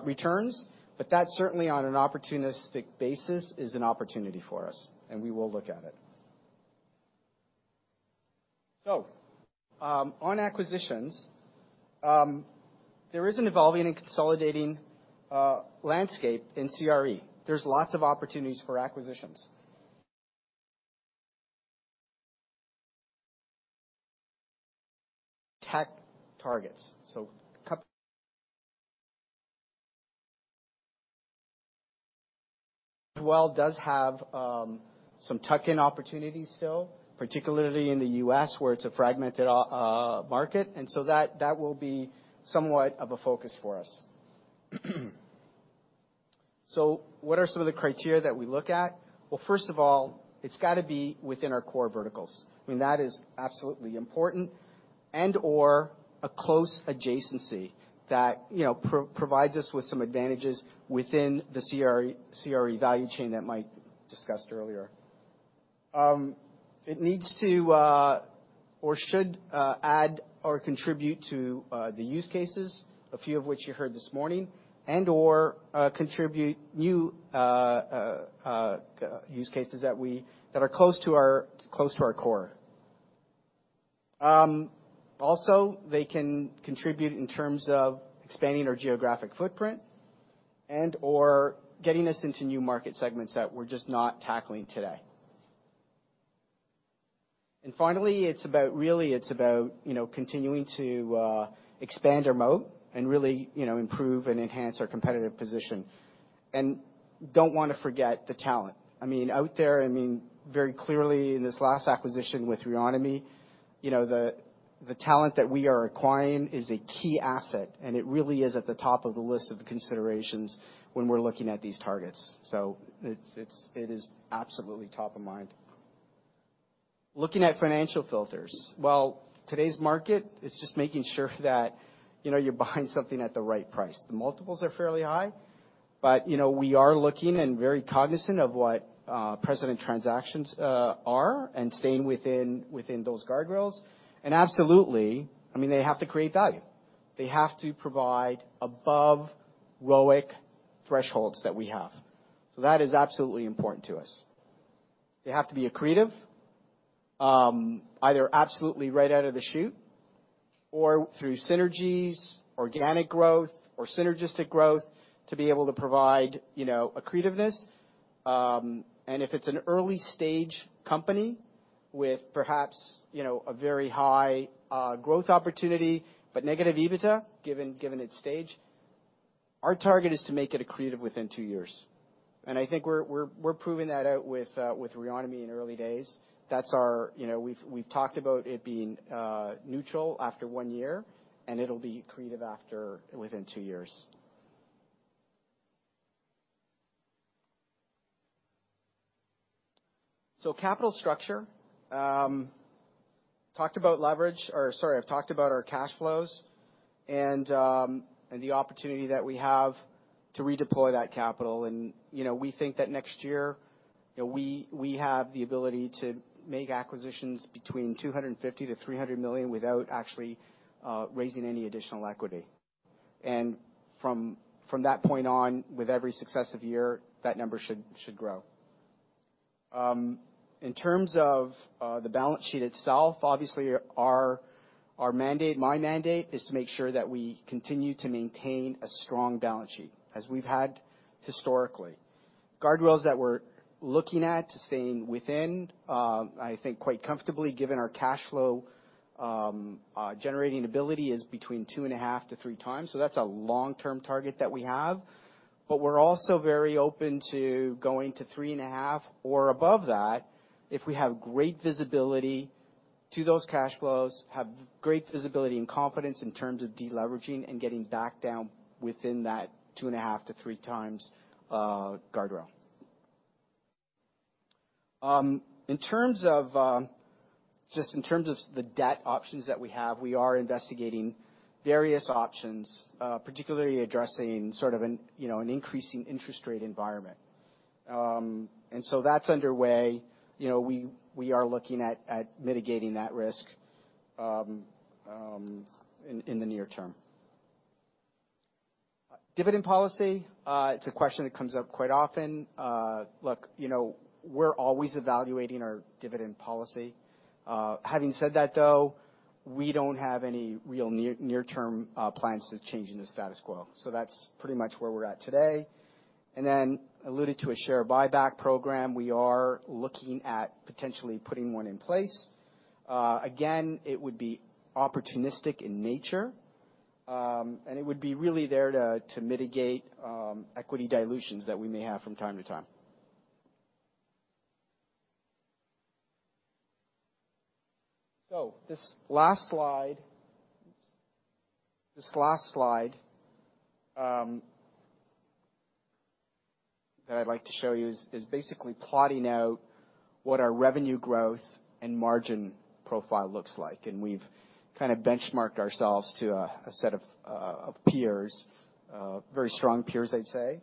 returns, but that certainly on an opportunistic basis is an opportunity for us, and we will look at it. On acquisitions, there is an evolving and consolidating landscape in CRE. There's lots of opportunities for acquisitions. Tech targets. It does have some tuck-in opportunities still, particularly in the U.S. where it's a fragmented market, and that will be somewhat of a focus for us. What are some of the criteria that we look at? Well, first of all, it's gotta be within our core verticals. I mean, that is absolutely important, and/or a close adjacency that, you know, provides us with some advantages within the CRE value chain that Mike discussed earlier. It needs to or should add or contribute to the use cases, a few of which you heard this morning, and/or contribute new use cases that are close to our core. Also, they can contribute in terms of expanding our geographic footprint and/or getting us into new market segments that we're just not tackling today. Finally, it's about really, you know, continuing to expand our moat and really, you know, improve and enhance our competitive position. Don't wanna forget the talent. I mean, out there, I mean, very clearly in this last acquisition with Reonomy, you know, the talent that we are acquiring is a key asset, and it really is at the top of the list of considerations when we're looking at these targets. So it's absolutely top of mind. Looking at financial filters. Well, today's market is just making sure that, you know, you're buying something at the right price. The multiples are fairly high, but, you know, we are looking and very cognizant of what precedent transactions are and staying within those guardrails. Absolutely, I mean, they have to create value. They have to provide above ROIC thresholds that we have. That is absolutely important to us. They have to be accretive, either absolutely right out of the chute or through synergies, organic growth or synergistic growth to be able to provide, you know, accretiveness. If it's an early stage company with perhaps, you know, a very high growth opportunity but negative EBITDA, given its stage, our target is to make it accretive within two years. I think we're proving that out with Reonomy in early days. That's our... You know, we've talked about it being neutral after one year, and it'll be accretive after within two years. Capital structure. Talked about leverage. Or sorry, I've talked about our cash flows and the opportunity that we have to redeploy that capital. You know, we think that next year, you know, we have the ability to make acquisitions between 250-300 million without actually raising any additional equity. From that point on, with every successive year, that number should grow. In terms of the balance sheet itself, obviously our mandate, my mandate is to make sure that we continue to maintain a strong balance sheet as we've had historically. Guardrails that we're looking at to staying within, I think quite comfortably given our cash flow generating ability is between 2.5-3x, so that's a long-term target that we have. We're also very open to going to 3.5x or above that if we have great visibility to those cash flows and confidence in terms of deleveraging and getting back down within that 2.5-3x guardrail. In terms of the debt options that we have, we are investigating various options, particularly addressing sort of an increasing interest rate environment. That's underway. You know, we are looking at mitigating that risk in the near term. Dividend policy, it's a question that comes up quite often. Look, you know, we're always evaluating our dividend policy. Having said that though, we don't have any real near-term plans to changing the status quo. That's pretty much where we're at today. Alluded to a share buyback program. We are looking at potentially putting one in place. Again, it would be opportunistic in nature, and it would be really there to mitigate equity dilutions that we may have from time to time. This last slide that I'd like to show you is basically plotting out what our revenue growth and margin profile looks like. We've kind of benchmarked ourselves to a set of peers, very strong peers, I'd say.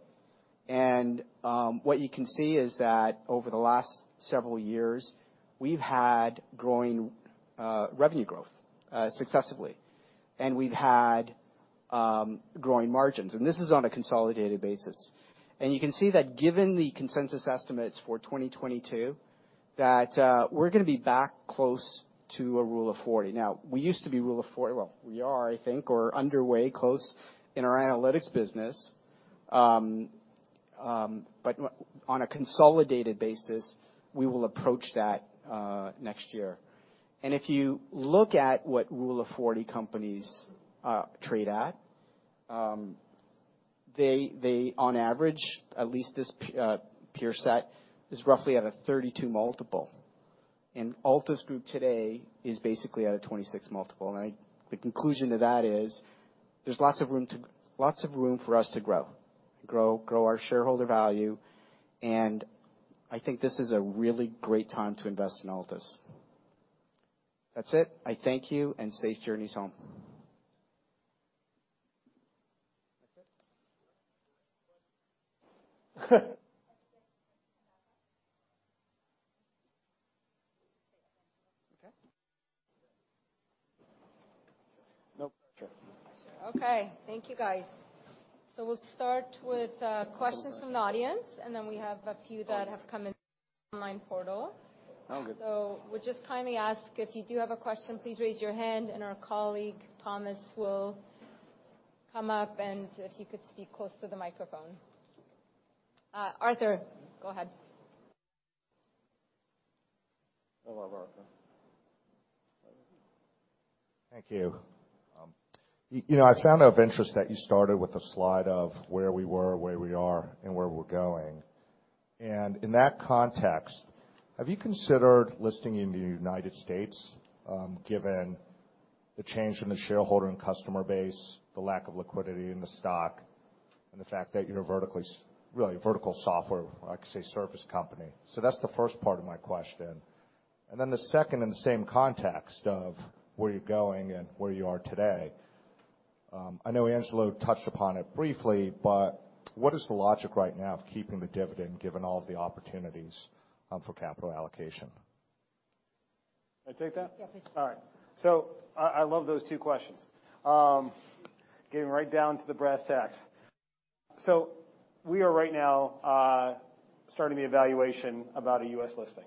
What you can see is that over the last several years, we've had growing revenue growth successively, and we've had growing margins, and this is on a consolidated basis. You can see that given the consensus estimates for 2022, that we're gonna be back close to a Rule of 40. Now, we used to be Rule of 40. Well, we are, I think, or underway close in our analytics business. But on a consolidated basis, we will approach that next year. If you look at what Rule of 40 companies trade at, they on average, at least this peer set, is roughly at a 32 multiple. Altus Group today is basically at a 26 multiple. The conclusion to that is there's lots of room for us to grow our shareholder value, and I think this is a really great time to invest in Altus. That's it. I thank you, and safe journeys home. Okay. Thank you, guys. We'll start with questions from the audience, and then we have a few that have come in online portal. Sounds good. I would just kindly ask if you do have a question, please raise your hand, and our colleague, Thomas, will come up, and if you could speak close to the microphone. Arthur, go ahead. Hello, Arthur. Thank you. You know, I found it of interest that you started with a slide of where we were, where we are, and where we're going. In that context, have you considered listing in the United States, given the change in the shareholder and customer base, the lack of liquidity in the stock, and the fact that you're really a vertical software, or I could say service company? That's the first part of my question. Then the second in the same context of where you're going and where you are today, I know Angelo touched upon it briefly, but what is the logic right now of keeping the dividend given all of the opportunities for capital allocation? Can I take that? Yeah, please. All right. I love those two questions. Getting right down to the brass tacks. We are right now starting the evaluation about a U.S. listing.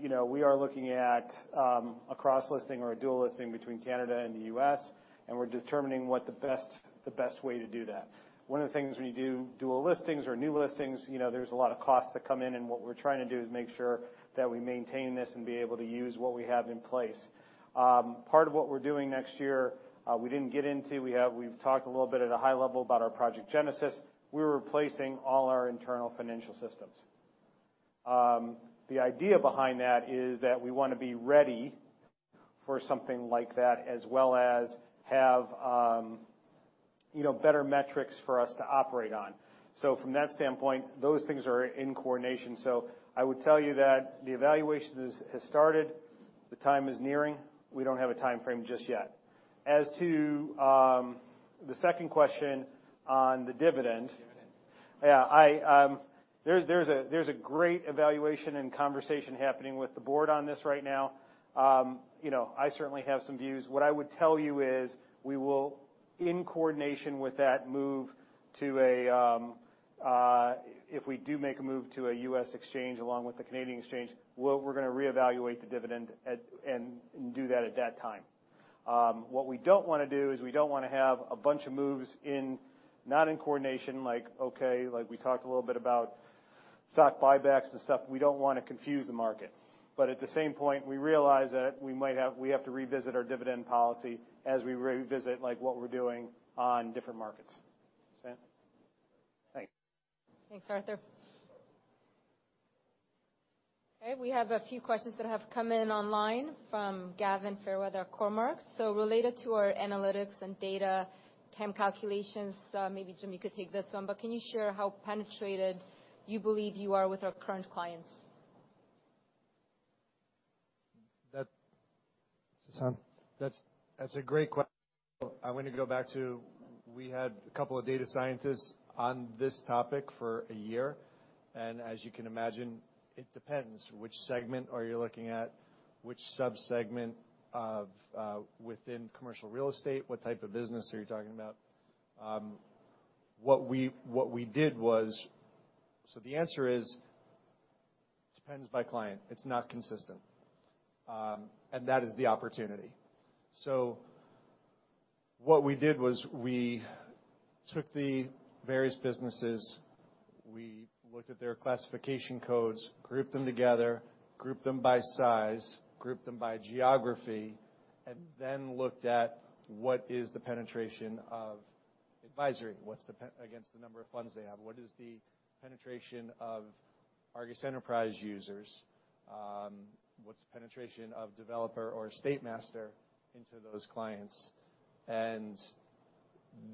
You know, we are looking at a cross listing or a dual listing between Canada and the U.S., and we're determining what the best way to do that. One of the things when you do dual listings or new listings, you know, there's a lot of costs that come in, and what we're trying to do is make sure that we maintain this and be able to use what we have in place. Part of what we're doing next year, we didn't get into, we've talked a little bit at a high level about our Project Genesis. We're replacing all our internal financial systems. The idea behind that is that we wanna be ready for something like that as well as have, you know, better metrics for us to operate on. From that standpoint, those things are in coordination. I would tell you that the evaluation is, has started. The time is nearing. We don't have a timeframe just yet. As to, the second question on the dividend. Dividend. Yeah, I, there's a great evaluation and conversation happening with the board on this right now. You know, I certainly have some views. What I would tell you is we will, in coordination with that move to a, if we do make a move to a U.S. exchange along with the Canadian exchange, we're gonna reevaluate the dividend and do that at that time. What we don't wanna do is we don't wanna have a bunch of moves not in coordination, like, okay, like we talked a little bit about stock buybacks and stuff. We don't wanna confuse the market. At the same point, we realize that we have to revisit our dividend policy as we revisit, like, what we're doing on different markets. Does that.... Thanks. Thanks, Arthur. Okay, we have a few questions that have come in online from Gavin Fairweather at Cormark. Related to our analytics and data TAM calculations, maybe Jim, you could take this one, but can you share how penetrated you believe you are with our current clients? That's a great question. I wanna go back to we had a couple of data scientists on this topic for a year, and as you can imagine, it depends which segment are you looking at, which sub-segment of within commercial real estate, what type of business are you talking about. What we did was.... The answer is, depends by client. It's not consistent. And that is the opportunity. What we did was we took the various businesses, we looked at their classification codes, grouped them together, grouped them by size, grouped them by geography, and then looked at what is the penetration of advisory. What's the penetration against the number of funds they have? What is the penetration of ARGUS Enterprise users? What's the penetration of ARGUS Developer or ARGUS EstateMaster into those clients?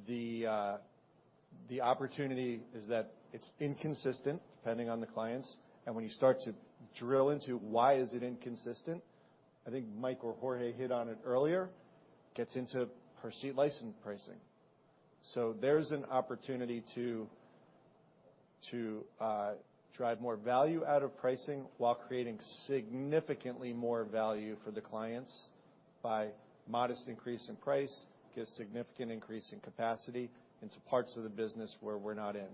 The opportunity is that it's inconsistent depending on the clients. When you start to drill into why is it inconsistent, I think Mike or Jorge hit on it earlier, gets into per seat license pricing. There's an opportunity to drive more value out of pricing while creating significantly more value for the clients by modest increase in price, gives significant increase in capacity into parts of the business where we're not in.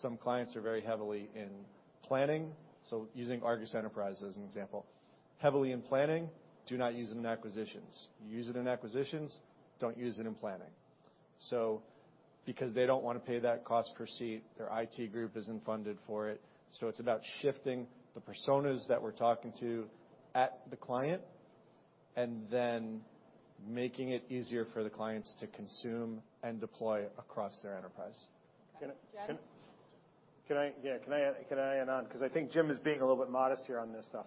Some clients are very heavily in planning, using ARGUS Enterprise as an example. Heavily in planning, do not use it in acquisitions. You use it in acquisitions, don't use it in planning. Because they don't wanna pay that cost per seat, their IT group isn't funded for it. It's about shifting the personas that we're talking to at the client, and then making it easier for the clients to consume and deploy across their enterprise. Okay. Jim? Can I add on? 'Cause I think Jim is being a little bit modest here on this stuff.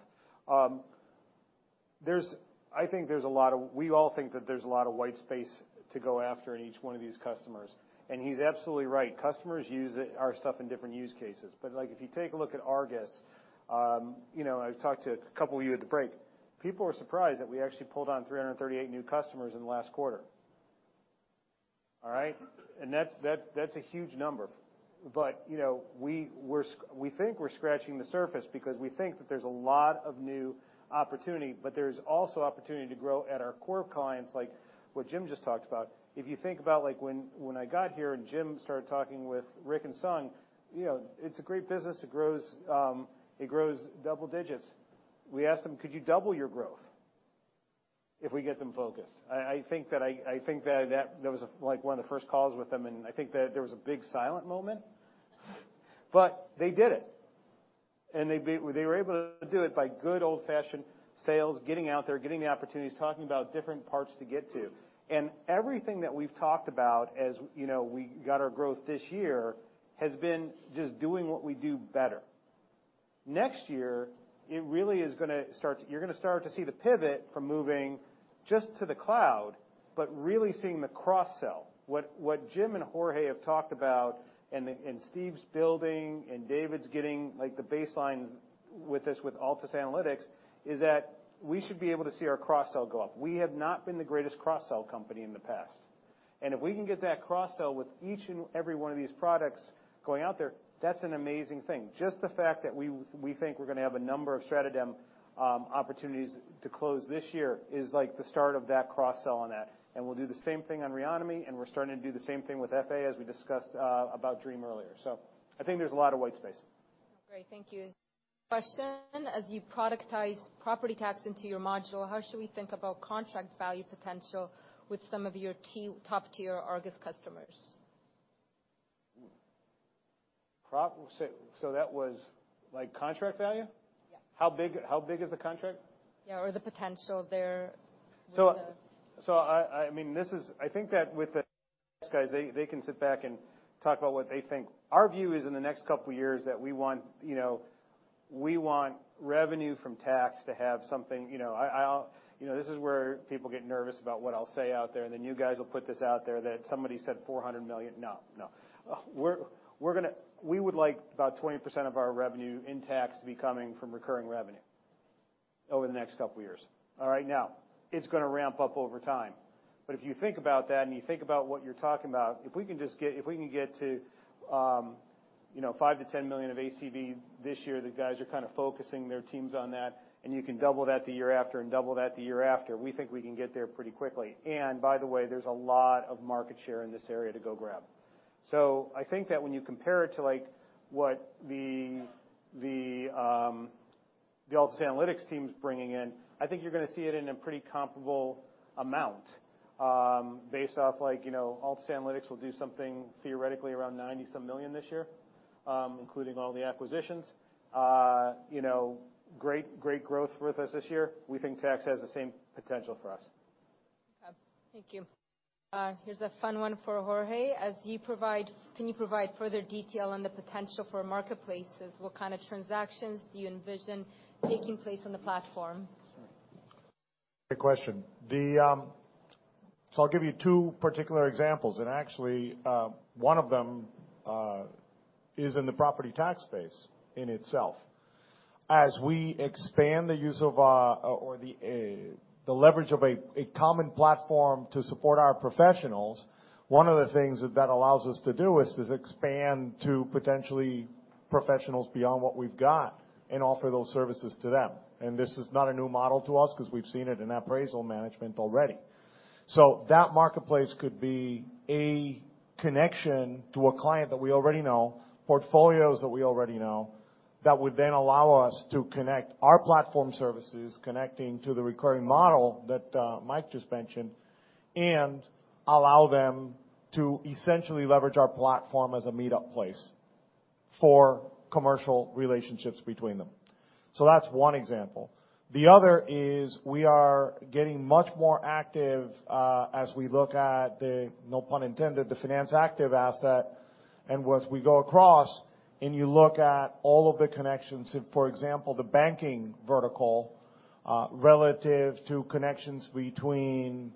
We all think that there's a lot of white space to go after in each one of these customers, and he's absolutely right. Customers use it, our stuff in different use cases. Like, if you take a look at ARGUS, you know, I've talked to a couple of you at the break, people are surprised that we actually won 338 new customers in the last quarter. All right? That's a huge number. You know, we think we're scratching the surface because we think that there's a lot of new opportunity, but there's also opportunity to grow at our core clients, like what Jim just talked about. If you think about, like, when I got here and Jim started talking with Rick and Sung, you know, it's a great business. It grows double digits. We asked them, "Could you double your growth if we get them focused?" I think that was, like, one of the first calls with them, and I think that there was a big silent moment. They did it. They were able to do it by good old-fashioned sales, getting out there, getting the opportunities, talking about different parts to get to. Everything that we've talked about as, you know, we got our growth this year has been just doing what we do better. Next year, it really is gonna start. You're gonna start to see the pivot from moving just to the cloud, but really seeing the cross-sell. What Jim and Jorge have talked about, and Steve's building, and David's getting, like, the baseline with this with Altus Analytics, is that we should be able to see our cross-sell go up. We have not been the greatest cross-sell company in the past. If we can get that cross-sell with each and every one of these products going out there, that's an amazing thing. Just the fact that we think we're gonna have a number of StratoDem opportunities to close this year is, like, the start of that cross-sell on that. We'll do the same thing on Reonomy, and we're starting to do the same thing with FA as we discussed about Dream earlier. I think there's a lot of white space. Great. Thank you. Question: As you productize property tax into your module, how should we think about contract value potential with some of your top-tier ARGUS customers? That was, like, contract value? Yeah. How big is the contract? Yeah, or the potential there. I mean, this is—I think that with the guys, they can sit back and talk about what they think. Our view is in the next couple of years that we want, you know, we want revenue from tax to have something. You know, this is where people get nervous about what I'll say out there, and then you guys will put this out there that somebody said 400 million. No. We would like about 20% of our revenue in tax to be coming from recurring revenue over the next couple of years. All right. Now, it's gonna ramp up over time. If you think about that and you think about what you're talking about, if we can get to, you know, 5-10 million of ACV this year, the guys are kinda focusing their teams on that, and you can double that the year after and double that the year after, we think we can get there pretty quickly. By the way, there's a lot of market share in this area to go grab. I think that when you compare it to, like, what the Altus Analytics team's bringing in, I think you're gonna see it in a pretty comparable amount, based off, like, you know, Altus Analytics will do something theoretically around 90-some million this year, including all the acquisitions. You know, great growth with us this year. We think tax has the same potential for us. Okay. Thank you. Here's a fun one for Jorge. Can you provide further detail on the potential for marketplaces? What kind of transactions do you envision taking place on the platform? Good question. I'll give you two particular examples, and actually, one of them is in the property tax space in itself. As we expand the use of, or the leverage of a common platform to support our professionals, one of the things that allows us to do is expand to potentially professionals beyond what we've got and offer those services to them. This is not a new model to us 'cause we've seen it in appraisal management already. That marketplace could be a connection to a client that we already know, portfolios that we already know, that would then allow us to connect our platform services connecting to the recurring model that, Mike just mentioned, and allow them to essentially leverage our platform as a meetup place for commercial relationships between them. That's one example. The other is we are getting much more active as we look at the, no pun intended, the Finance Active asset. Once we go across and you look at all of the connections, if, for example, the banking vertical relative to connections between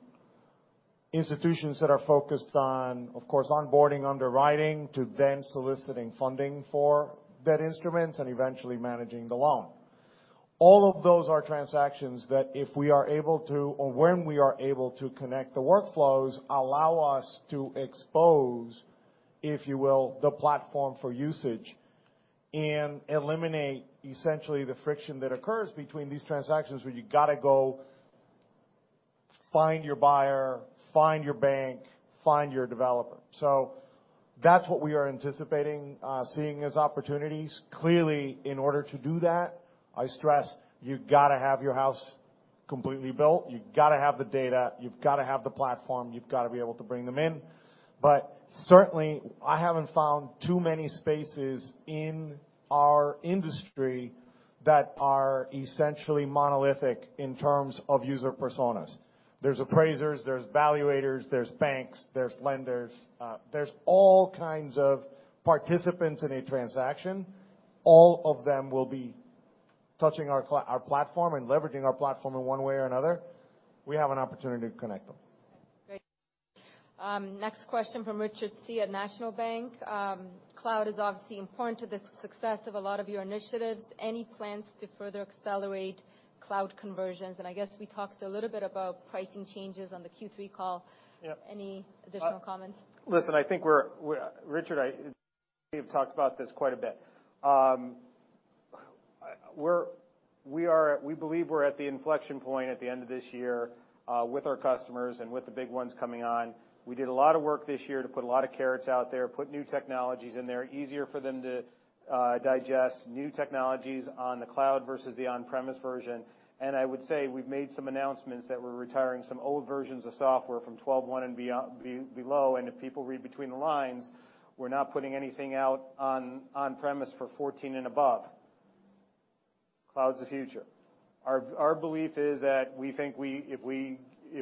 institutions that are focused on, of course, onboarding, underwriting, to then soliciting funding for debt instruments and eventually managing the loan. All of those are transactions that if we are able to or when we are able to connect the workflows, allow us to expose, if you will, the platform for usage and eliminate essentially the friction that occurs between these transactions, where you got to go find your buyer, find your bank, find your developer. That's what we are anticipating seeing as opportunities. Clearly, in order to do that, I stress, you've got to have your house completely built. You've got to have the data, you've got to have the platform, you've got to be able to bring them in. But certainly, I haven't found too many spaces in our industry that are essentially monolithic in terms of user personas. There's appraisers, there's valuators, there's banks, there's lenders, there's all kinds of participants in a transaction. All of them will be touching our platform and leveraging our platform in one way or another. We have an opportunity to connect them. Great. Next question from Richard Tse at National Bank Financial. Cloud is obviously important to the success of a lot of your initiatives. Any plans to further accelerate cloud conversions? I guess we talked a little bit about pricing changes on the Q3 call. Yeah. Any additional comments? Listen, I think we're, Richard, we've talked about this quite a bit. We believe we're at the inflection point at the end of this year with our customers and with the big ones coming on. We did a lot of work this year to put a lot of carrots out there, put new technologies in there, easier for them to digest new technologies on the cloud versus the on-premise version. I would say we've made some announcements that we're retiring some old versions of software from 12.1 and below. If people read between the lines, we're not putting anything out on premise for 14 and above. Cloud's the future. Our belief is that if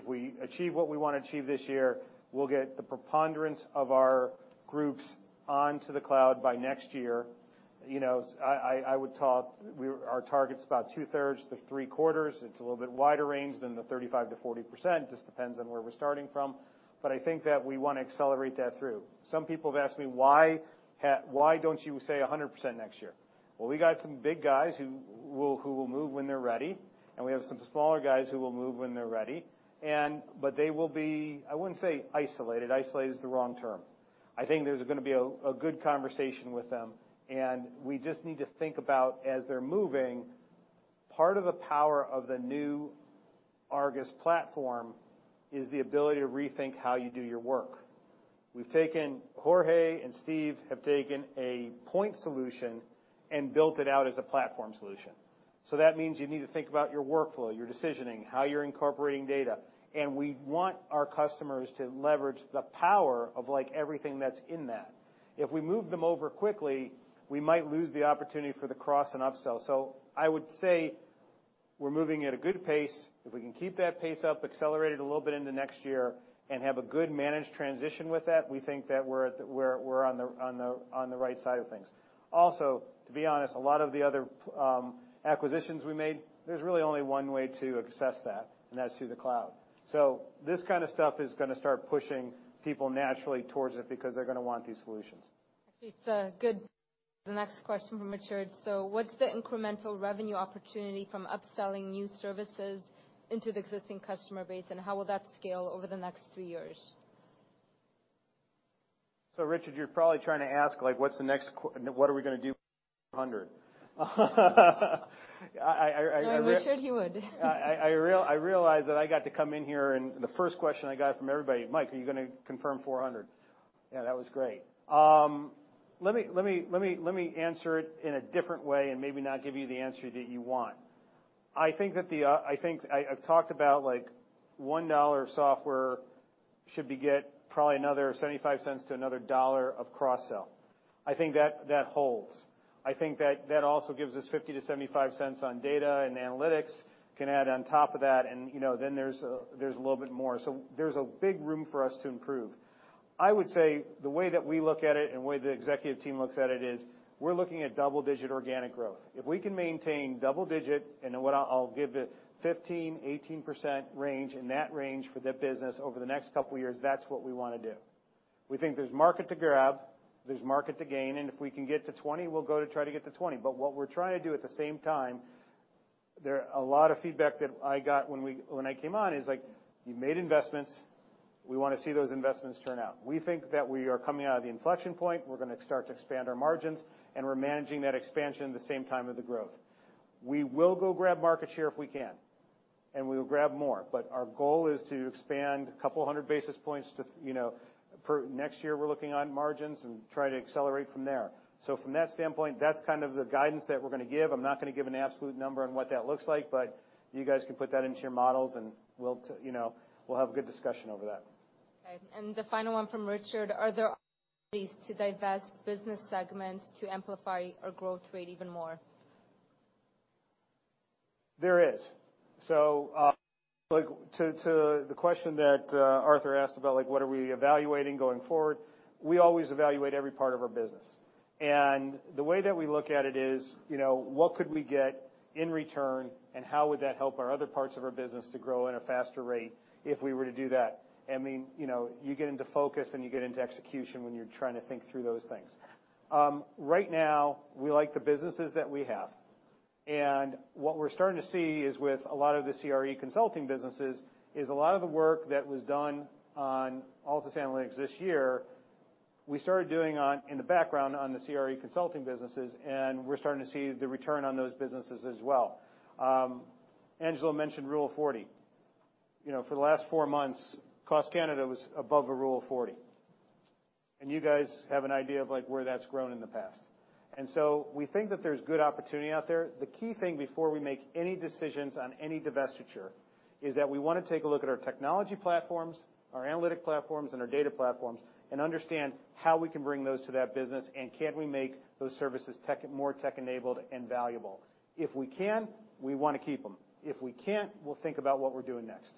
we achieve what we want to achieve this year, we'll get the preponderance of our groups onto the cloud by next year. You know, our target's about two-thirds to three-quarters. It's a little bit wider range than the 35%-40%, just depends on where we're starting from. I think that we want to accelerate that through. Some people have asked me, "Why don't you say 100% next year?" Well, we got some big guys who will move when they're ready, and we have some smaller guys who will move when they're ready. But they will be, I wouldn't say isolated. Isolated is the wrong term. I think there's gonna be a good conversation with them, and we just need to think about as they're moving. Part of the power of the new ARGUS platform is the ability to rethink how you do your work. Jorge and Steve have taken a point solution and built it out as a platform solution. That means you need to think about your workflow, your decisioning, how you're incorporating data, and we want our customers to leverage the power of, like, everything that's in that. If we move them over quickly, we might lose the opportunity for the cross and upsell. I would say we're moving at a good pace. If we can keep that pace up, accelerate it a little bit into next year and have a good managed transition with that, we think that we're on the right side of things. Also, to be honest, a lot of the other acquisitions we made, there's really only one way to access that, and that's through the cloud. This kind of stuff is gonna start pushing people naturally towards it because they're gonna want these solutions. Actually, it's good. The next question from Richard. What's the incremental revenue opportunity from upselling new services into the existing customer base, and how will that scale over the next three years? Richard, you're probably trying to ask like, what are we gonna do hundred? I re- No, I'm not sure he would. I realize that I got to come in here and the first question I got from everybody, "Mike, are you gonna confirm 400?" Yeah, that was great. Let me answer it in a different way and maybe not give you the answer that you want. I think I've talked about, like, 1 dollar of software should beget probably another 0.75 to another CAD 1 of cross-sell. I think that holds. I think that also gives us 0.50-0.75 on data and analytics can add on top of that. You know, then there's a little bit more. There's a big room for us to improve. I would say the way that we look at it and the way the executive team looks at it is we're looking at double-digit organic growth. If we can maintain double-digit and what I'll give the 15%-18% range, in that range for the business over the next couple of years, that's what we wanna do. We think there's market to grab, there's market to gain, and if we can get to 20%, we'll go to try to get to 20%. What we're trying to do at the same time, there's a lot of feedback that I got when I came on is like, "You made investments, we wanna see those investments turn out." We think that we are coming out of the inflection point. We're gonna start to expand our margins, and we're managing that expansion the same time as the growth. We will go grab market share if we can, and we will grab more. Our goal is to expand 200 basis points, you know, for next year. We're looking at margins and try to accelerate from there. From that standpoint, that's kind of the guidance that we're gonna give. I'm not gonna give an absolute number on what that looks like, but you guys can put that into your models and you know, we'll have good discussion over that. The final one from Richard. Are there opportunities to divest business segments to amplify our growth rate even more? There is. Like, to the question that Arthur asked about like what we are evaluating going forward, we always evaluate every part of our business. The way that we look at it is, you know, what could we get in return, and how would that help our other parts of our business to grow at a faster rate if we were to do that. I mean, you know, you get into focus and you get into execution when you're trying to think through those things. Right now, we like the businesses that we have. What we're starting to see is with a lot of the CRE consulting businesses is a lot of the work that was done on Altus Analytics this year, we started doing in the background on the CRE consulting businesses, and we're starting to see the return on those businesses as well. Angelo mentioned Rule of 40. You know, for the last four months, COTS Canada was above a Rule of 40. You guys have an idea of like where that's grown in the past. We think that there's good opportunity out there. The key thing before we make any decisions on any divestiture is that we wanna take a look at our technology platforms, our analytic platforms, and our data platforms and understand how we can bring those to that business, and can we make those services more tech-enabled and valuable. If we can, we wanna keep them. If we can't, we'll think about what we're doing next.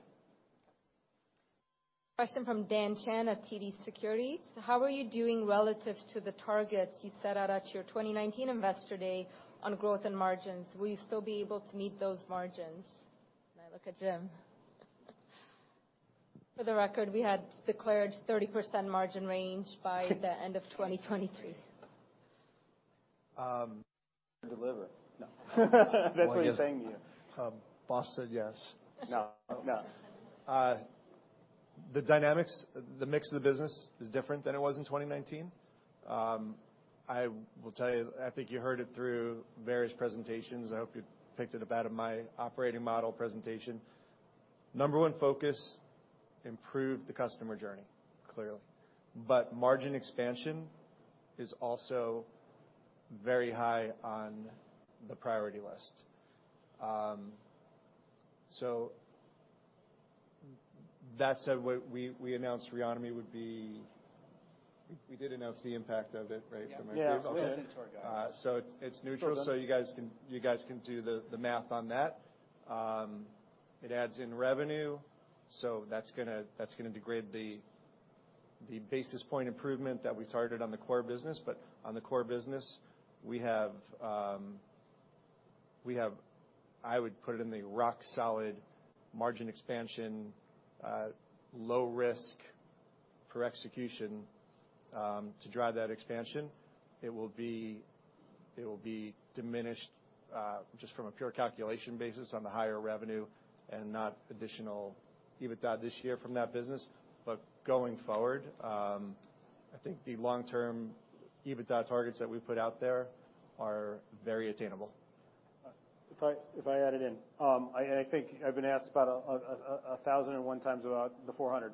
Question from Daniel Chan at TD Securities. How are you doing relative to the targets you set out at your 2019 investor day on growth and margins? Will you still be able to meet those margins? I look at Jim. For the record, we had declared 30% margin range by the end of 2023. No. That's what you're saying too. Boss said yes. No. No. The dynamics, the mix of the business is different than it was in 2019. I will tell you, I think you heard it through various presentations. I hope you picked it up out of my operating model presentation. Number one focus, improve the customer journey, clearly. Margin expansion is also very high on the priority list. That said, what we announced Reonomy would be. We did announce the impact of it, right? Yeah. We did. It's neutral. You guys can do the math on that. It adds in revenue, so that's gonna degrade the basis point improvement that we targeted on the core business. On the core business, we have I would put it in the rock solid margin expansion, low risk for execution, to drive that expansion. It will be diminished, just from a pure calculation basis on the higher revenue and not additional EBITDA this year from that business. Going forward, I think the long-term EBITDA targets that we put out there are very attainable. If I add it in. I think I've been asked about 1,001x about the 400.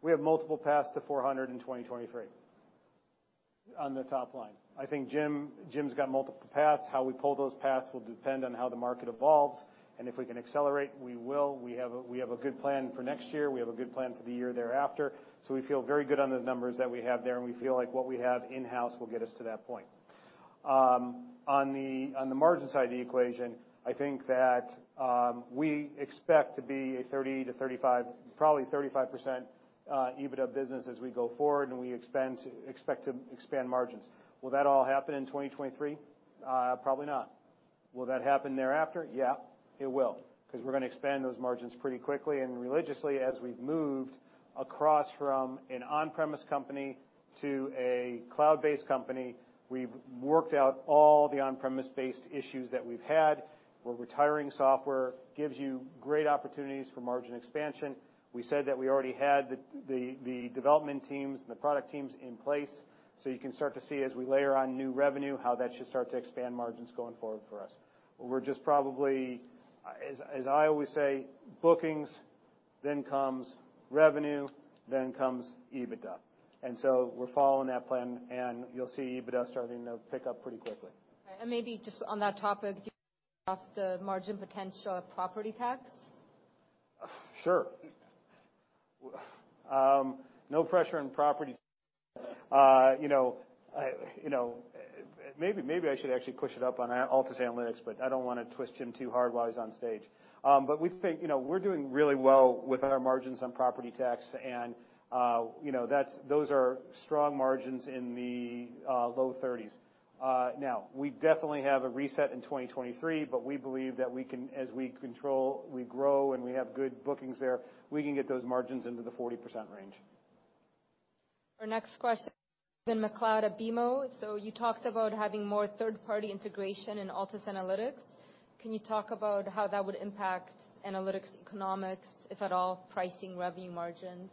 We have multiple paths to 400 in 2023 on the top line. I think Jim's got multiple paths. How we pull those paths will depend on how the market evolves, and if we can accelerate, we will. We have a good plan for next year. We have a good plan for the year thereafter. We feel very good on the numbers that we have there, and we feel like what we have in-house will get us to that point. On the margin side of the equation, I think that we expect to be a 30%-35%, probably 35% EBITDA business as we go forward, and we expect to expand margins. Will that all happen in 2023? Probably not. Will that happen thereafter? Yeah, it will, 'cause we're gonna expand those margins pretty quickly and religiously as we've moved across from an on-premise company to a cloud-based company. We've worked out all the on-premise-based issues that we've had. We're retiring software, gives you great opportunities for margin expansion. We said that we already had the development teams and the product teams in place, so you can start to see as we layer on new revenue, how that should start to expand margins going forward for us. We're just probably, as I always say, bookings, then comes revenue, then comes EBITDA. We're following that plan, and you'll see EBITDA starting to pick up pretty quickly. Maybe just on that topic, can you lift the margin potential of property tax? Sure. No pressure on property. You know, maybe I should actually push it up on Altus Analytics, but I don't wanna twist Jim too hard while he's on stage. But we think, you know, we're doing really well with our margins on property tax and, you know, those are strong margins in the low 30s%. Now we definitely have a reset in 2023, but we believe that we can as we control, we grow, and we have good bookings there, we can get those margins into the 40% range. Our next question, Stephen MacLeod at BMO. You talked about having more third-party integration in Altus Analytics. Can you talk about how that would impact analytics economics, if at all, pricing revenue margins?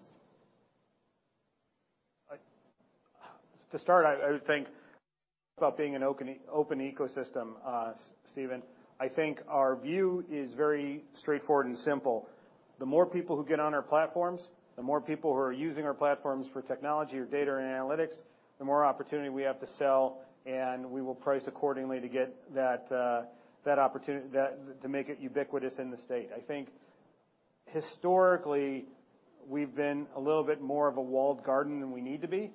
To start, I would think about being an open ecosystem, Stephen. I think our view is very straightforward and simple. The more people who get on our platforms, the more people who are using our platforms for technology or data and analytics, the more opportunity we have to sell, and we will price accordingly to get that opportunity to make it ubiquitous in the space. I think. Historically, we've been a little bit more of a walled garden than we need to be.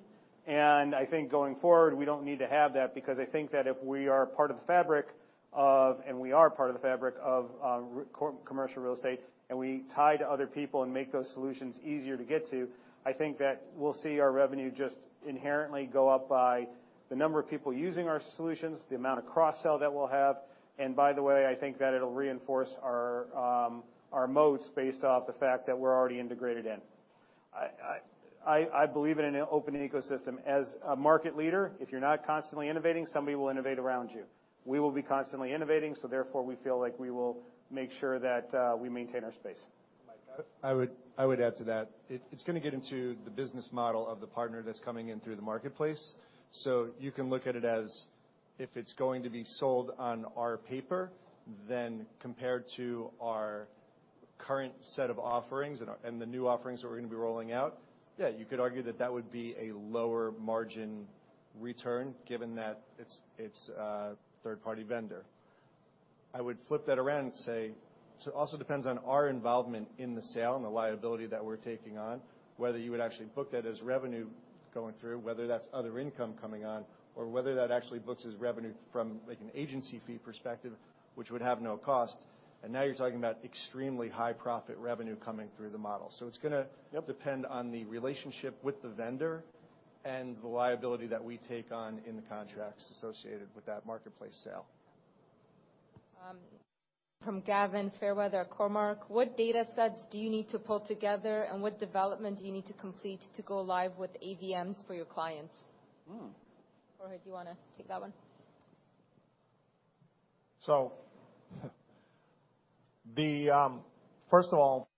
I think going forward, we don't need to have that because I think that if we are part of the fabric of commercial real estate, and we tie to other people and make those solutions easier to get to, I think that we'll see our revenue just inherently go up by the number of people using our solutions, the amount of cross-sell that we'll have. By the way, I think that it'll reinforce our moats based off the fact that we're already integrated in. I believe in an open ecosystem. As a market leader, if you're not constantly innovating, somebody will innovate around you. We will be constantly innovating, so therefore, we feel like we will make sure that we maintain our space. Russ, add? I would add to that. It's gonna get into the business model of the partner that's coming in through the marketplace. You can look at it as if it's going to be sold on our paper, then compared to our current set of offerings and the new offerings that we're gonna be rolling out. Yeah, you could argue that would be a lower margin return given that it's a third-party vendor. I would flip that around and say, it also depends on our involvement in the sale and the liability that we're taking on, whether you would actually book that as revenue going through, whether that's other income coming on, or whether that actually books as revenue from, like, an agency fee perspective, which would have no cost. Now you're talking about extremely high profit revenue coming through the model. So it's gonna- Yep. ....depend on the relationship with the vendor and the liability that we take on in the contracts associated with that marketplace sale. From Gavin Fairweather at Cormark. What data sets do you need to pull together, and what development do you need to complete to go live with AVMs for your clients? Hmm. Jorge, do you wanna take that one? First of all,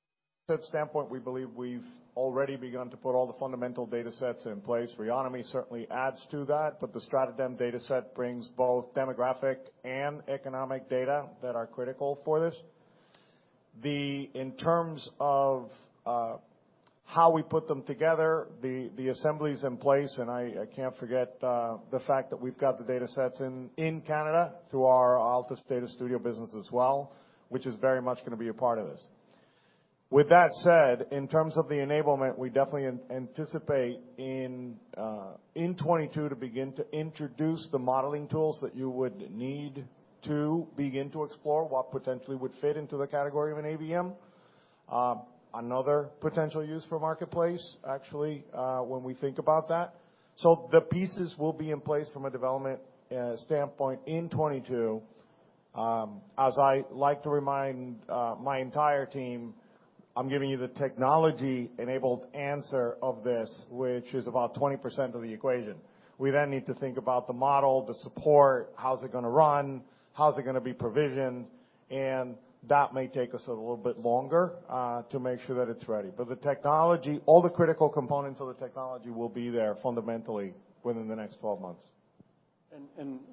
from a data standpoint, we believe we've already begun to put all the fundamental data sets in place. Reonomy certainly adds to that, but the StratoDem data set brings both demographic and economic data that are critical for this. In terms of how we put them together, the assembly's in place, and I can't forget the fact that we've got the data sets in Canada through our Altus Data Studio business as well, which is very much gonna be a part of this. With that said, in terms of the enablement, we definitely anticipate in 2022 to begin to introduce the modeling tools that you would need to begin to explore what potentially would fit into the category of an AVM. Another potential use for marketplace actually, when we think about that. The pieces will be in place from a development standpoint in 2022. As I like to remind my entire team, I'm giving you the technology-enabled answer of this, which is about 20% of the equation. We then need to think about the model, the support, how's it gonna run, how's it gonna be provisioned, and that may take us a little bit longer to make sure that it's ready. The technology, all the critical components of the technology will be there fundamentally within the next 12 months.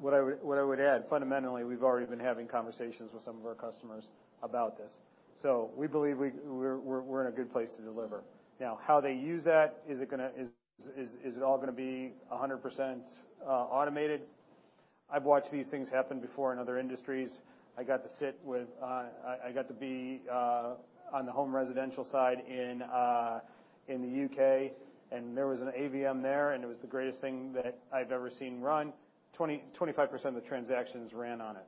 What I would add, fundamentally, we've already been having conversations with some of our customers about this. We believe we're in a good place to deliver. Now, how they use that, is it gonna be 100% automated? I've watched these things happen before in other industries. I got to be on the home residential side in the U.K., and there was an AVM there, and it was the greatest thing that I've ever seen run. 20-25% of the transactions ran on it.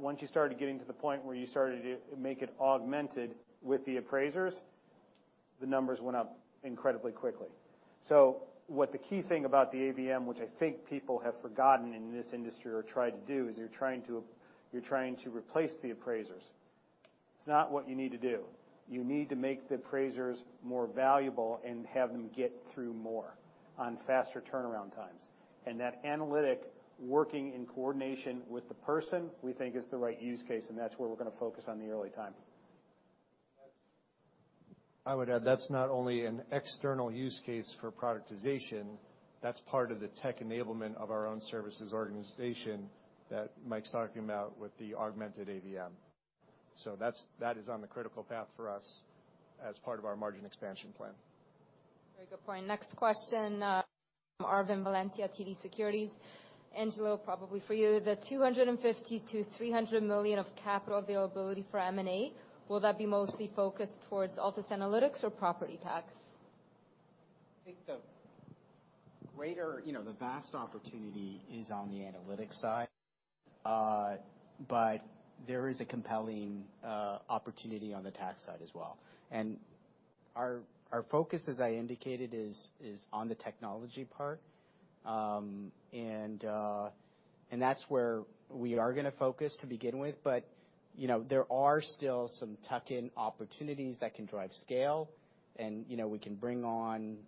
Once you started getting to the point where you started to make it augmented with the appraisers, the numbers went up incredibly quickly. What the key thing about the AVM, which I think people have forgotten in this industry or tried to do, is you're trying to replace the appraisers. It's not what you need to do. You need to make the appraisers more valuable and have them get through more on faster turnaround times. That analytic working in coordination with the person, we think is the right use case, and that's where we're gonna focus on the early timing. I would add, that's not only an external use case for productization, that's part of the tech enablement of our own services organization that Mike's talking about with the augmented AVM. That is on the critical path for us as part of our margin expansion plan. Very good point. Next question from Arvin Valencia, TD Securities. Angelo, probably for you. The 250-300 million of capital availability for M&A, will that be mostly focused towards Altus Analytics or Property Tax? I think the greater, you know, the vast opportunity is on the analytics side. There is a compelling opportunity on the tax side as well. Our focus, as I indicated, is on the technology part. That's where we are gonna focus to begin with. There are still some tuck-in opportunities that can drive scale, and, you know, we can bring on,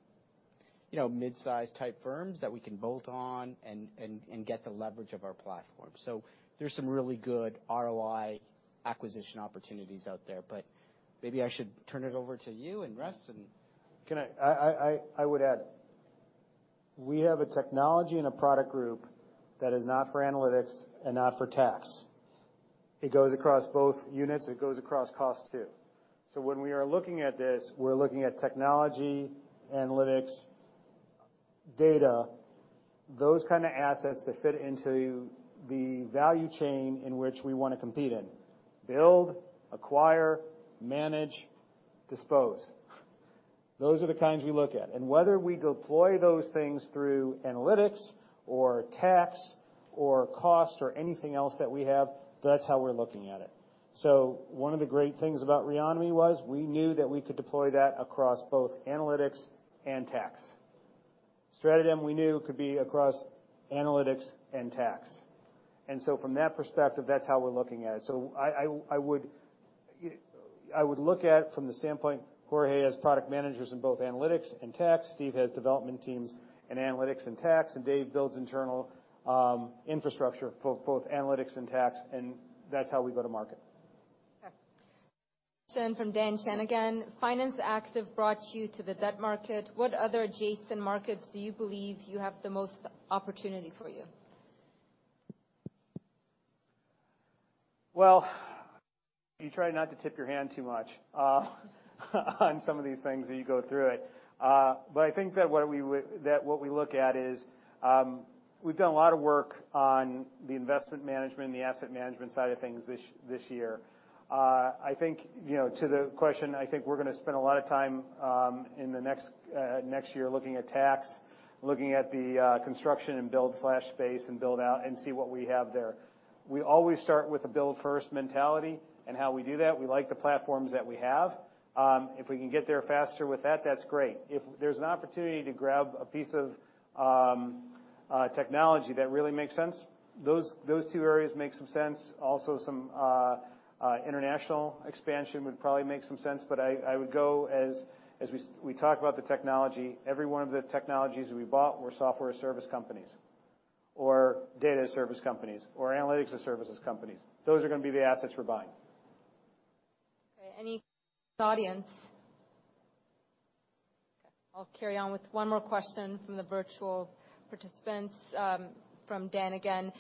you know, midsize-type firms that we can bolt on and get the leverage of our platform. There's some really good ROI acquisition opportunities out there, but maybe I should turn it over to you and Russ and..... I would add, we have a technology and a product group that is not for analytics and not for tax. It goes across both units. It goes across costs, too. When we are looking at this, we're looking at technology, analytics data, those kind of assets that fit into the value chain in which we wanna compete in. Build, acquire, manage, dispose. Those are the kinds we look at, and whether we deploy those things through analytics or tax or cost or anything else that we have, that's how we're looking at it. One of the great things about Reonomy was we knew that we could deploy that across both analytics and tax. StratoDem, we knew could be across analytics and tax. From that perspective, that's how we're looking at it. I would look at from the standpoint. Jorge has product managers in both analytics and tax. Steve has development teams in analytics and tax, and Dave builds internal infrastructure for both analytics and tax, and that's how we go to market. Okay. From Dan Shanagan: Finance Active brought you to the debt market. What other adjacent markets do you believe you have the most opportunity for you? Well, you try not to tip your hand too much on some of these things as you go through it. But I think that what we look at is, we've done a lot of work on the investment management and the asset management side of things this year. I think, you know, to the question, I think we're gonna spend a lot of time in the next year looking at tax, looking at the construction and build space and build out and see what we have there. We always start with a build first mentality and how we do that. We like the platforms that we have. If we can get there faster that's great. If there's an opportunity to grab a piece of technology that really makes sense, those two areas make some sense. Also some international expansion would probably make some sense, but I would go as we talk about the technology, every one of the technologies we bought were software-as-a-service companies or data-as-a-service companies or analytics-as-a-service companies. Those are gonna be the assets we're buying. Okay. Any audience? Okay, I'll carry on with one more question from the virtual participants, from Dan again.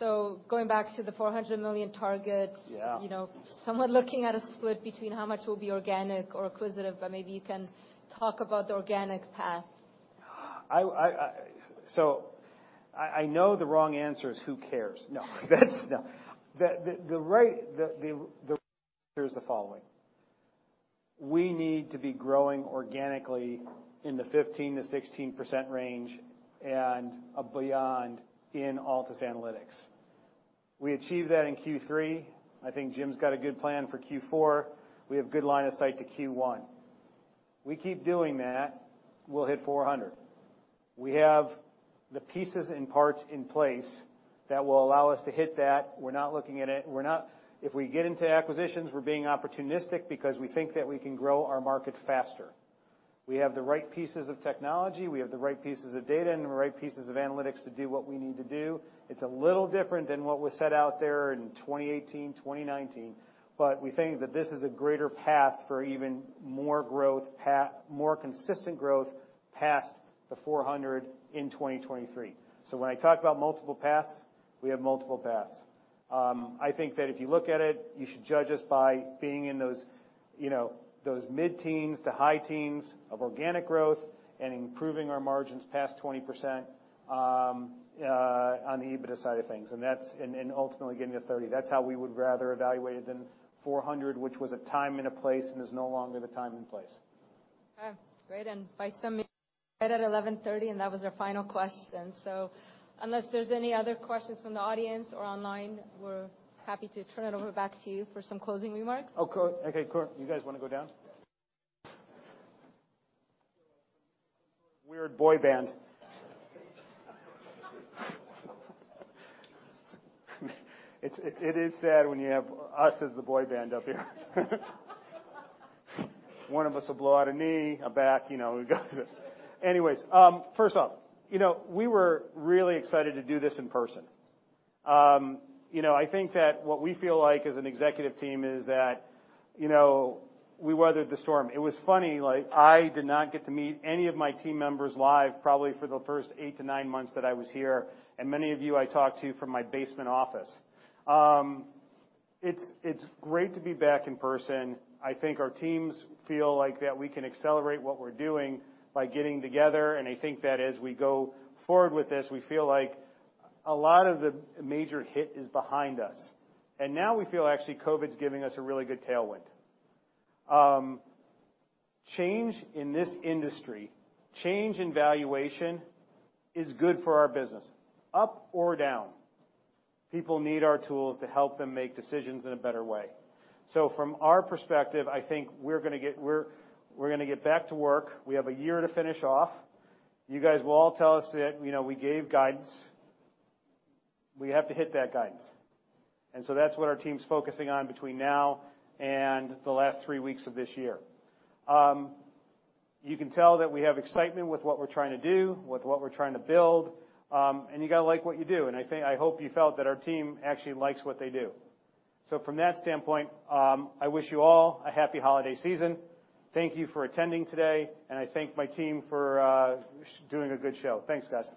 Going back to the 400 million targets- Yeah. You know, someone looking at a split between how much will be organic or acquisitive, but maybe you can talk about the organic path. I know the wrong answer is, who cares? No. That's no. The right answer is the following. We need to be growing organically in the 15%-16% range and beyond in Altus Analytics. We achieved that in Q3. I think Jim's got a good plan for Q4. We have good line of sight to Q1. We keep doing that, we'll hit 400 million. We have the pieces and parts in place that will allow us to hit that. We're not looking at it. We're not. If we get into acquisitions, we're being opportunistic because we think that we can grow our market faster. We have the right pieces of technology, we have the right pieces of data, and the right pieces of analytics to do what we need to do. It's a little different than what was set out there in 2018, 2019, but we think that this is a greater path for even more growth more consistent growth past the 400 million in 2023. When I talk about multiple paths, we have multiple paths. I think that if you look at it, you should judge us by being in those, you know, those mid-teens to high-teens of organic growth and improving our margins past 20%, on the EBITDA side of things. And ultimately getting to 30%. That's how we would rather evaluate it than 400 million, which was a time and a place and is no longer the time and place. Okay, great. By 11:30, and that was our final question. Unless there's any other questions from the audience or online, we're happy to turn it over back to you for some closing remarks. Okay. Okay, cool. You guys wanna go down? Weird boy band. It is sad when you have us as the boy band up here. One of us will blow out a knee, a back, you know. Anyways, first off, you know, we were really excited to do this in person. You know, I think that what we feel like as an executive team is that, you know, we weathered the storm. It was funny, like, I did not get to meet any of my team members live, probably for the first eight to nine months that I was here, and many of you I talked to from my basement office. It's great to be back in person. I think our teams feel like that we can accelerate what we're doing by getting together, and I think that as we go forward with this, we feel like a lot of the major hit is behind us. Now we feel actually COVID's giving us a really good tailwind. Change in this industry, change in valuation is good for our business, up or down. People need our tools to help them make decisions in a better way. From our perspective, I think we're gonna get back to work. We have a year to finish off. You guys will all tell us it. You know, we gave guidance, we have to hit that guidance. That's what our team's focusing on between now and the last three weeks of this year. You can tell that we have excitement with what we're trying to do, with what we're trying to build, and you gotta like what you do. I think, I hope you felt that our team actually likes what they do. From that standpoint, I wish you all a happy holiday season. Thank you for attending today, and I thank my team for doing a good show. Thanks, guys.